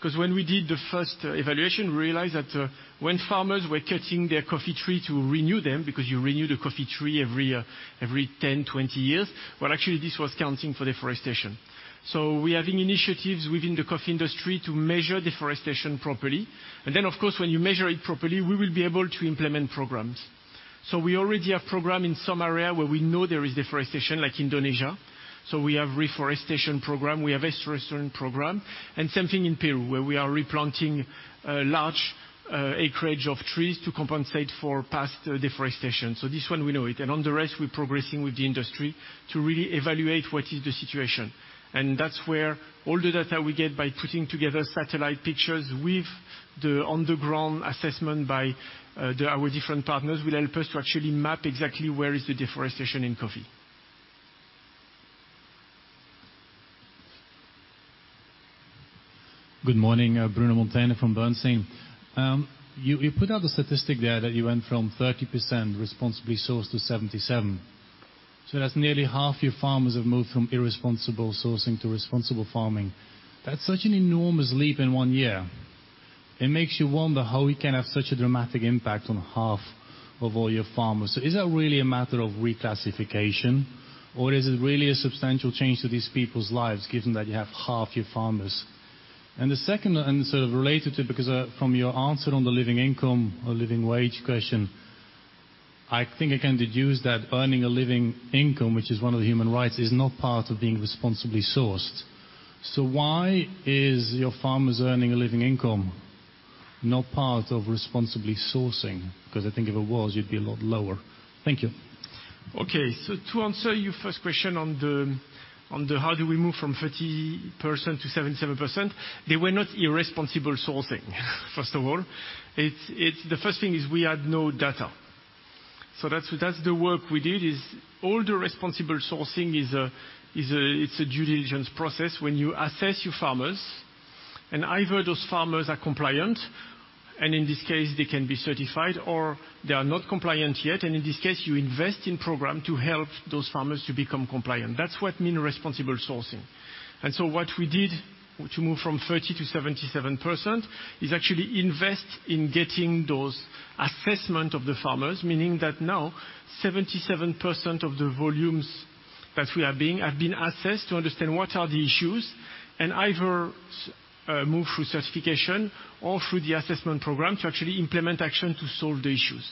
'Cause when we did the first evaluation, we realized that when farmers were cutting their coffee tree to renew them, because you renew the coffee tree every 10 years, 20 years. Actually, this was counting for deforestation. Of course, when you measure it properly, we will be able to implement programs. We already have program in some area where we know there is deforestation, like Indonesia. We have reforestation program, we have restoration program. Same thing in Peru, where we are replanting large acreage of trees to compensate for past deforestation. This one, we know it. On the rest, we're progressing with the industry to really evaluate what is the situation. That's where all the data we get by putting together satellite pictures with the on-the-ground assessment by our different partners, will help us to actually map exactly where is the deforestation in coffee. Good morning. Bruno Monteyne from Bernstein. You put out the statistic there that you went from 30% responsibly sourced to 77%. That's nearly half your farmers have moved from irresponsible sourcing to responsible farming. That's such an enormous leap in one year. It makes you wonder how we can have such a dramatic impact on half of all your farmers. The second and sort of related to it, because from your answer on the living income or living wage question, I think I can deduce that earning a living income, which is one of the human rights, is not part of being responsibly sourced. Why is your farmers earning a living income not part of responsibly sourcing? 'Cause I think if it was, you'd be a lot lower. Thank you. Okay. To answer your first question on the how do we move from 30% to 77%, they were not irresponsible sourcing, first of all. It's the first thing is we had no data. That's the work we did, is all the responsible sourcing is a, it's a due diligence process when you assess your farmers, and either those farmers are compliant, and in this case, they can be certified, or they are not compliant yet, and in this case, you invest in program to help those farmers to become compliant. That's what mean responsible sourcing. What we did to move from 30% to 77% is actually invest in getting those assessment of the farmers, meaning that now 77% of the volumes that we have been assessed to understand what are the issues, and either move through certification or through the assessment program to actually implement action to solve the issues.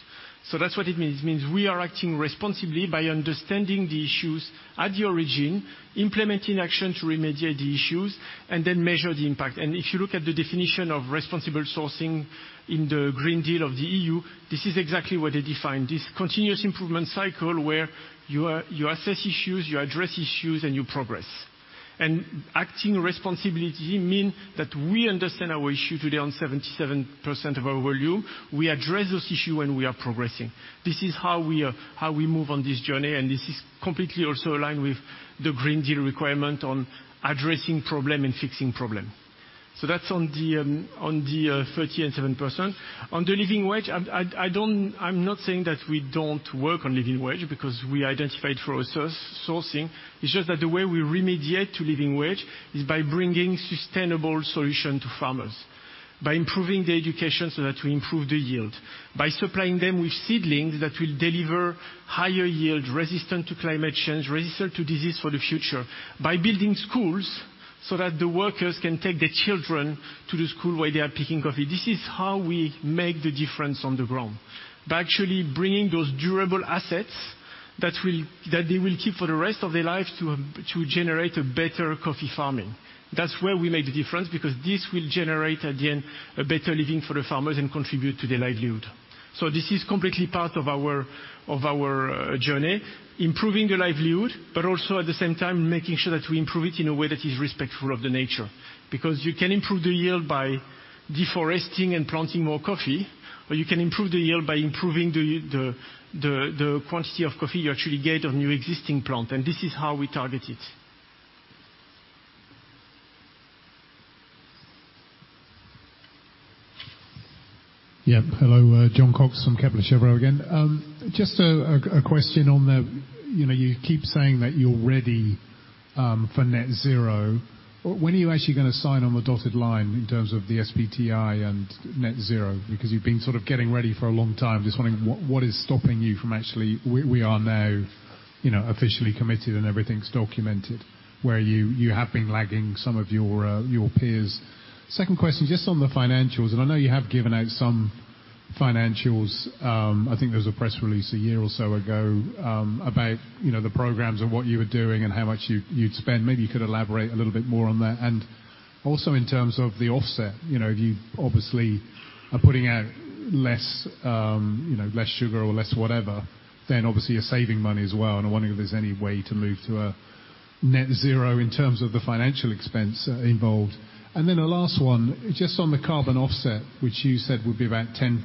That's what it means. It means we are acting responsibly by understanding the issues at the origin, implementing action to remediate the issues, and then measure the impact. If you look at the definition of responsible sourcing in the Green Deal of the EU, this is exactly what they define. This continuous improvement cycle where you assess issues, you address issues, and you progress. Acting responsibility mean that we understand our issue today on 77% of our volume. We address those issue and we are progressing. This is how we, how we move on this journey. This is completely also aligned with the Green Deal requirement on addressing problem and fixing problem. So that's on the, on the, 37%. On the living wage, I'm not saying that we don't work on living wage because we identified through our sourcing. It's just that the way we remediate to living wage is by bringing sustainable solution to farmers, by improving the education so that we improve the yield, by supplying them with seedlings that will deliver higher yield, resistant to climate change, resistant to disease for the future, by building schools so that the workers can take their children to the school while they are picking coffee. This is how we make the difference on the ground, by actually bringing those durable assets that they will keep for the rest of their lives to generate a better coffee farming. That's where we make the difference because this will generate, at the end, a better living for the farmers and contribute to their livelihood. This is completely part of our, of our journey, improving the livelihood, but also at the same time, making sure that we improve it in a way that is respectful of the nature. You can improve the yield by deforesting and planting more coffee, or you can improve the yield by improving the quantity of coffee you actually get on your existing plant, and this is how we target it. Yeah. Hello, Jon Cox from Kepler Cheuvreux again. Just a question on the... You know, you keep saying that you're ready for net zero. When are you actually gonna sign on the dotted line in terms of the SBTi and net zero? Because you've been sort of getting ready for a long time. Just wondering what is stopping you from actually, we are now, you know, officially committed and everything's documented, where you have been lagging some of your peers. Second question, just on the financials, and I know you have given out some financials. I think there was a press release a year or so ago, about, you know, the programs and what you were doing and how much you'd spend. Maybe you could elaborate a little bit more on that. Also in terms of the offset, you know, you obviously are putting out less, you know, less sugar or less whatever, then obviously you're saving money as well and I'm wondering if there's any way to move to a net zero in terms of the financial expense involved. Then a last one, just on the carbon offset, which you said would be about 10%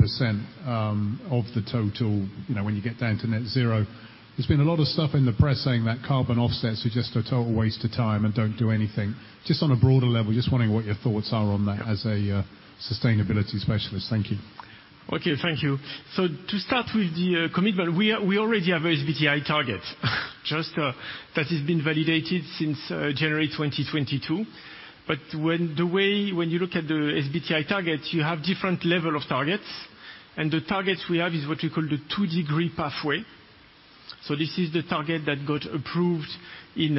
of the total, you know, when you get down to net zero. There's been a lot of stuff in the press saying that carbon offsets are just a total waste of time and don't do anything. Just on a broader level, just wondering what your thoughts are on that as a sustainability specialist. Thank you. Okay, thank you. To start with the commitment, we already have a SBTi target that has been validated since January 2022. When you look at the SBTi targets, you have different level of targets, and the targets we have is what we call the two-degree pathway. This is the target that got approved in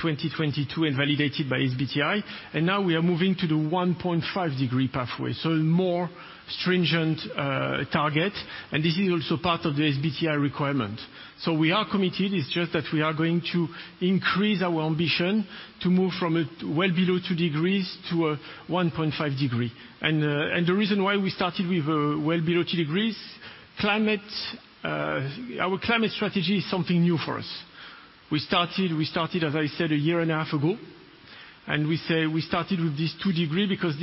2022 and validated by SBTi. Now we are moving to the one-point-five-degree pathway, a more stringent target. This is also part of the SBTi requirement. We are committed. It's just that we are going to increase our ambition to move from a well below two degrees to a one-point-five degree. The reason why we started with well below two degrees, our climate strategy is something new for us. We started, as I said, a year and a half ago, and we say we started with this two degree because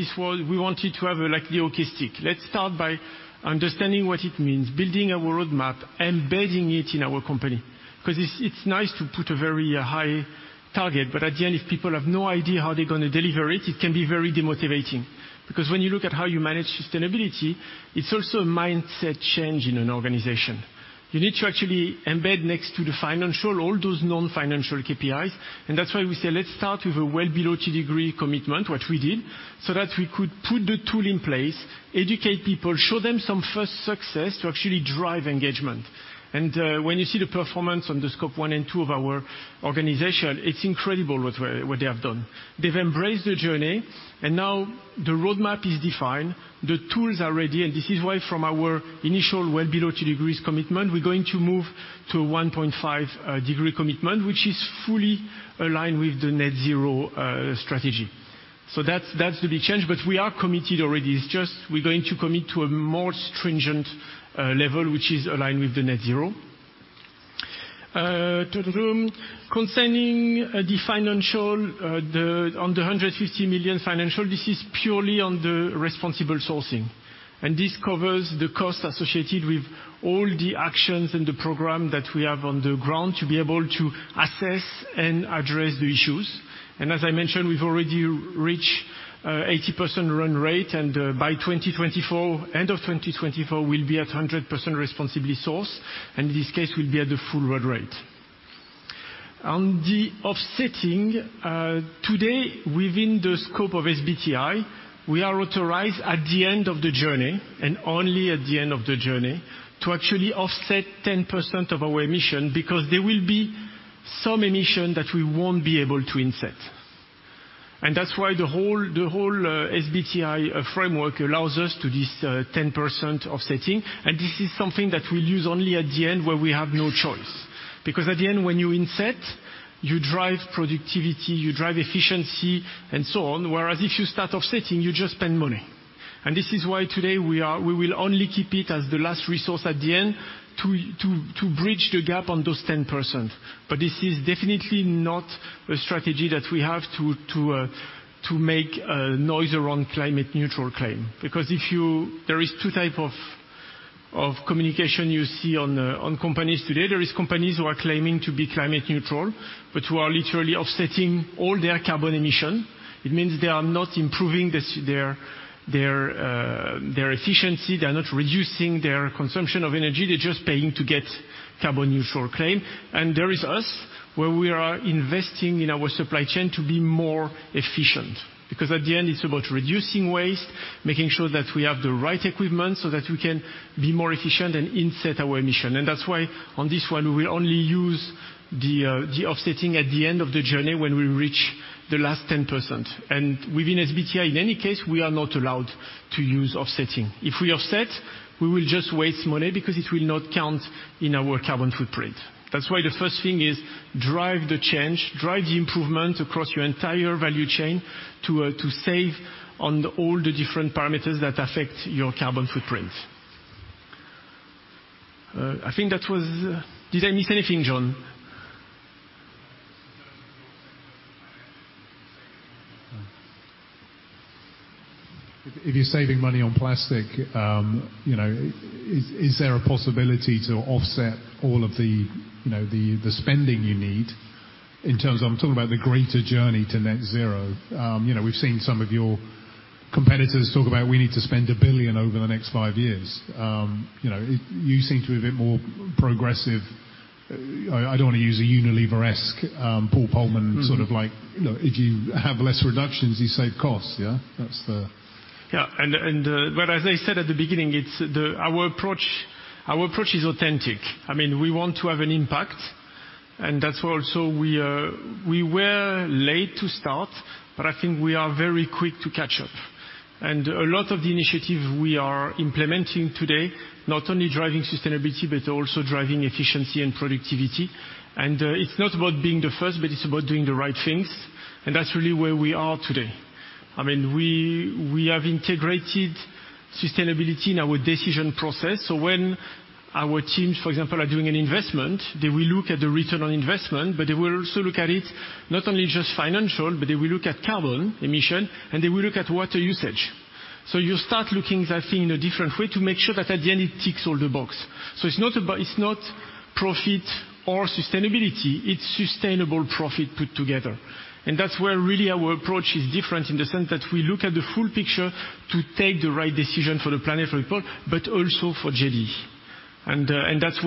we wanted to have like net zero. Let's start by understanding what it means, building our roadmap, embedding it in our company. 'Cause it's nice to put a very high target, but at the end, if people have no idea how they're gonna deliver it can be very demotivating. Because when you look at how you manage sustainability, it's also a mindset change in an organization. You need to actually embed next to the financial, all those non-financial KPIs. And that's why we say, let's start with a well below two degree commitment, what we did, so that we could put the tool in place, educate people, show them some first success to actually drive engagement. When you see the performance on the Scope 1 and 2 of our organization, it's incredible what they have done. They've embraced the journey, and now the roadmap is defined, the tools are ready, and this is why from our initial well below 2 degrees commitment, we're going to move to a 1.5 degree commitment, which is fully aligned with the net zero strategy. That's the big change, but we are committed already. It's just we're going to commit to a more stringent level, which is aligned with the net zero. Concerning the financial on the 150 million financial, this is purely on the responsible sourcing. This covers the cost associated with all the actions and the program that we have on the ground to be able to assess and address the issues. As I mentioned, we've already reached 80% run rate, and by 2024, end of 2024, we'll be at 100% responsibly sourced, and this case will be at the full run rate. On the offsetting, today within the scope of SBTi, we are authorized at the end of the journey and only at the end of the journey to actually offset 10% of our emission because there will be some emission that we won't be able to inset. That's why the whole SBTi framework allows us to this 10% offsetting, and this is something that we'll use only at the end where we have no choice. At the end, when you inset, you drive productivity, you drive efficiency, and so on. Whereas if you start offsetting, you just spend money. This is why today we will only keep it as the last resource at the end to bridge the gap on those 10%. This is definitely not a strategy that we have to make a noise around climate neutral claim. There is two type of communication you see on companies today. There is companies who are claiming to be climate neutral, but who are literally offsetting all their carbon emission. It means they are not improving their efficiency. They are not reducing their consumption of energy. They're just paying to get carbon neutral claim. There is us, where we are investing in our supply chain to be more efficient, because at the end, it's about reducing waste, making sure that we have the right equipment so that we can be more efficient and inset our emission. That's why on this one, we will only use the offsetting at the end of the journey, when we reach the last 10%. Within SBTi, in any case, we are not allowed to use offsetting. If we offset, we will just waste money because it will not count in our carbon footprint. The first thing is drive the change, drive the improvement across your entire value chain to save on all the different parameters that affect your carbon footprint. I think that was. Did I miss anything, Jon? If you're saving money on plastic, you know, is there a possibility to offset all of the, you know, the spending you need in terms of. I'm talking about the greater journey to net zero. You know, we've seen some of your competitors talk about we need to spend 1 billion over the next five years. You know, you seem to be a bit more progressive. I don't want to use a Unilever-esque, Paul Polman sort of like, you know, if you have less reductions, you save costs, yeah? That's the. Yeah. As I said at the beginning, it's our approach is authentic. I mean, we want to have an impact, and that's also we were late to start, but I think we are very quick to catch up. A lot of the initiatives we are implementing today, not only driving sustainability, but also driving efficiency and productivity. It's not about being the first, but it's about doing the right things, and that's really where we are today. I mean, we have integrated sustainability in our decision process. When our teams, for example, are doing an investment, they will look at the return on investment, but they will also look at it, not only just financial, but they will look at carbon emission, and they will look at water usage. You start looking at that thing in a different way to make sure that at the end, it ticks all the box. It's not profit or sustainability, it's sustainable profit put together. That's where really our approach is different in the sense that we look at the full picture to take the right decision for the planet, for people, but also for JDE. That's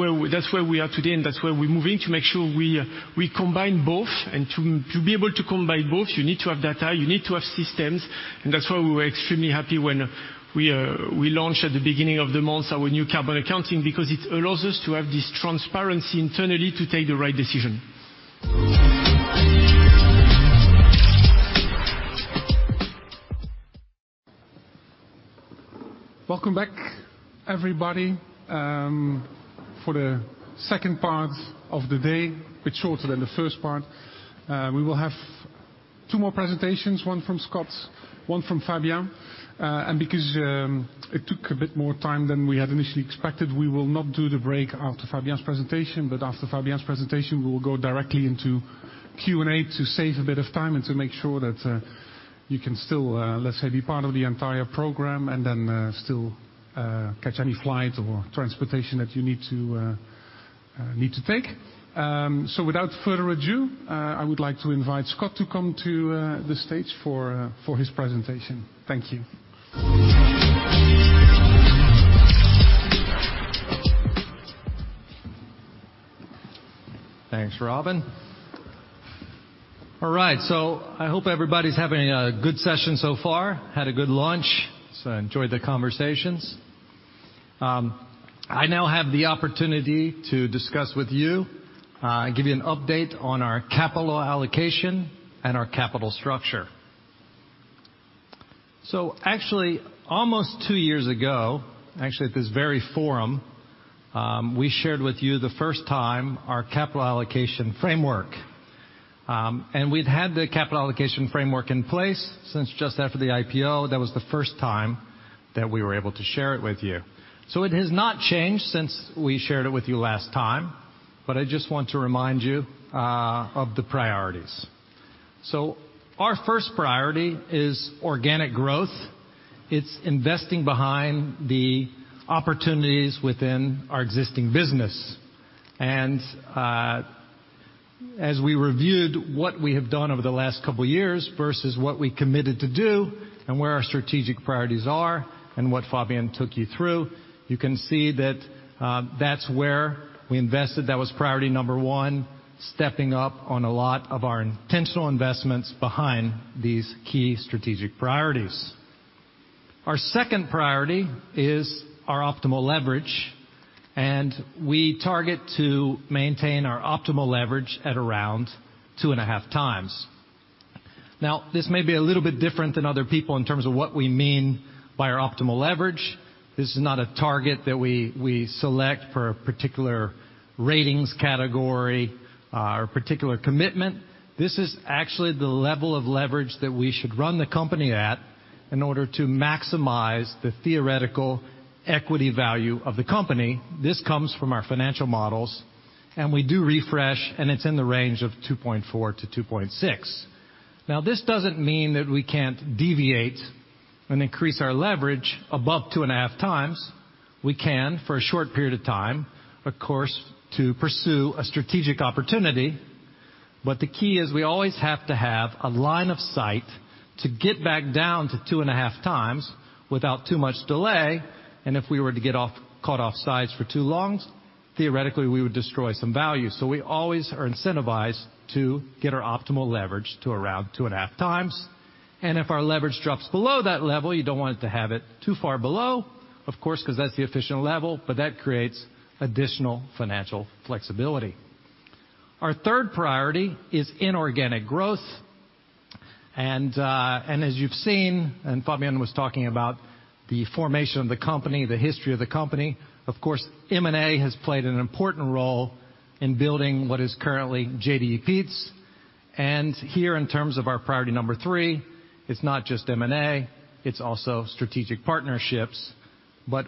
where we are today, and that's where we're moving to make sure we combine both. To be able to combine both, you need to have data, you need to have systems. That's why we were extremely happy when we launched at the beginning of the month our new carbon accounting, because it allows us to have this transparency internally to take the right decision. Welcome back, everybody, for the second part of the day. A bit shorter than the first part. We will have two more presentations, one from Scott, one from Fabien. Because it took a bit more time than we had initially expected, we will not do the break after Fabien's presentation. After Fabien's presentation, we will go directly into Q&A to save a bit of time and to make sure that you can still, let's say, be part of the entire program and then still catch any flight or transportation that you need to take. Without further ado, I would like to invite Scott to come to the stage for his presentation. Thank you. Thanks, Robin. All right. I hope everybody's having a good session so far. Had a good lunch. Enjoyed the conversations. I now have the opportunity to discuss with you, give you an update on our capital allocation and our capital structure. Actually, almost two years ago, actually at this very forum, we shared with you the first time our capital allocation framework. We'd had the capital allocation framework in place since just after the IPO. That was the first time that we were able to share it with you. It has not changed since we shared it with you last time, but I just want to remind you of the priorities. Our first priority is organic growth. It's investing behind the opportunities within our existing business. As we reviewed what we have done over the last couple years versus what we committed to do and where our strategic priorities are and what Fabien took you through, you can see that's where we invested. That was priority number one, stepping up on a lot of our intentional investments behind these key strategic priorities. Our second priority is our optimal leverage, and we target to maintain our optimal leverage at around 2.5x. Now, this may be a little bit different than other people in terms of what we mean by our optimal leverage. This is not a target that we select for a particular ratings category or a particular commitment. This is actually the level of leverage that we should run the company at in order to maximize the theoretical equity value of the company. This comes from our financial models, and we do refresh, and it's in the range of 2.4x-2.6x. Now, this doesn't mean that we can't deviate and increase our leverage above 2.5x. We can, for a short period of time, of course, to pursue a strategic opportunity. The key is we always have to have a line of sight to get back down to 2.5x without too much delay, and if we were to cut off sides for too long, theoretically, we would destroy some value. We always are incentivized to get our optimal leverage to around 2.5x. If our leverage drops below that level, you don't want it to have it too far below, of course, because that's the efficient level, but that creates additional financial flexibility. Our third priority is inorganic growth. As you've seen, and Fabien was talking about the formation of the company, the history of the company, of course, M&A has played an important role in building what is currently JDE Peet's. Here, in terms of our priority number three, it's not just M&A, it's also strategic partnerships.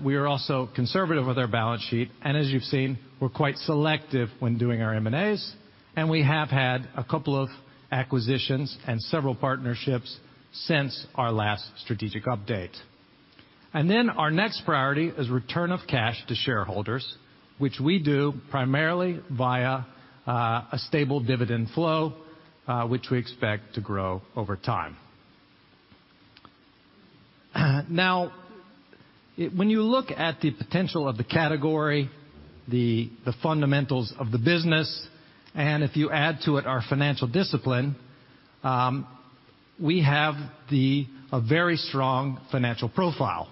We are also conservative with our balance sheet. As you've seen, we're quite selective when doing our M&As, and we have had a couple of acquisitions and several partnerships since our last strategic update. Our next priority is return of cash to shareholders, which we do primarily via a stable dividend flow, which we expect to grow over time. When you look at the potential of the category, the fundamentals of the business, and if you add to it our financial discipline, we have a very strong financial profile.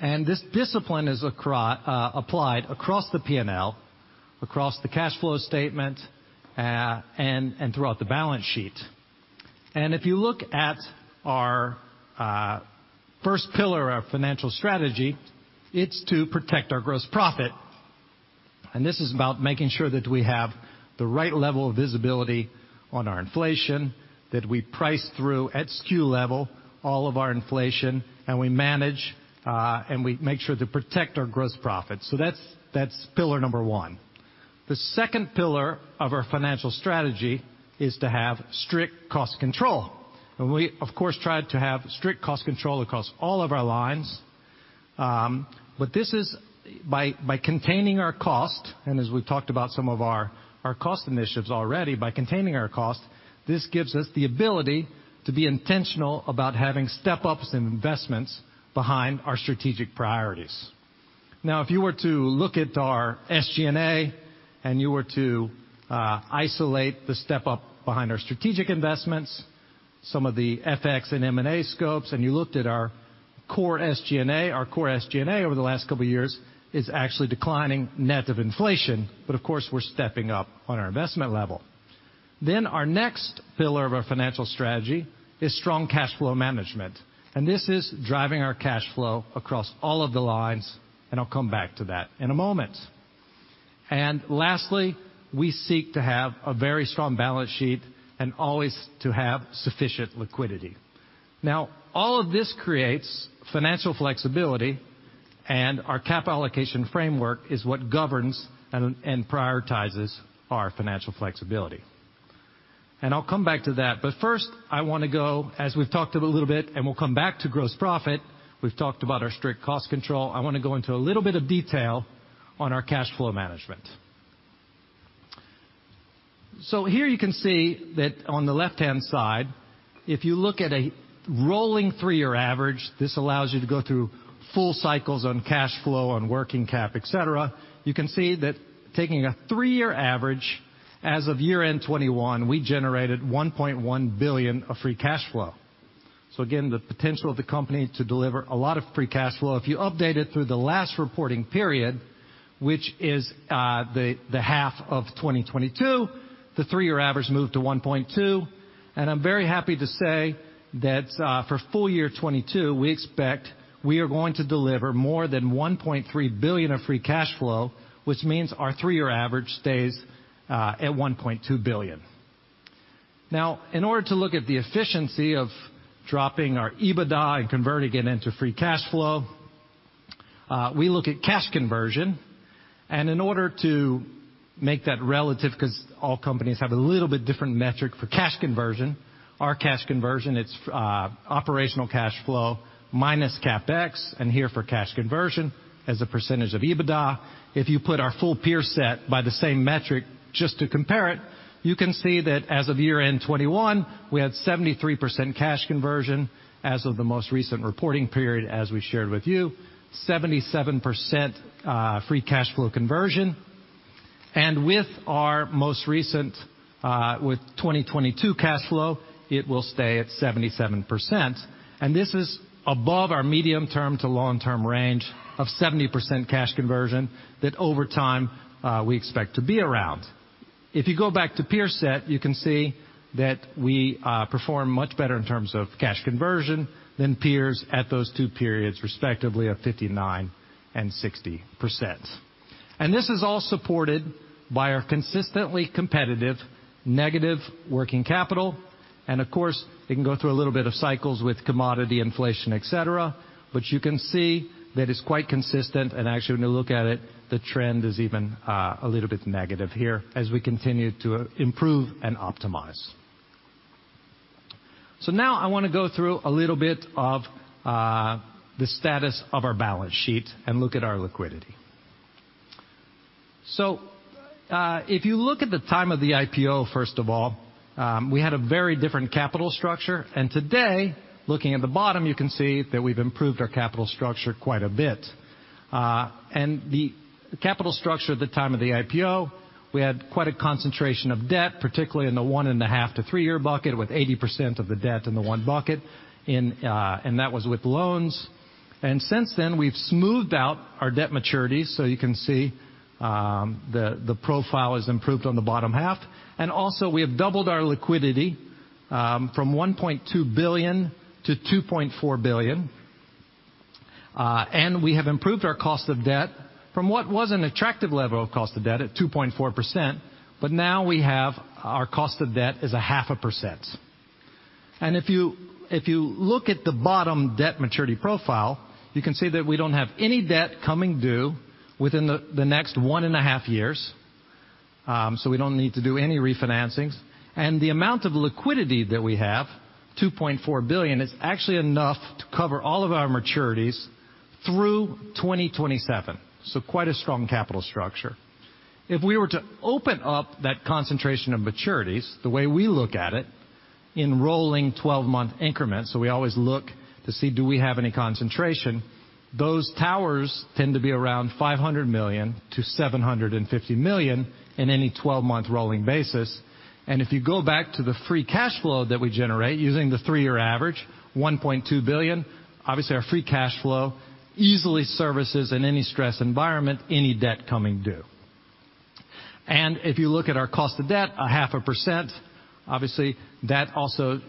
This discipline is applied across the P&L, across the cash flow statement, and throughout the balance sheet. If you look at our first pillar, our financial strategy, it's to protect our gross profit. This is about making sure that we have the right level of visibility on our inflation, that we price through at SKU level all of our inflation, and we manage and we make sure to protect our gross profit. That's pillar number one. The second pillar of our financial strategy is to have strict cost control. We, of course, try to have strict cost control across all of our lines. This is by containing our cost, and as we've talked about some of our cost initiatives already, by containing our cost, this gives us the ability to be intentional about having step-ups in investments behind our strategic priorities. If you were to look at our SG&A, and you were to isolate the step up behind our strategic investments, some of the FX and M&A scopes, and you looked at our core SG&A, our core SG&A over the last couple of years is actually declining net of inflation. Of course, we're stepping up on our investment level. Our next pillar of our financial strategy is strong cash flow management, and this is driving our cash flow across all of the lines, and I'll come back to that in a moment. Lastly, we seek to have a very strong balance sheet and always to have sufficient liquidity. All of this creates financial flexibility, and our capital allocation framework is what governs and prioritizes our financial flexibility. I'll come back to that. First, I wanna go, as we've talked a little bit, and we'll come back to gross profit. We've talked about our strict cost control. I wanna go into a little bit of detail on our cash flow management. Here you can see that on the left-hand side, if you look at a rolling three-year average, this allows you to go through full cycles on cash flow, on working cap, et cetera. You can see that taking a three-year average as of year-end 2021, we generated 1.1 billion of free cash flow. Again, the potential of the company to deliver a lot of free cash flow. If you update it through the last reporting period, which is the half of 2022, the three-year average moved to 1.2 billion. I'm very happy to say that for full year 2022, we expect we are going to deliver more than 1.3 billion of free cash flow, which means our three-year average stays at 1.2 billion. In order to look at the efficiency of dropping our EBITDA and converting it into free cash flow, we look at cash conversion. In order to make that relative, 'cause all companies have a little bit different metric for cash conversion. Our cash conversion, it's operational cash flow minus CapEx, and here for cash conversion as a percentage of EBITDA. If you put our full peer set by the same metric just to compare it, you can see that as of year-end 2021, we had 73% cash conversion. As of the most recent reporting period, as we shared with you, 77% free cash flow conversion. With our most recent with 2022 cash flow, it will stay at 77%. This is above our medium-term to long-term range of 70% cash conversion that over time, we expect to be around. If you go back to peer set, you can see that we perform much better in terms of cash conversion than peers at those two periods, respectively, of 59% and 60%. This is all supported by our consistently competitive negative working capital, and of course, it can go through a little bit of cycles with commodity inflation, et cetera, but you can see that it's quite consistent. Actually, when you look at it, the trend is even a little bit negative here as we continue to improve and optimize. Now I wanna go through a little bit of the status of our balance sheet and look at our liquidity. If you look at the time of the IPO, first of all, we had a very different capital structure. Today, looking at the bottom, you can see that we've improved our capital structure quite a bit. The capital structure at the time of the IPO, we had quite a concentration of debt, particularly in the 1.5-year to three-year bucket, with 80% of the debt in the one bucket, that was with loans. Since then, we've smoothed out our debt maturities, you can see, the profile has improved on the bottom half. Also, we have doubled our liquidity from 1.2 billion to 2.4 billion. We have improved our cost of debt from what was an attractive level of cost of debt at 2.4%, now we have our cost of debt is a half a percent. If you look at the bottom debt maturity profile, you can see that we don't have any debt coming due within the next 1.5 years, so we don't need to do any refinancings. The amount of liquidity that we have, $2.4 billion, is actually enough to cover all of our maturities through 2027. Quite a strong capital structure. If we were to open up that concentration of maturities, the way we look at it in rolling 12-month increments, so we always look to see do we have any concentration, those towers tend to be around $500 million-$750 million in any 12-month rolling basis. If you go back to the free cash flow that we generate using the three-year average, 1.2 billion, obviously our free cash flow easily services in any stress environment, any debt coming due. If you look at our cost of debt, half a percent, obviously, that also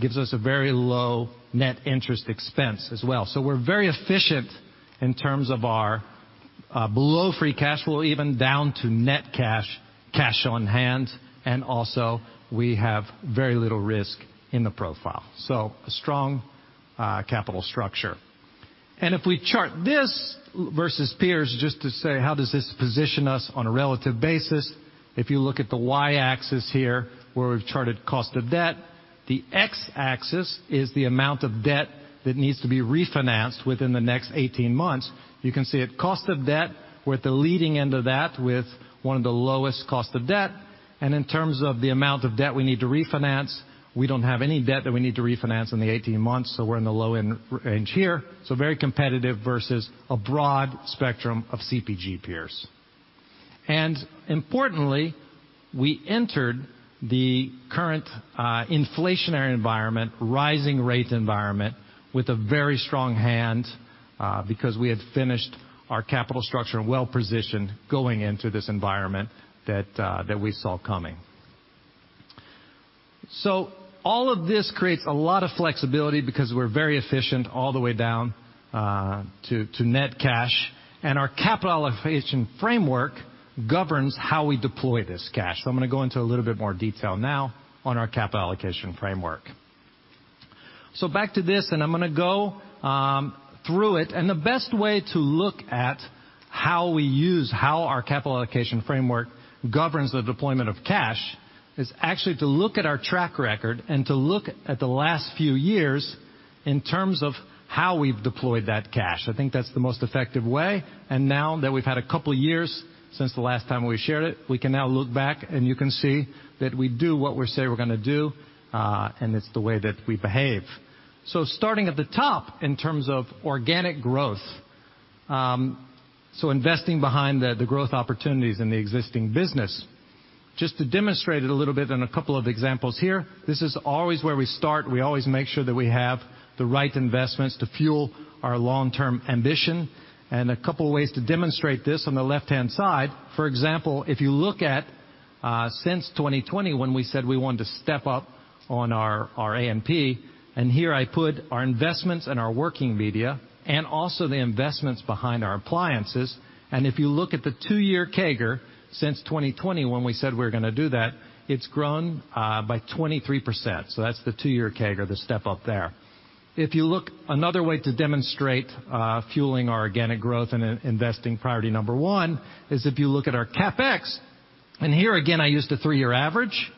gives us a very low net interest expense as well. We're very efficient in terms of our below free cash flow, even down to net cash on hand. We have very little risk in the profile. A strong capital structure. If we chart this versus peers, just to say how does this position us on a relative basis, if you look at the Y-axis here, where we've charted cost of debt, the X-axis is the amount of debt that needs to be refinanced within the next 18 months. You can see at cost of debt, we're at the leading end of that with one of the lowest cost of debt. In terms of the amount of debt we need to refinance, we don't have any debt that we need to refinance in the 18 months, so we're in the low end range here. Very competitive versus a broad spectrum of CPG peers. Importantly, we entered the current inflationary environment, rising rate environment with a very strong hand because we had finished our capital structure and well-positioned going into this environment that we saw coming. All of this creates a lot of flexibility because we're very efficient all the way down to net cash. Our capital allocation framework governs how we deploy this cash. I'm gonna go into a little bit more detail now on our capital allocation framework. Back to this, and I'm gonna go through it. And the best way to look at how we use, how our capital allocation framework governs the deployment of cash, is actually to look at our track record and to look at the last few years in terms of how we've deployed that cash. I think that's the most effective way. And now that we've had a couple years since the last time we shared it, we can now look back and you can see that we do what we say we're gonna do, and it's the way that we behave. Starting at the top in terms of organic growth, so investing behind the growth opportunities in the existing business. Just to demonstrate it a little bit on a couple of examples here, this is always where we start. We always make sure that we have the right investments to fuel our long-term ambition. A couple ways to demonstrate this on the left-hand side, for example, if you look at since 2020 when we said we wanted to step up on our AMP, and here I put our investments and our working media and also the investments behind our appliances. If you look at the two-year CAGR since 2020 when we said we're gonna do that, it's grown by 23%. That's the two-year CAGR, the step up there. Another way to demonstrate fueling our organic growth and in-investing priority number one is if you look at our CapEx. Here again, I used a three-year average,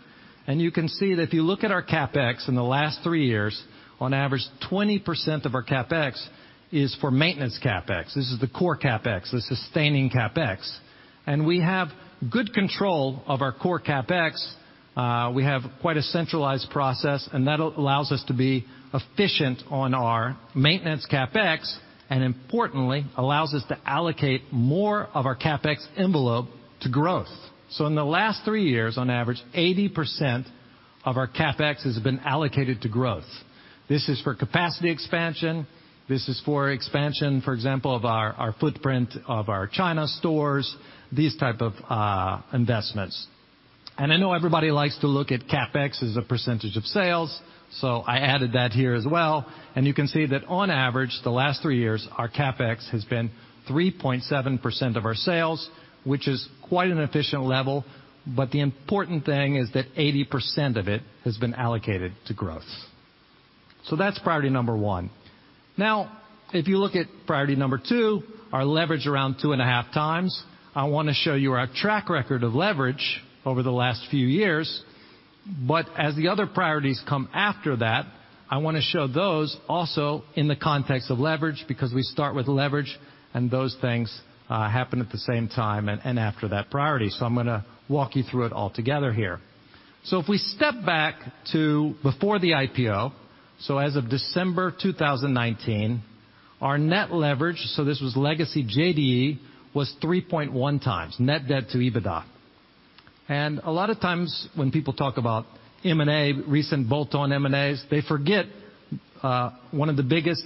and you can see that if you look at our CapEx in the last three years, on average, 20% of our CapEx is for maintenance CapEx. This is the core CapEx, the sustaining CapEx. We have good control of our core CapEx. We have quite a centralized process, and that allows us to be efficient on our maintenance CapEx. Importantly, allows us to allocate more of our CapEx envelope to growth. In the last three years, on average, 80% of our CapEx has been allocated to growth. This is for capacity expansion, this is for expansion, for example, of our footprint of our China stores, these type of investments. I know everybody likes to look at CapEx as a percentage of sales, so I added that here as well. You can see that on average, the last three years, our CapEx has been 3.7% of our sales, which is quite an efficient level. The important thing is that 80% of it has been allocated to growth. That's priority one. If you look at priority two, our leverage around 2.5x. I wanna show you our track record of leverage over the last few years. As the other priorities come after that, I wanna show those also in the context of leverage because we start with leverage and those things happen at the same time and after that priority. I'm gonna walk you through it all together here. If we step back to before the IPO, as of December 2019, our net leverage, this was legacy JDE, was 3.1x net debt to EBITDA. A lot of times when people talk about M&A, recent bolt-on M&As, they forget one of the biggest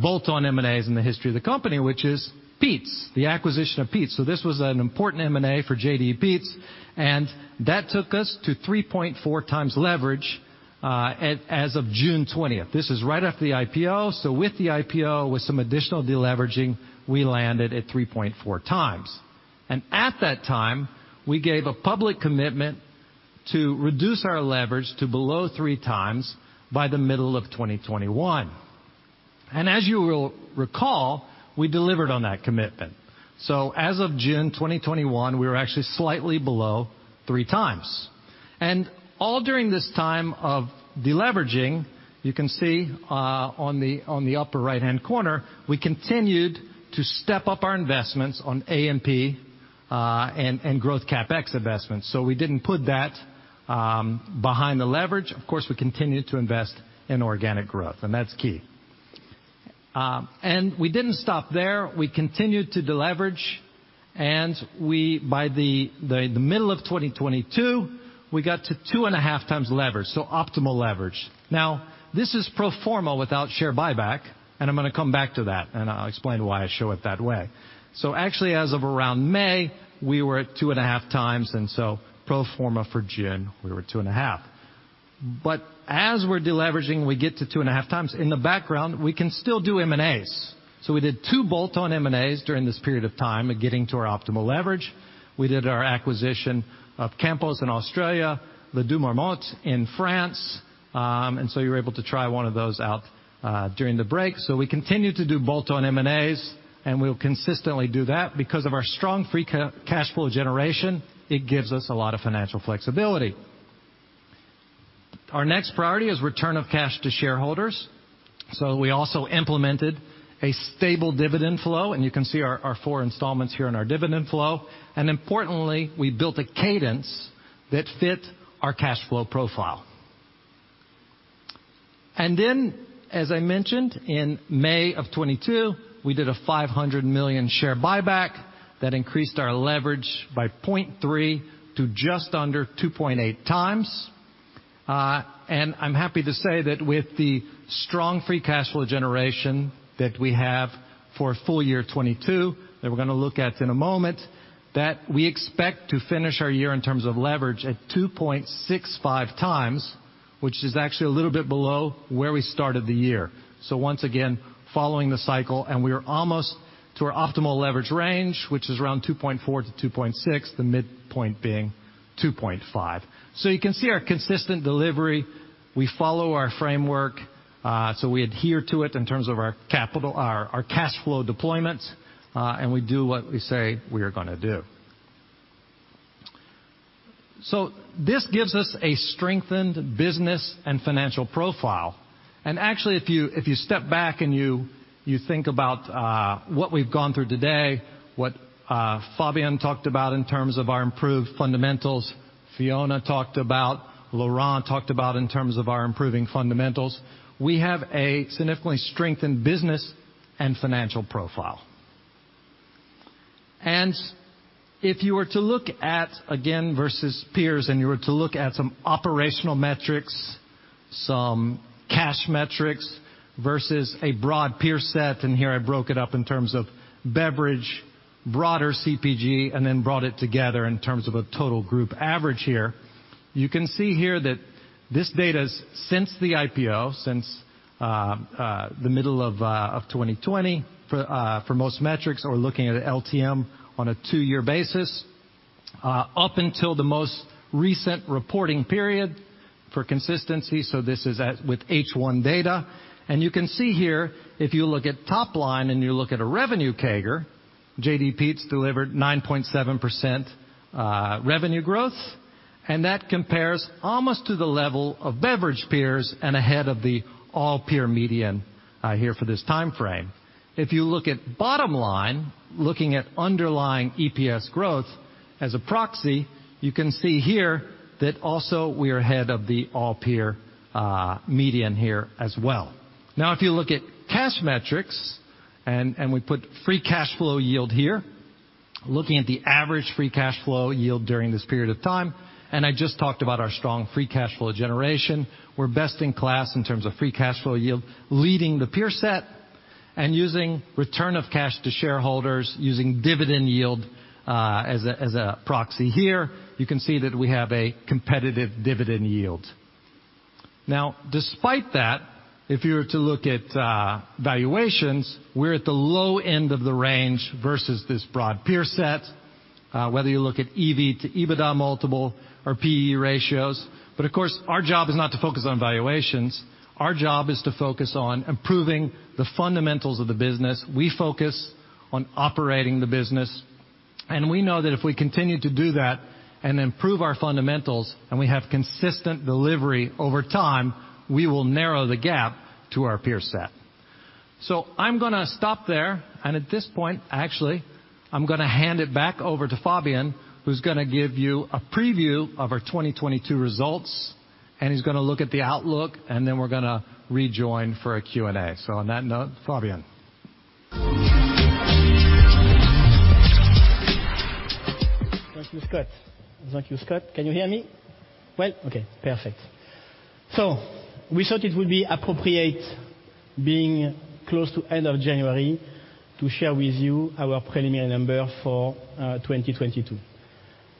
bolt-on M&As in the history of the company, which is Peet's, the acquisition of Peet's. This was an important M&A for JDE Peet's, and that took us to 3.4x leverage as of June 20th. This is right after the IPO. With the IPO, with some additional deleveraging, we landed at 3.4x. At that time, we gave a public commitment to reduce our leverage to below 3x by the middle of 2021. As you will recall, we delivered on that commitment. As of June 2021, we were actually slightly below 3x. All during this time of deleveraging, you can see on the upper right-hand corner, we continued to step up our investments on A&P and growth CapEx investments. We didn't put that behind the leverage. Of course, we continued to invest in organic growth, and that's key. We didn't stop there. We continued to deleverage. By the middle of 2022, we got to 2.5x leverage, so optimal leverage. This is pro forma without share buyback, and I'm gonna come back to that, and I'll explain why I show it that way. Actually, as of around May, we were at 2.5x, pro forma for June, we were at 2.5x. As we're deleveraging, we get to 2.5 times. In the background, we can still do M&As. We did two bolt-on M&As during this period of time in getting to our optimal leverage. We did our acquisition of Campos in Australia, the Les 2 Marmottes in France, and so you were able to try one of those out during the break. We continued to do bolt-on M&As, and we'll consistently do that. Because of our strong free cash flow generation, it gives us a lot of financial flexibility. Our next priority is return of cash to shareholders. We also implemented a stable dividend flow, and you can see our four installments here in our dividend flow. Importantly, we built a cadence that fit our cash flow profile. As I mentioned, in May of 2022, we did a 500 million share buyback that increased our leverage by 0.3x to just under 2.8x. I'm happy to say that with the strong free cash flow generation that we have for full year 2022, that we're gonna look at in a moment, that we expect to finish our year in terms of leverage at 2.65 times, which is actually a little bit below where we started the year. Once again, following the cycle, and we are almost to our optimal leverage range, which is around 2.4x-2.6x, the midpoint being 2.5x. You can see our consistent delivery. We follow our framework, so we adhere to it in terms of our capital, our cash flow deployments, and we do what we say we are gonna do. This gives us a strengthened business and financial profile. Actually, if you, if you step back and you think about what we've gone through today, what Fabian talked about in terms of our improved fundamentals, Fiona talked about, Laurent talked about in terms of our improving fundamentals, we have a significantly strengthened business and financial profile. If you were to look at, again, versus peers, and you were to look at some operational metrics, some cash metrics versus a broad peer set, and here I broke it up in terms of beverage, broader CPG, and then brought it together in terms of a total group average here. You can see here that this data's since the IPO, since the middle of 2020 for most metrics or looking at LTM on a two-year basis, up until the most recent reporting period for consistency. This is with H1 data. You can see here, if you look at top line and you look at a revenue CAGR, JDE Peet's delivered 9.7% revenue growth. That compares almost to the level of beverage peers and ahead of the all peer median here for this timeframe. If you look at bottom line, looking at underlying EPS growth as a proxy, you can see here that also we are ahead of the all peer median here as well. If you look at cash metrics, and we put free cash flow yield here, looking at the average free cash flow yield during this period of time, and I just talked about our strong free cash flow generation. We're best in class in terms of free cash flow yield, leading the peer set and using return of cash to shareholders using dividend yield as a proxy here. You can see that we have a competitive dividend yield. Despite that, if you were to look at valuations, we're at the low end of the range versus this broad peer set. Whether you look at EV/EBITDA multiple or P/E ratios. Of course, our job is not to focus on valuations. Our job is to focus on improving the fundamentals of the business. We focus on operating the business, and we know that if we continue to do that and improve our fundamentals, and we have consistent delivery over time, we will narrow the gap to our peer set. I'm gonna stop there, and at this point, actually, I'm gonna hand it back over to Fabien, who's gonna give you a preview of our 2022 results, and he's gonna look at the outlook, and then we're gonna rejoin for a Q&A. On that note, Fabien. Thank you, Scott. Can you hear me? Well, okay, perfect. We thought it would be appropriate, being close to end of January, to share with you our preliminary number for 2022.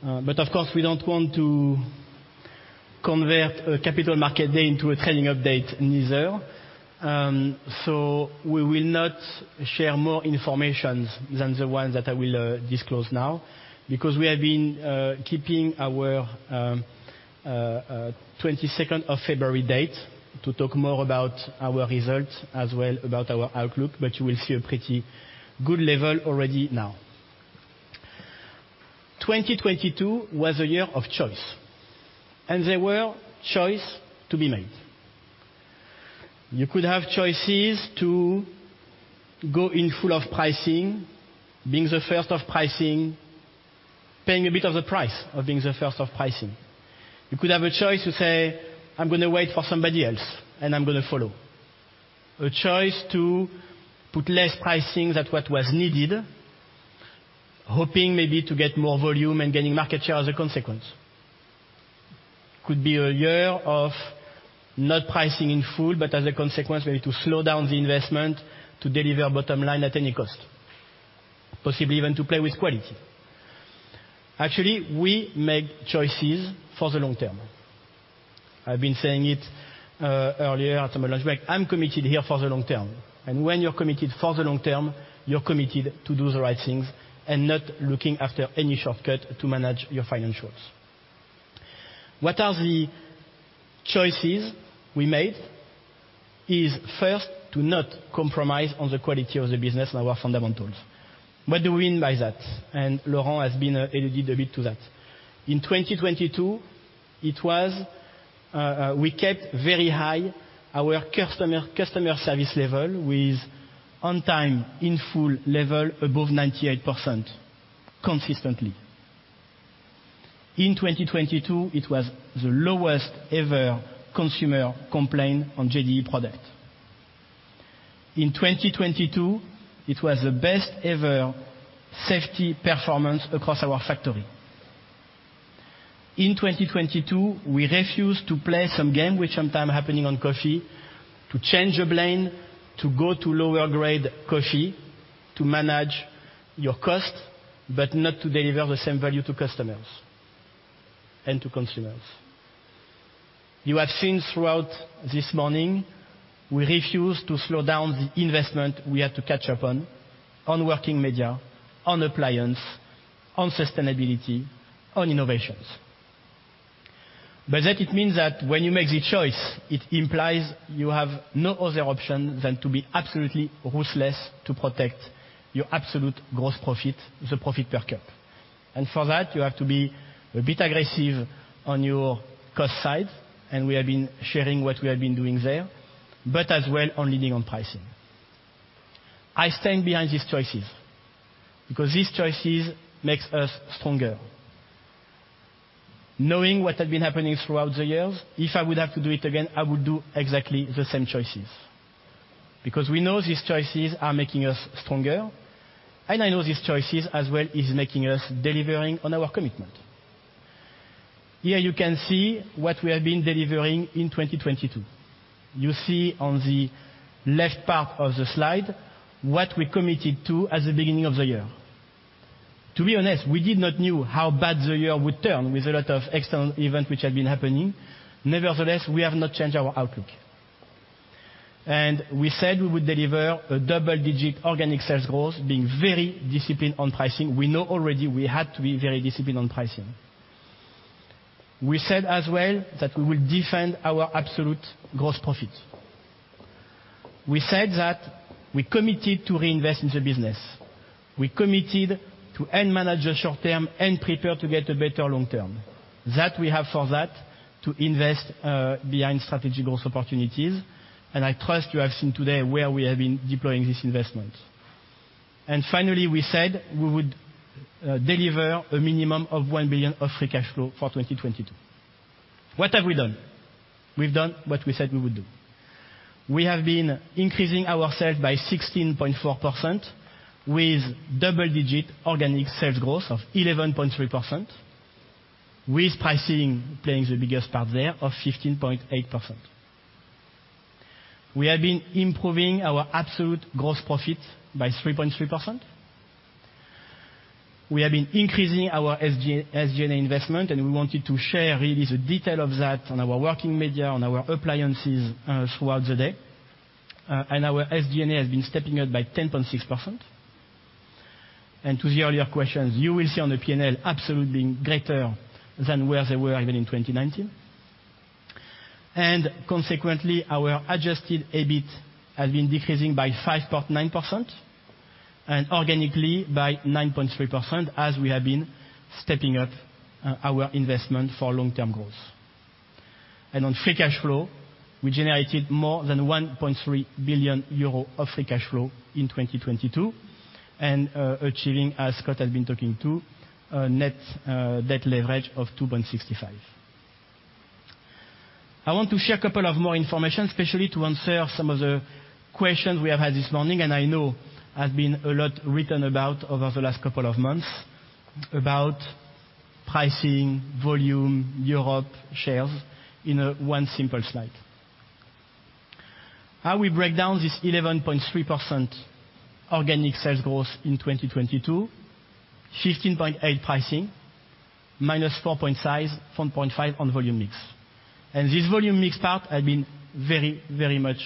Of course, we don't want to convert a capital market day into a trading update neither. We will not share more information than the ones that I will disclose now, because we have been keeping our 22nd of February date to talk more about our results as well as about our outlook, but you will see a pretty good level already now. 2022 was a year of choices, and there were choices to be made. You could have choices to go in full of pricing, being the first of pricing, paying a bit of the price of being the first of pricing. You could have a choice to say, "I'm gonna wait for somebody else, and I'm gonna follow." A choice to put less pricing than what was needed, hoping maybe to get more volume and gaining market share as a consequence. Could be a year of not pricing in full, but as a consequence, maybe to slow down the investment to deliver bottom line at any cost, possibly even to play with quality. Actually, we make choices for the long term. I've been saying it earlier at my lunch break. I'm committed here for the long term. When you're committed for the long term, you're committed to do the right things and not looking after any shortcut to manage your financials. What are the choices we made? Is first to not compromise on the quality of the business and our fundamentals. What do we mean by that? Laurent has been alluded a bit to that. In 2022, it was, we kept very high our customer service level with on time in full level above 98% consistently. In 2022, it was the lowest ever consumer complaint on JDE product. In 2022, it was the best ever safety performance across our factory. In 2022, we refused to play some game which sometimes happening on coffee to change a blend, to go to lower grade coffee, to manage your cost, but not to deliver the same value to customers and to consumers. You have seen throughout this morning, we refuse to slow down the investment we have to catch up on working media, on appliance, on sustainability, on innovations. By that it means that when you make the choice, it implies you have no other option than to be absolutely ruthless to protect your absolute gross profit, the profit per cup. For that, you have to be a bit aggressive on your cost side, and we have been sharing what we have been doing there, but as well on leading on pricing. I stand behind these choices because these choices makes us stronger. Knowing what had been happening throughout the years, if I would have to do it again, I would do exactly the same choices. We know these choices are making us stronger, and I know these choices as well is making us delivering on our commitment. Here you can see what we have been delivering in 2022. You see on the left part of the slide what we committed to at the beginning of the year. To be honest, we did not know how bad the year would turn with a lot of external events which had been happening. We have not changed our outlook. We said we would deliver a double-digit organic sales growth, being very disciplined on pricing. We know already we had to be very disciplined on pricing. We said as well that we will defend our absolute gross profit. We said that we committed to reinvest in the business. We committed to end manage the short term and prepare to get a better long term. That we have for that to invest behind strategic growth opportunities. I trust you have seen today where we have been deploying this investment. Finally, we said we would deliver a minimum of 1 billion of free cash flow for 2022. What have we done? We've done what we said we would do. We have been increasing our sales by 16.4% with double-digit organic sales growth of 11.3%, with pricing playing the biggest part there of 15.8%. We have been improving our absolute gross profit by 3.3%. We have been increasing our SG&A investment, and we wanted to share really the detail of that on our working media, on our appliances throughout the day. Our SG&A has been stepping up by 10.6%. To the earlier questions, you will see on the P&L absolutely greater than where they were even in 2019. Consequently, our adjusted EBIT has been decreasing by 5.9% and organically by 9.3% as we have been stepping up our investment for long-term growth. On free cash flow, we generated more than 1.3 billion euro of free cash flow in 2022 and, achieving, as Scott has been talking to, a net debt leverage of 2.65x. I want to share a couple of more information, especially to answer some of the questions we have had this morning, and I know has been a lot written about over the last couple of months about pricing, volume, Europe, shares in one simple slide. How we break down this 11.3% organic sales growth in 2022, 15.8% pricing minus 4.5% on volume mix. This volume mix part had been very, very much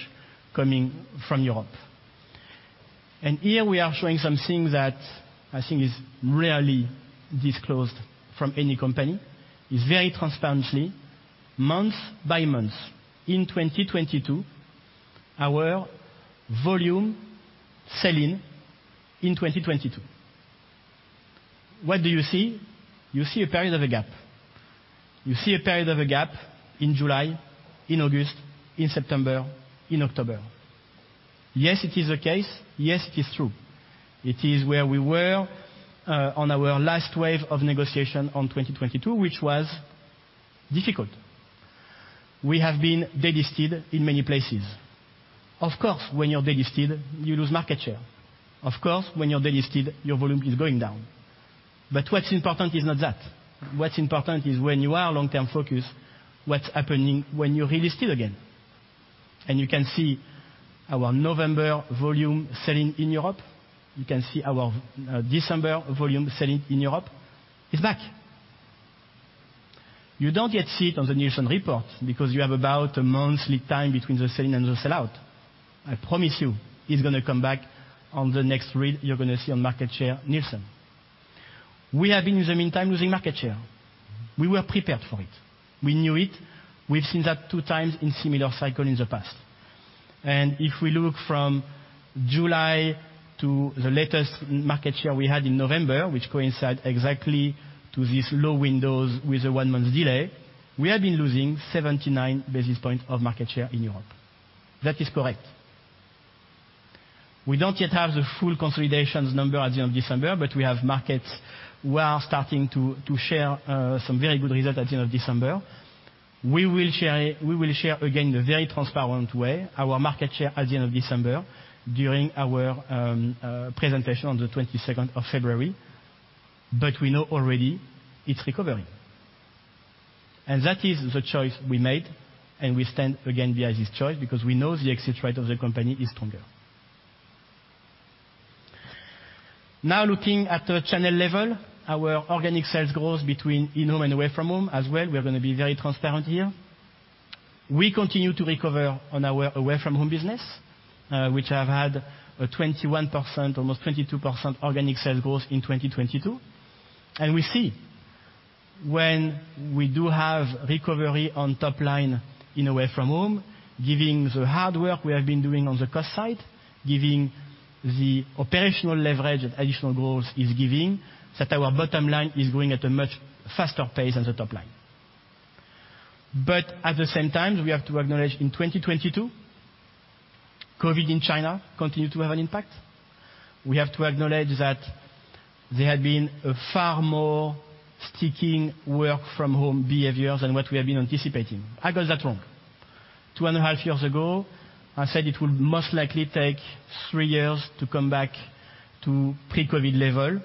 coming from Europe. Here we are showing something that I think is rarely disclosed from any company. It's very transparently, month by month in 2022, our volume sell-in in 2022. What do you see? You see a period of a gap. You see a period of a gap in July, in August, in September, in October. Yes, it is the case. Yes, it is true. It is where we were on our last wave of negotiation on 2022, which was difficult. We have been delisted in many places. Of course, when you're delisted, you lose market share. Of course, when you're delisted, your volume is going down. What's important is not that. What's important is when you are long-term focused, what's happening when you're relisted again. You can see our November volume sell-in in Europe, you can see our December volume sell-in in Europe is back. You don't yet see it on the NielsenIQ report because you have about a monthly time between the sell-in and the sell-out. I promise you it's gonna come back on the next read you're gonna see on market share NielsenIQ. We have been, in the meantime, losing market share. We were prepared for it. We knew it. We've seen that two times in similar cycle in the past. If we look from July to the latest market share we had in November, which coincide exactly to these low windows with a one-month delay, we have been losing 79 basis points of market share in Europe. That is correct. We don't yet have the full consolidations number at the end of December, but we have markets who are starting to share some very good results at the end of December. We will share again the very transparent way our market share at the end of December during our presentation on the 22nd of February. We know already it's recovering. That is the choice we made, and we stand again behind this choice because we know the exit rate of the company is stronger. Now looking at the channel level, our organic sales growth between in home and away from home as well. We are gonna be very transparent here. We continue to recover on our away from home business, which have had a 21%, almost 22% organic sales growth in 2022. We see when we do have recovery on top line in away from home, giving the hard work we have been doing on the cost side, giving the operational leverage that additional growth is giving, that our bottom line is growing at a much faster pace than the top line. At the same time, we have to acknowledge in 2022, COVID in China continued to have an impact. We have to acknowledge that there had been a far more sticking work from home behaviors than what we had been anticipating. I got that wrong. Two and a half years ago, I said it would most likely take three years to come back to pre-COVID level.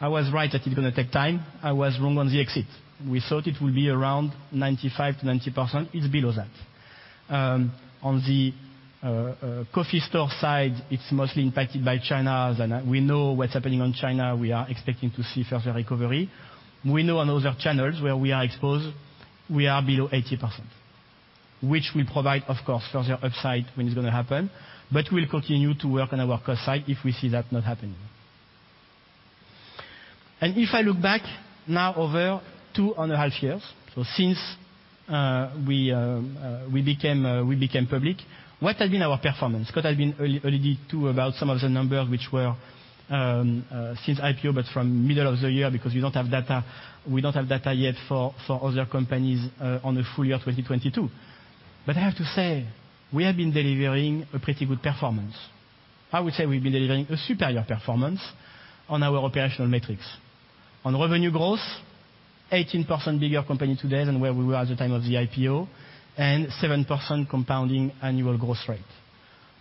I was right that it's gonna take time. I was wrong on the exit. We thought it would be around 95%-90%. It's below that. On the coffee store side, it's mostly impacted by China. We know what's happening on China. We are expecting to see further recovery. We know on other channels where we are exposed, we are below 80%, which will provide, of course, further upside when it's gonna happen. We'll continue to work on our cost side if we see that not happening. If I look back now over 2.5 years, so since we became public, what has been our performance? Scott has been ear-earlied to about some of the numbers which were since IPO, but from middle of the year because we don't have data yet for other companies on the full year 2022. I have to say, we have been delivering a pretty good performance. I would say we've been delivering a superior performance on our operational metrics. On revenue growth, 18% bigger company today than where we were at the time of the IPO, and 7% compounding annual growth rate.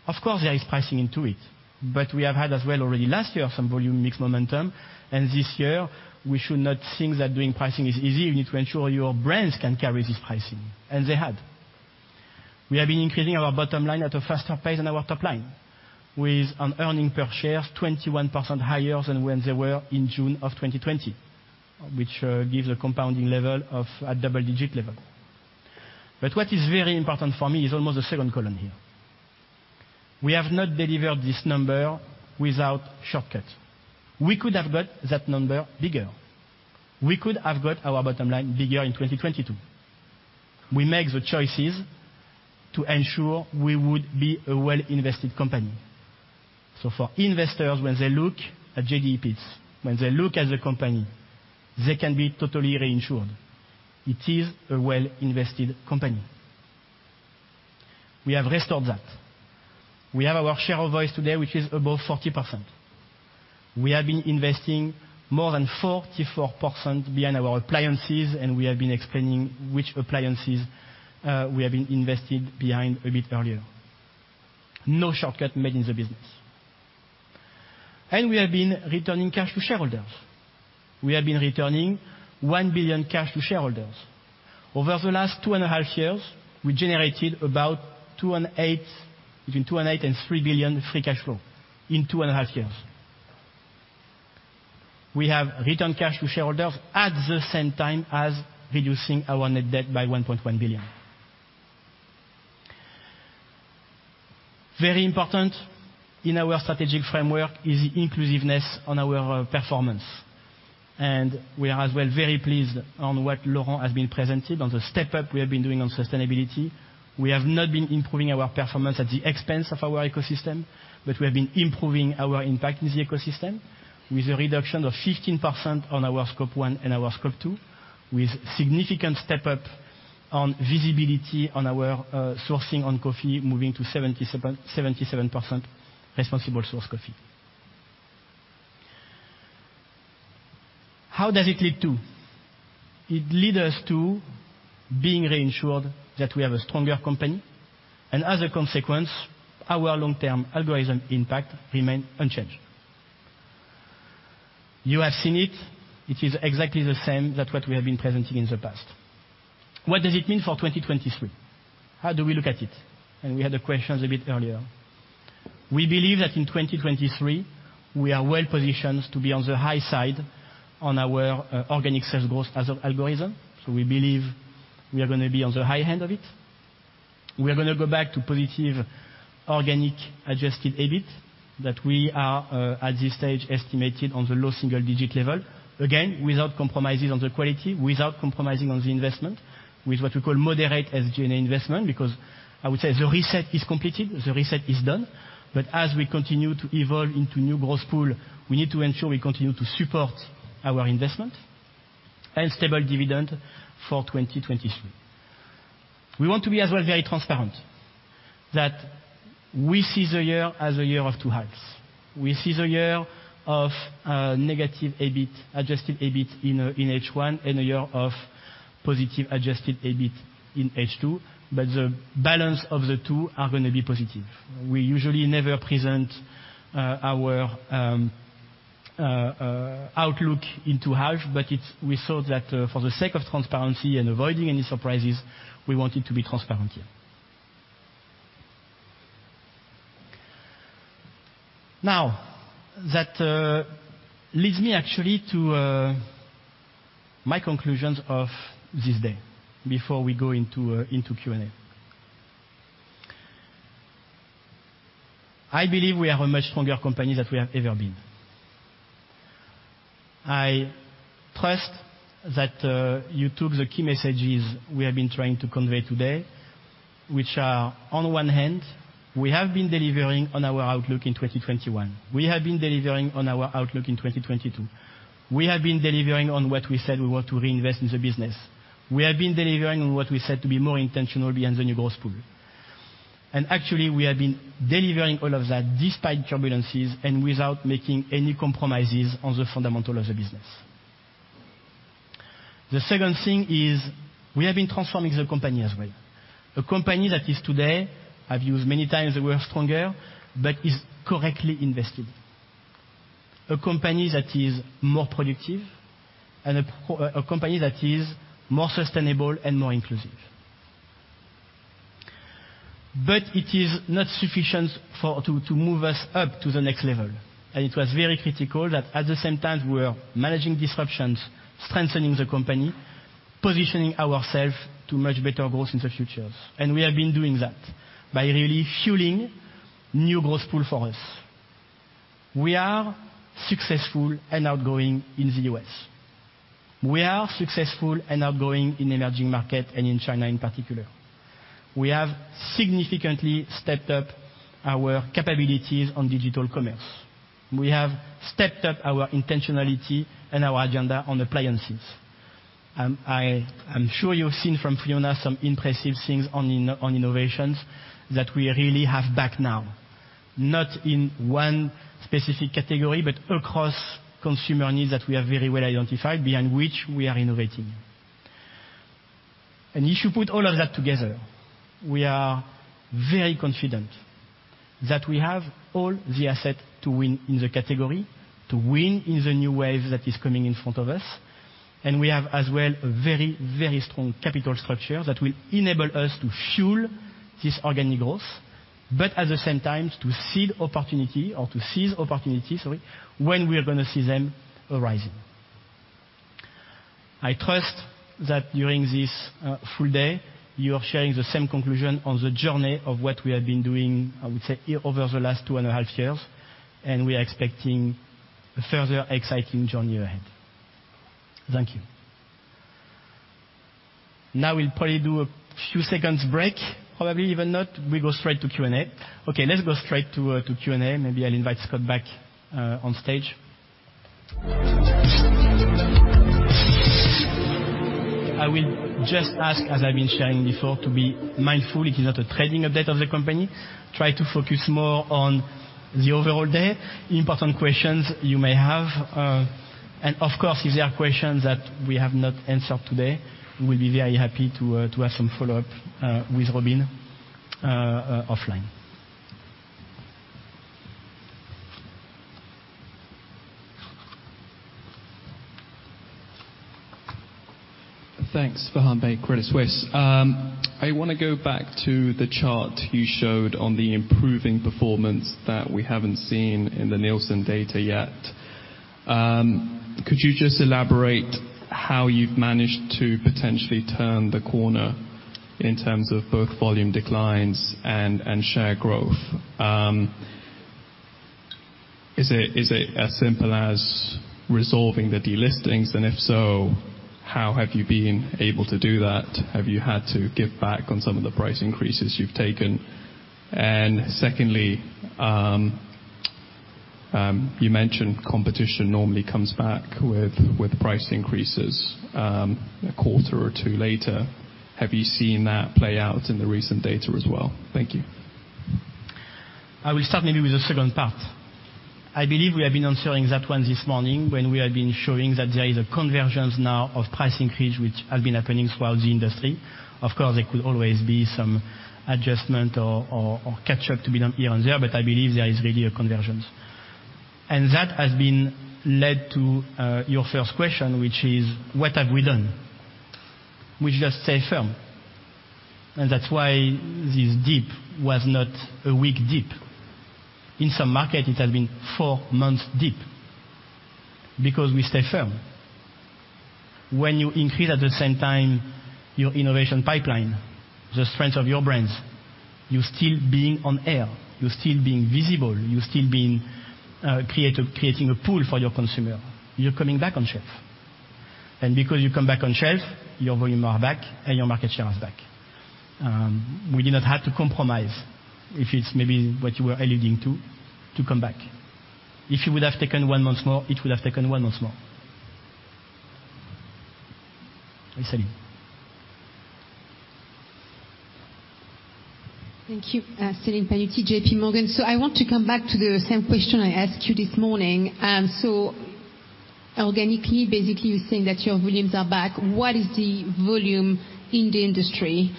Of course, there is pricing into it, but we have had as well already last year some volume mix momentum. This year we should not think that doing pricing is easy. You need to ensure your brands can carry this pricing, and they had. We have been increasing our bottom line at a faster pace than our top line, with an earning per share 21% higher than when they were in June of 2020. Which gives a compounding level of a double-digit level. What is very important for me is almost the second column here. We have not delivered this number without shortcut. We could have got that number bigger. We could have got our bottom line bigger in 2022. We make the choices to ensure we would be a well-invested company. For investors, when they look at JDE Peet's, when they look at the company, they can be totally reinsured. It is a well-invested company. We have restored that. We have our share of voice today, which is above 40%. We have been investing more than 44% behind our appliances, and we have been explaining which appliances we have been invested behind a bit earlier. No shortcut made in the business. We have been returning cash to shareholders. We have been returning 1 billion cash to shareholders. Over the last 2.5 years, we generated between 2.8 billion and 3 billion free cash flow in 2.5 years. We have returned cash to shareholders at the same time as reducing our net debt by 1.1 billion. Very important in our strategic framework is inclusiveness on our performance. We are as well very pleased on what Laurent has been presented, on the step up we have been doing on sustainability. We have not been improving our performance at the expense of our ecosystem, but we have been improving our impact in the ecosystem with a reduction of 15% on our Scope 1 and our Scope 2, with significant step up on visibility on our sourcing on coffee, moving to 77% responsible source coffee. How does it lead to? It led us to being reassured that we have a stronger company and as a consequence, our long-term algorithm impact remains unchanged. You have seen it. It is exactly the same that what we have been presenting in the past. What does it mean for 2023? How do we look at it? We had the questions a bit earlier. We believe that in 2023, we are well positioned to be on the high side on our organic sales growth as of algorithm. We believe we are gonna be on the high end of it. We are gonna go back to positive organic adjusted EBIT that we are at this stage estimated on the low single-digit level. Without compromising on the quality, without compromising on the investment, with what we call moderate SG&A investment, because I would say the reset is completed, the reset is done. As we continue to evolve into new growth pool, we need to ensure we continue to support our investment and stable dividend for 2023. We want to be as well very transparent that we see the year as a year of two halves. We see the year of negative EBIT, adjusted EBIT in H one and a year of positive adjusted EBIT in H two, but the balance of the two are gonna be positive. We usually never present our outlook in two halves, but we thought that, for the sake of transparency and avoiding any surprises, we wanted to be transparent here. Now, that leads me actually to my conclusions of this day before we go into Q&A. I believe we are a much stronger company than we have ever been. I trust that you took the key messages we have been trying to convey today, which are, on one hand, we have been delivering on our outlook in 2021. We have been delivering on our outlook in 2022. We have been delivering on what we said we want to reinvest in the business. We have been delivering on what we said to be more intentional behind the new growth pool. Actually, we have been delivering all of that despite turbulences and without making any compromises on the fundamental of the business. The second thing is we have been transforming the company as well. A company that is today, I've used many times the word stronger, but is correctly invested. A company that is more productive and a company that is more sustainable and more inclusive. It is not sufficient to move us up to the next level. It was very critical that at the same time, we were managing disruptions, strengthening the company, positioning ourself to much better growth in the futures. We have been doing that by really fueling new growth pool for us. We are successful and outgoing in the U.S. We are successful and outgoing in emerging market and in China in particular. We have significantly stepped up our capabilities on digital commerce. We have stepped up our intentionality and our agenda on appliances. I'm sure you've seen from Fiona some impressive things on innovations that we really have back now. Not in one specific category, but across consumer needs that we have very well identified, behind which we are innovating. If you put all of that together, we are very confident that we have all the asset to win in the category, to win in the new wave that is coming in front of us. We have as well a very strong capital structure that will enable us to fuel this organic growth. At the same time, to seed opportunity or to seize opportunities, sorry, when we are gonna see them arising. I trust that during this full day, you are sharing the same conclusion on the journey of what we have been doing, I would say, over the last two and a half years, and we are expecting a further exciting journey ahead. Thank you. We'll probably do a few seconds break, probably even not, we go straight to Q&A. Let's go straight to Q&A. Maybe I'll invite Scott back on stage. I will just ask, as I've been sharing before, to be mindful, it is not a trading update of the company. Try to focus more on the overall day, important questions you may have. Of course, if there are questions that we have not answered today, we'll be very happy to have some follow-up with Robin offline. Thanks. Farhan Khan, Credit Suisse. I wanna go back to the chart you showed on the improving performance that we haven't seen in the NielsenIQ data yet. Could you just elaborate how you've managed to potentially turn the corner in terms of both volume declines and share growth? Is it as simple as resolving the delistings? If so, how have you been able to do that? Have you had to give back on some of the price increases you've taken? Secondly, you mentioned competition normally comes back with price increases, a quarter or two later. Have you seen that play out in the recent data as well? Thank you. I will start maybe with the second part. I believe we have been answering that one this morning when we have been showing that there is a convergence now of price increase, which has been happening throughout the industry. Of course, there could always be some adjustment or catch up to be done here and there. I believe there is really a convergence. That has been led to your first question, which is, what have we done? We just stay firm. That's why this dip was not a weak dip. In some markets, it has been four months dip because we stay firm. When you increase at the same time your innovation pipeline, the strength of your brands, you still being on air, you still being visible, you still being creative, creating a pool for your consumer, you're coming back on shelf. Because you come back on shelf, your volume are back and your market share is back. We did not have to compromise, if it's maybe what you were alluding to come back. If you would have taken 1 month more, it would have taken 1 month more. Hi, Celine. Thank you. Celine Pannuti, JPMorgan. I want to come back to the same question I asked you this morning. Organically, basically, you're saying that your volumes are back. What is the volume in the industry?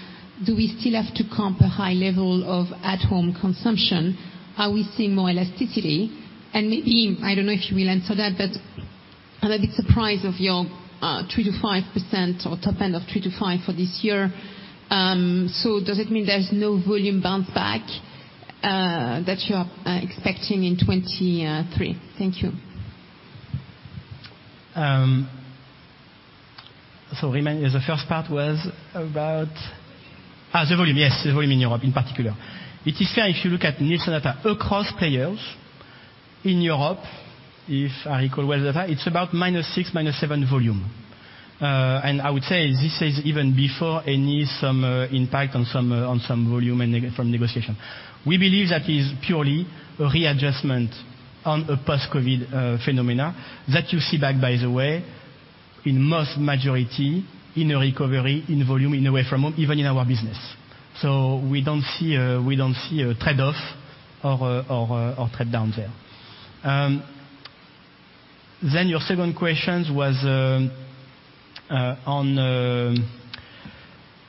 Do we still have to comp a high level of at-home consumption? Are we seeing more elasticity? Maybe, I don't know if you will answer that, but I'm a bit surprised of your 3%-5% or top end of 3%-5% for this year. Does it mean there's no volume bounce back that you are expecting in 2023? Thank you. Remind me, the first part was about? Volume. The volume. Yes, the volume in Europe in particular. It is fair if you look at NielsenIQ data across players in Europe, if I recall well the data, it's about -6, -7 volume. I would say this is even before any summer impact on some, on some volume from negotiation. We believe that is purely a readjustment on a post-COVID phenomena that you see back, by the way, in most majority in a recovery in volume, in away from home, even in our business. We don't see a trade-off or or or trade down there. Your second question was on.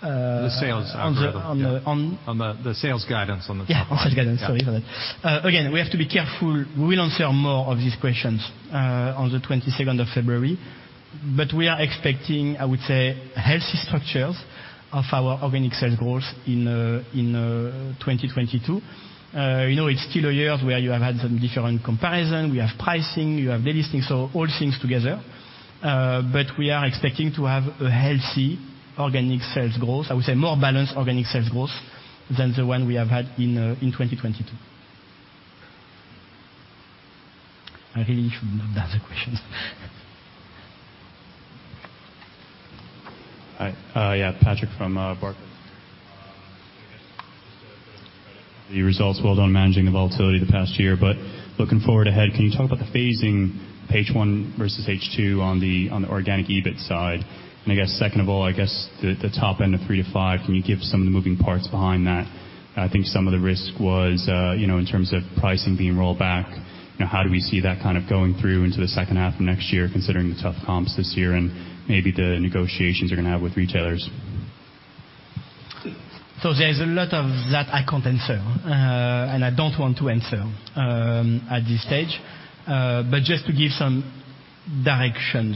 The sales On the, on the, on- On the sales guidance on the top. Yeah, on sales guidance. Sorry for that. Yeah. Again, we have to be careful. We will answer more of these questions on the 22nd of February. We are expecting, I would say, healthy structures of our organic sales growth in 2022. You know, it's still a year where you have had some different comparison, we have pricing, you have delisting, so all things together. We are expecting to have a healthy organic sales growth. I would say more balanced organic sales growth than the one we have had in 2022. I really should not ask the questions. Hi. Yeah, Patrick from Barclays. I guess, just to first credit the results, well done managing the volatility the past year. Looking forward ahead, can you talk about the phasing H1 versus H2 on the organic EBIT side? I guess second of all, I guess the top end of three to five, can you give some of the moving parts behind that? I think some of the risk was, you know, in terms of pricing being rolled back. You know, how do we see that kind of going through into the second half of next year, considering the tough comps this year and maybe the negotiations you're gonna have with retailers? There's a lot of that I can't answer, and I don't want to answer at this stage. Just to give some directions,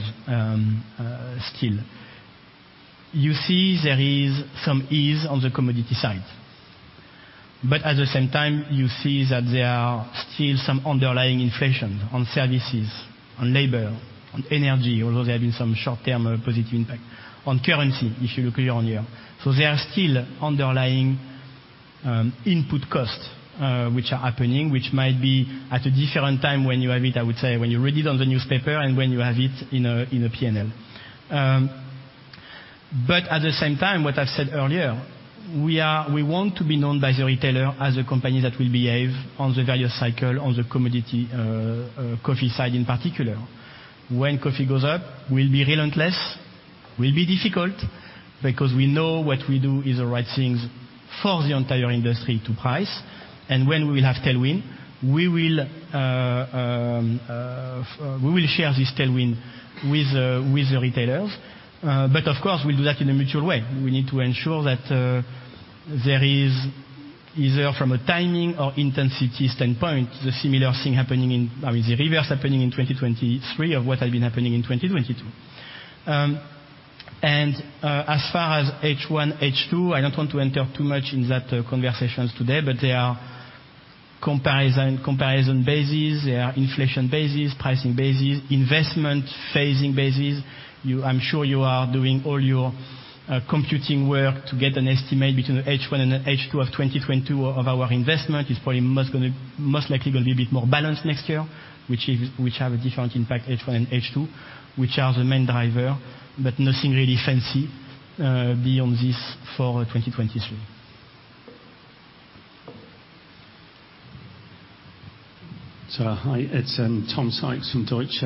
still, you see there is some ease on the commodity side, but at the same time, you see that there are still some underlying inflation on services, on labor, on energy, although there have been some short-term positive impact on currency if you look year-on-year. There are still underlying input costs which are happening, which might be at a different time when you have it, I would say, when you read it on the newspaper and when you have it in a P&L. At the same time, what I said earlier, we want to be known by the retailer as a company that will behave on the value cycle on the commodity coffee side in particular. When coffee goes up, we'll be relentless. Will be difficult because we know what we do is the right things for the entire industry to price. When we will have tailwind, we will share this tailwind with the retailers. Of course, we'll do that in a mutual way. We need to ensure that there is either from a timing or intensity standpoint, the similar thing happening, I mean, the reverse happening in 2023 of what had been happening in 2022. As far as H1, H2, I don't want to enter too much in that conversations today, but they are comparison bases. They are inflation bases, pricing bases, investment phasing bases. I'm sure you are doing all your computing work to get an estimate between H1 and H2 of 2022 of our investment. It's probably most likely gonna be a bit more balanced next year, which is, which have a different impact, H1 and H2, which are the main driver, but nothing really fancy beyond this for 2023. Hi, it's Tom Sykes from Deutsche.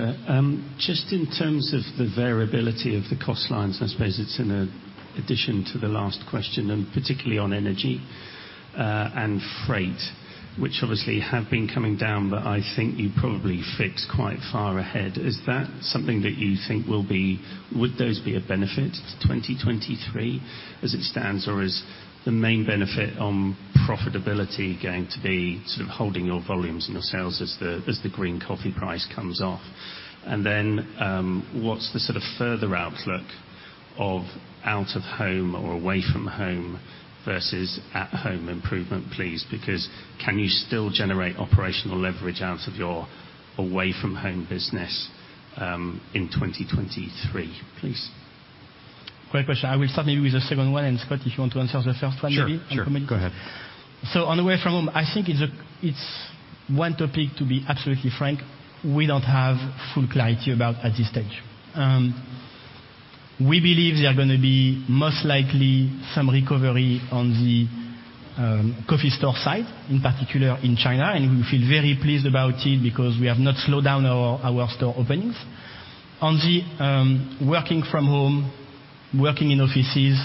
Just in terms of the variability of the cost lines, I suppose it's in addition to the last question, and particularly on energy and freight, which obviously have been coming down, but I think you probably fixed quite far ahead. Would those be a benefit to 2023 as it stands? Or is the main benefit on profitability going to be sort of holding your volumes and your sales as the, as the green coffee price comes off? Then, what's the sort of further outlook of out of home or away from home versus at home improvement, please? Can you still generate operational leverage out of your away from home business in 2023, please? Great question. I will start maybe with the second one, and Scott, if you want to answer the first one maybe on commodity. Sure. Sure. Go ahead. On away from home, I think it's one topic, to be absolutely frank, we don't have full clarity about at this stage. We believe there are gonna be most likely some recovery on the coffee store side, in particular in China, and we feel very pleased about it because we have not slowed down our store openings. On the working from home, working in offices,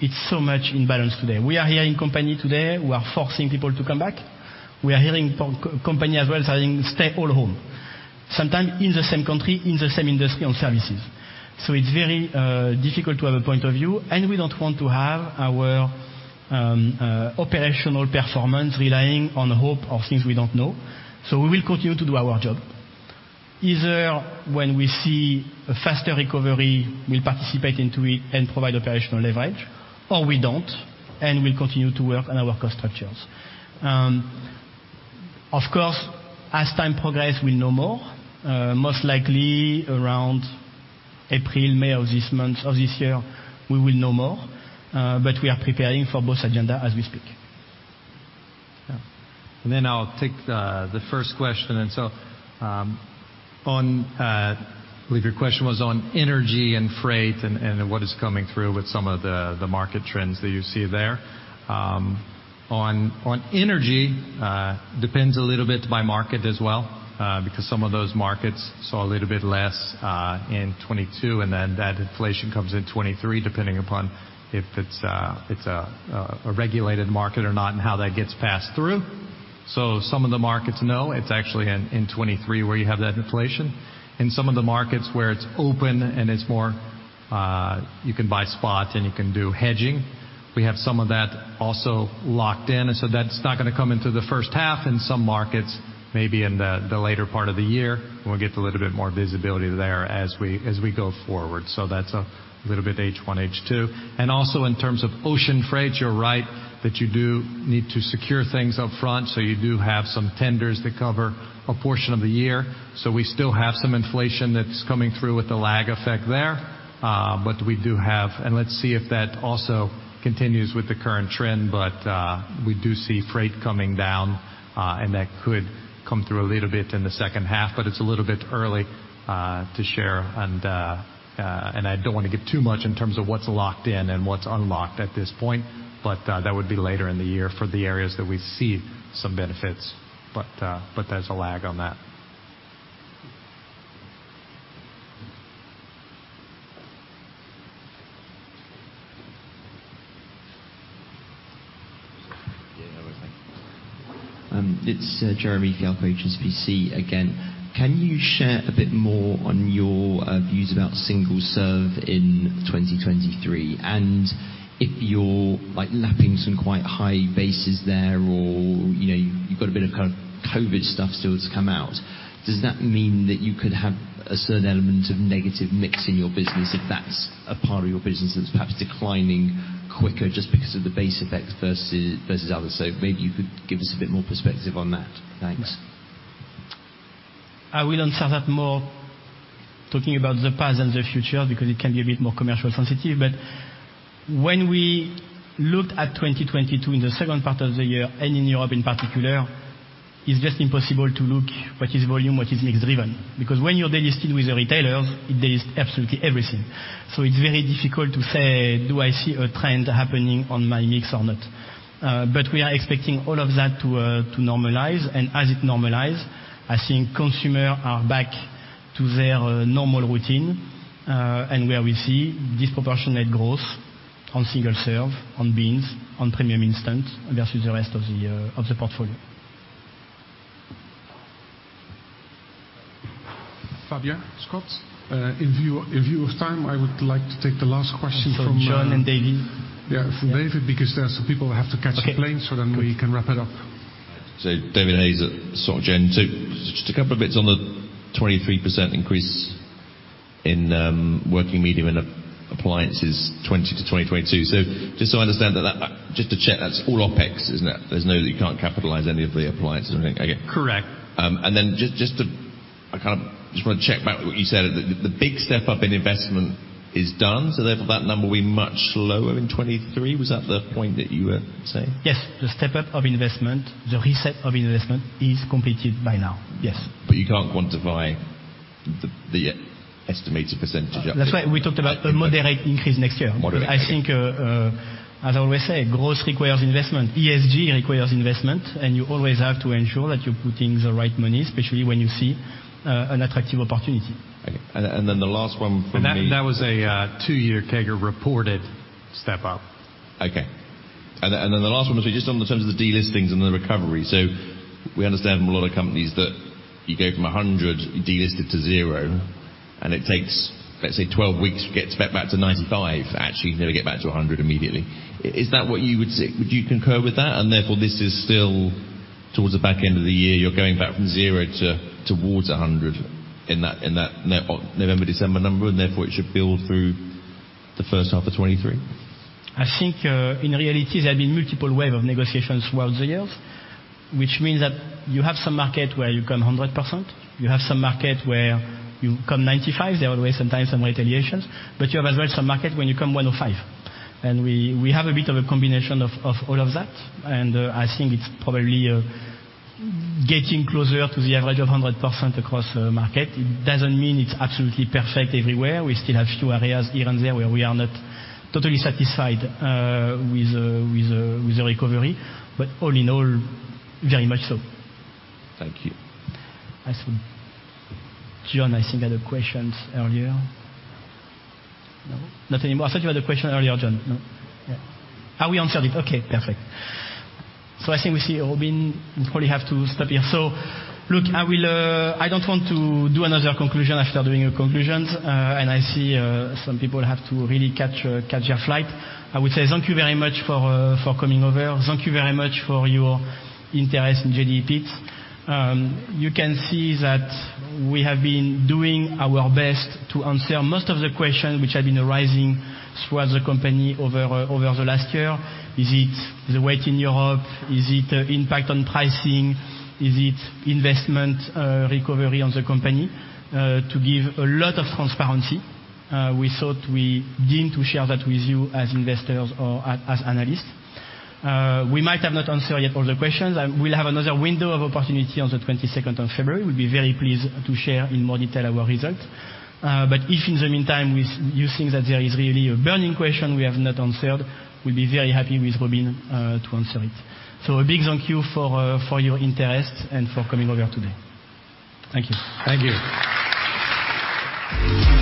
it's so much in balance today. We are hearing company today who are forcing people to come back. We are hearing company as well saying stay all home, sometime in the same country, in the same industry on services. It's very difficult to have a point of view, and we don't want to have our operational performance relying on hope of things we don't know. We will continue to do our job. Either when we see a faster recovery, we'll participate into it and provide operational leverage, or we don't, and we'll continue to work on our cost structures. Of course, as time progress, we'll know more. Most likely around April, May of this year, we will know more, but we are preparing for both agenda as we speak. Yeah. I'll take the first question. believe your question was on energy and freight and what is coming through with some of the market trends that you see there. On energy, depends a little bit by market as well, because some of those markets saw a little bit less in 2022, and then that inflation comes in 2023, depending upon if it's a regulated market or not and how that gets passed through. Some of the markets know it's actually in 2023 where you have that inflation. In some of the markets where it's open and it's more, you can buy spot and you can do hedging, we have some of that also locked in. That's not gonna come into the first half. In some markets, maybe in the later part of the year, we'll get a little bit more visibility there as we go forward. That's a little bit H1, H2. Also in terms of ocean freight, you're right that you do need to secure things up front. You do have some tenders that cover a portion of the year. We still have some inflation that's coming through with the lag effect there. But we do have... Let's see if that also continues with the current trend. We do see freight coming down, and that could come through a little bit in the second half, but it's a little bit early to share. I don't wanna give too much in terms of what's locked in and what's unlocked at this point, but that would be later in the year for the areas that we see some benefits. There's a lag on that. Yeah. No, thank you. It's Jeremy Fialko, HSBC again. Can you share a bit more on your views about single serve in 2023? If you're, like, lapping some quite high bases there or, you know, you've got a bit of kind of COVID stuff still to come out, does that mean that you could have a certain element of negative mix in your business if that's a part of your business that's perhaps declining quicker just because of the base effect versus others? Maybe you could give us a bit more perspective on that. Thanks. I will answer that more talking about the past and the future, because it can be a bit more commercial sensitive. When we looked at 2022 in the second part of the year and in Europe in particular, it's just impossible to look what is volume, what is mix driven, because when you're delisted with the retailers, it delists absolutely everything. It's very difficult to say, do I see a trend happening on my mix or not? But we are expecting all of that to normalize. As it normalize, I think consumer are back to their normal routine, and where we see disproportionate growth on single serve, on beans, on premium instant versus the rest of the portfolio. Fabien, Scott, in view of time, I would like to take the last question. John and David. Yeah, from David, because there are some people who have to catch a plane, so then we can wrap it up. David Hayes at Soc Gen. Just a couple of bits on the 23% increase in working media in appliances 2020-2022. Just so I understand that, just to check, that's all OpEx, isn't it? You can't capitalize any of the appliances or anything. Okay. Correct. Just, I kind of just wanna check back what you said. The big step up in investment is done, therefore that number will be much lower in 2023. Was that the point that you were saying? Yes. The step up of investment, the reset of investment is completed by now. Yes. you can't quantify the estimated. That's why we talked about a moderate increase next year. Moderate. I think, As I always say, growth requires investment, ESG requires investment, and you always have to ensure that you're putting the right money, especially when you see an attractive opportunity. Okay. The last one for me- That, that was a two-year CAGR reported step up. The last one was just on the terms of the delistings and the recovery. We understand from a lot of companies that you go from 100 delisted to zero, and it takes, let's say, 12 weeks to get back to 95. Actually, you can never get back to 100 immediately. Is that what you would say? Would you concur with that? Therefore this is still towards the back end of the year, you're going back from zero to towards 100 in that, in that November/December number, and therefore it should build through the first half of 2023. I think, in reality, there have been multiple wave of negotiations throughout the years, which means that you have some market where you come 100%, you have some market where you come 95%. There are always sometimes some retaliations. You have as well some market when you come 105%. We have a bit of a combination of all of that. I think it's probably getting closer to the average of 100% across the market. It doesn't mean it's absolutely perfect everywhere. We still have few areas here and there where we are not totally satisfied with the recovery. All in all, very much so. Thank you. I see. John, I think you had a question earlier. No? Not anymore. I thought you had a question earlier, John. No? Yeah. We answered it. Okay, perfect. I think we see Robin Jansen, we probably have to stop here. Look, I will I don't want to do another conclusion after doing a conclusion, and I see some people have to really catch their flight. I would say thank you very much for for coming over. Thank you very much for your interest in JDE Peet's. You can see that we have been doing our best to answer most of the questions which have been arising throughout the company over the last year. Is it the weight in Europe? Is it impact on pricing? Is it investment recovery on the company? To give a lot of transparency, we thought we deemed to share that with you as investors or as analysts. We'll have another window of opportunity on the 22nd of February. We'll be very pleased to share in more detail our results. If in the meantime, you think that there is really a burning question we have not answered, we'll be very happy with Robin to answer it. A big thank you for your interest and for coming over today. Thank you. Thank you.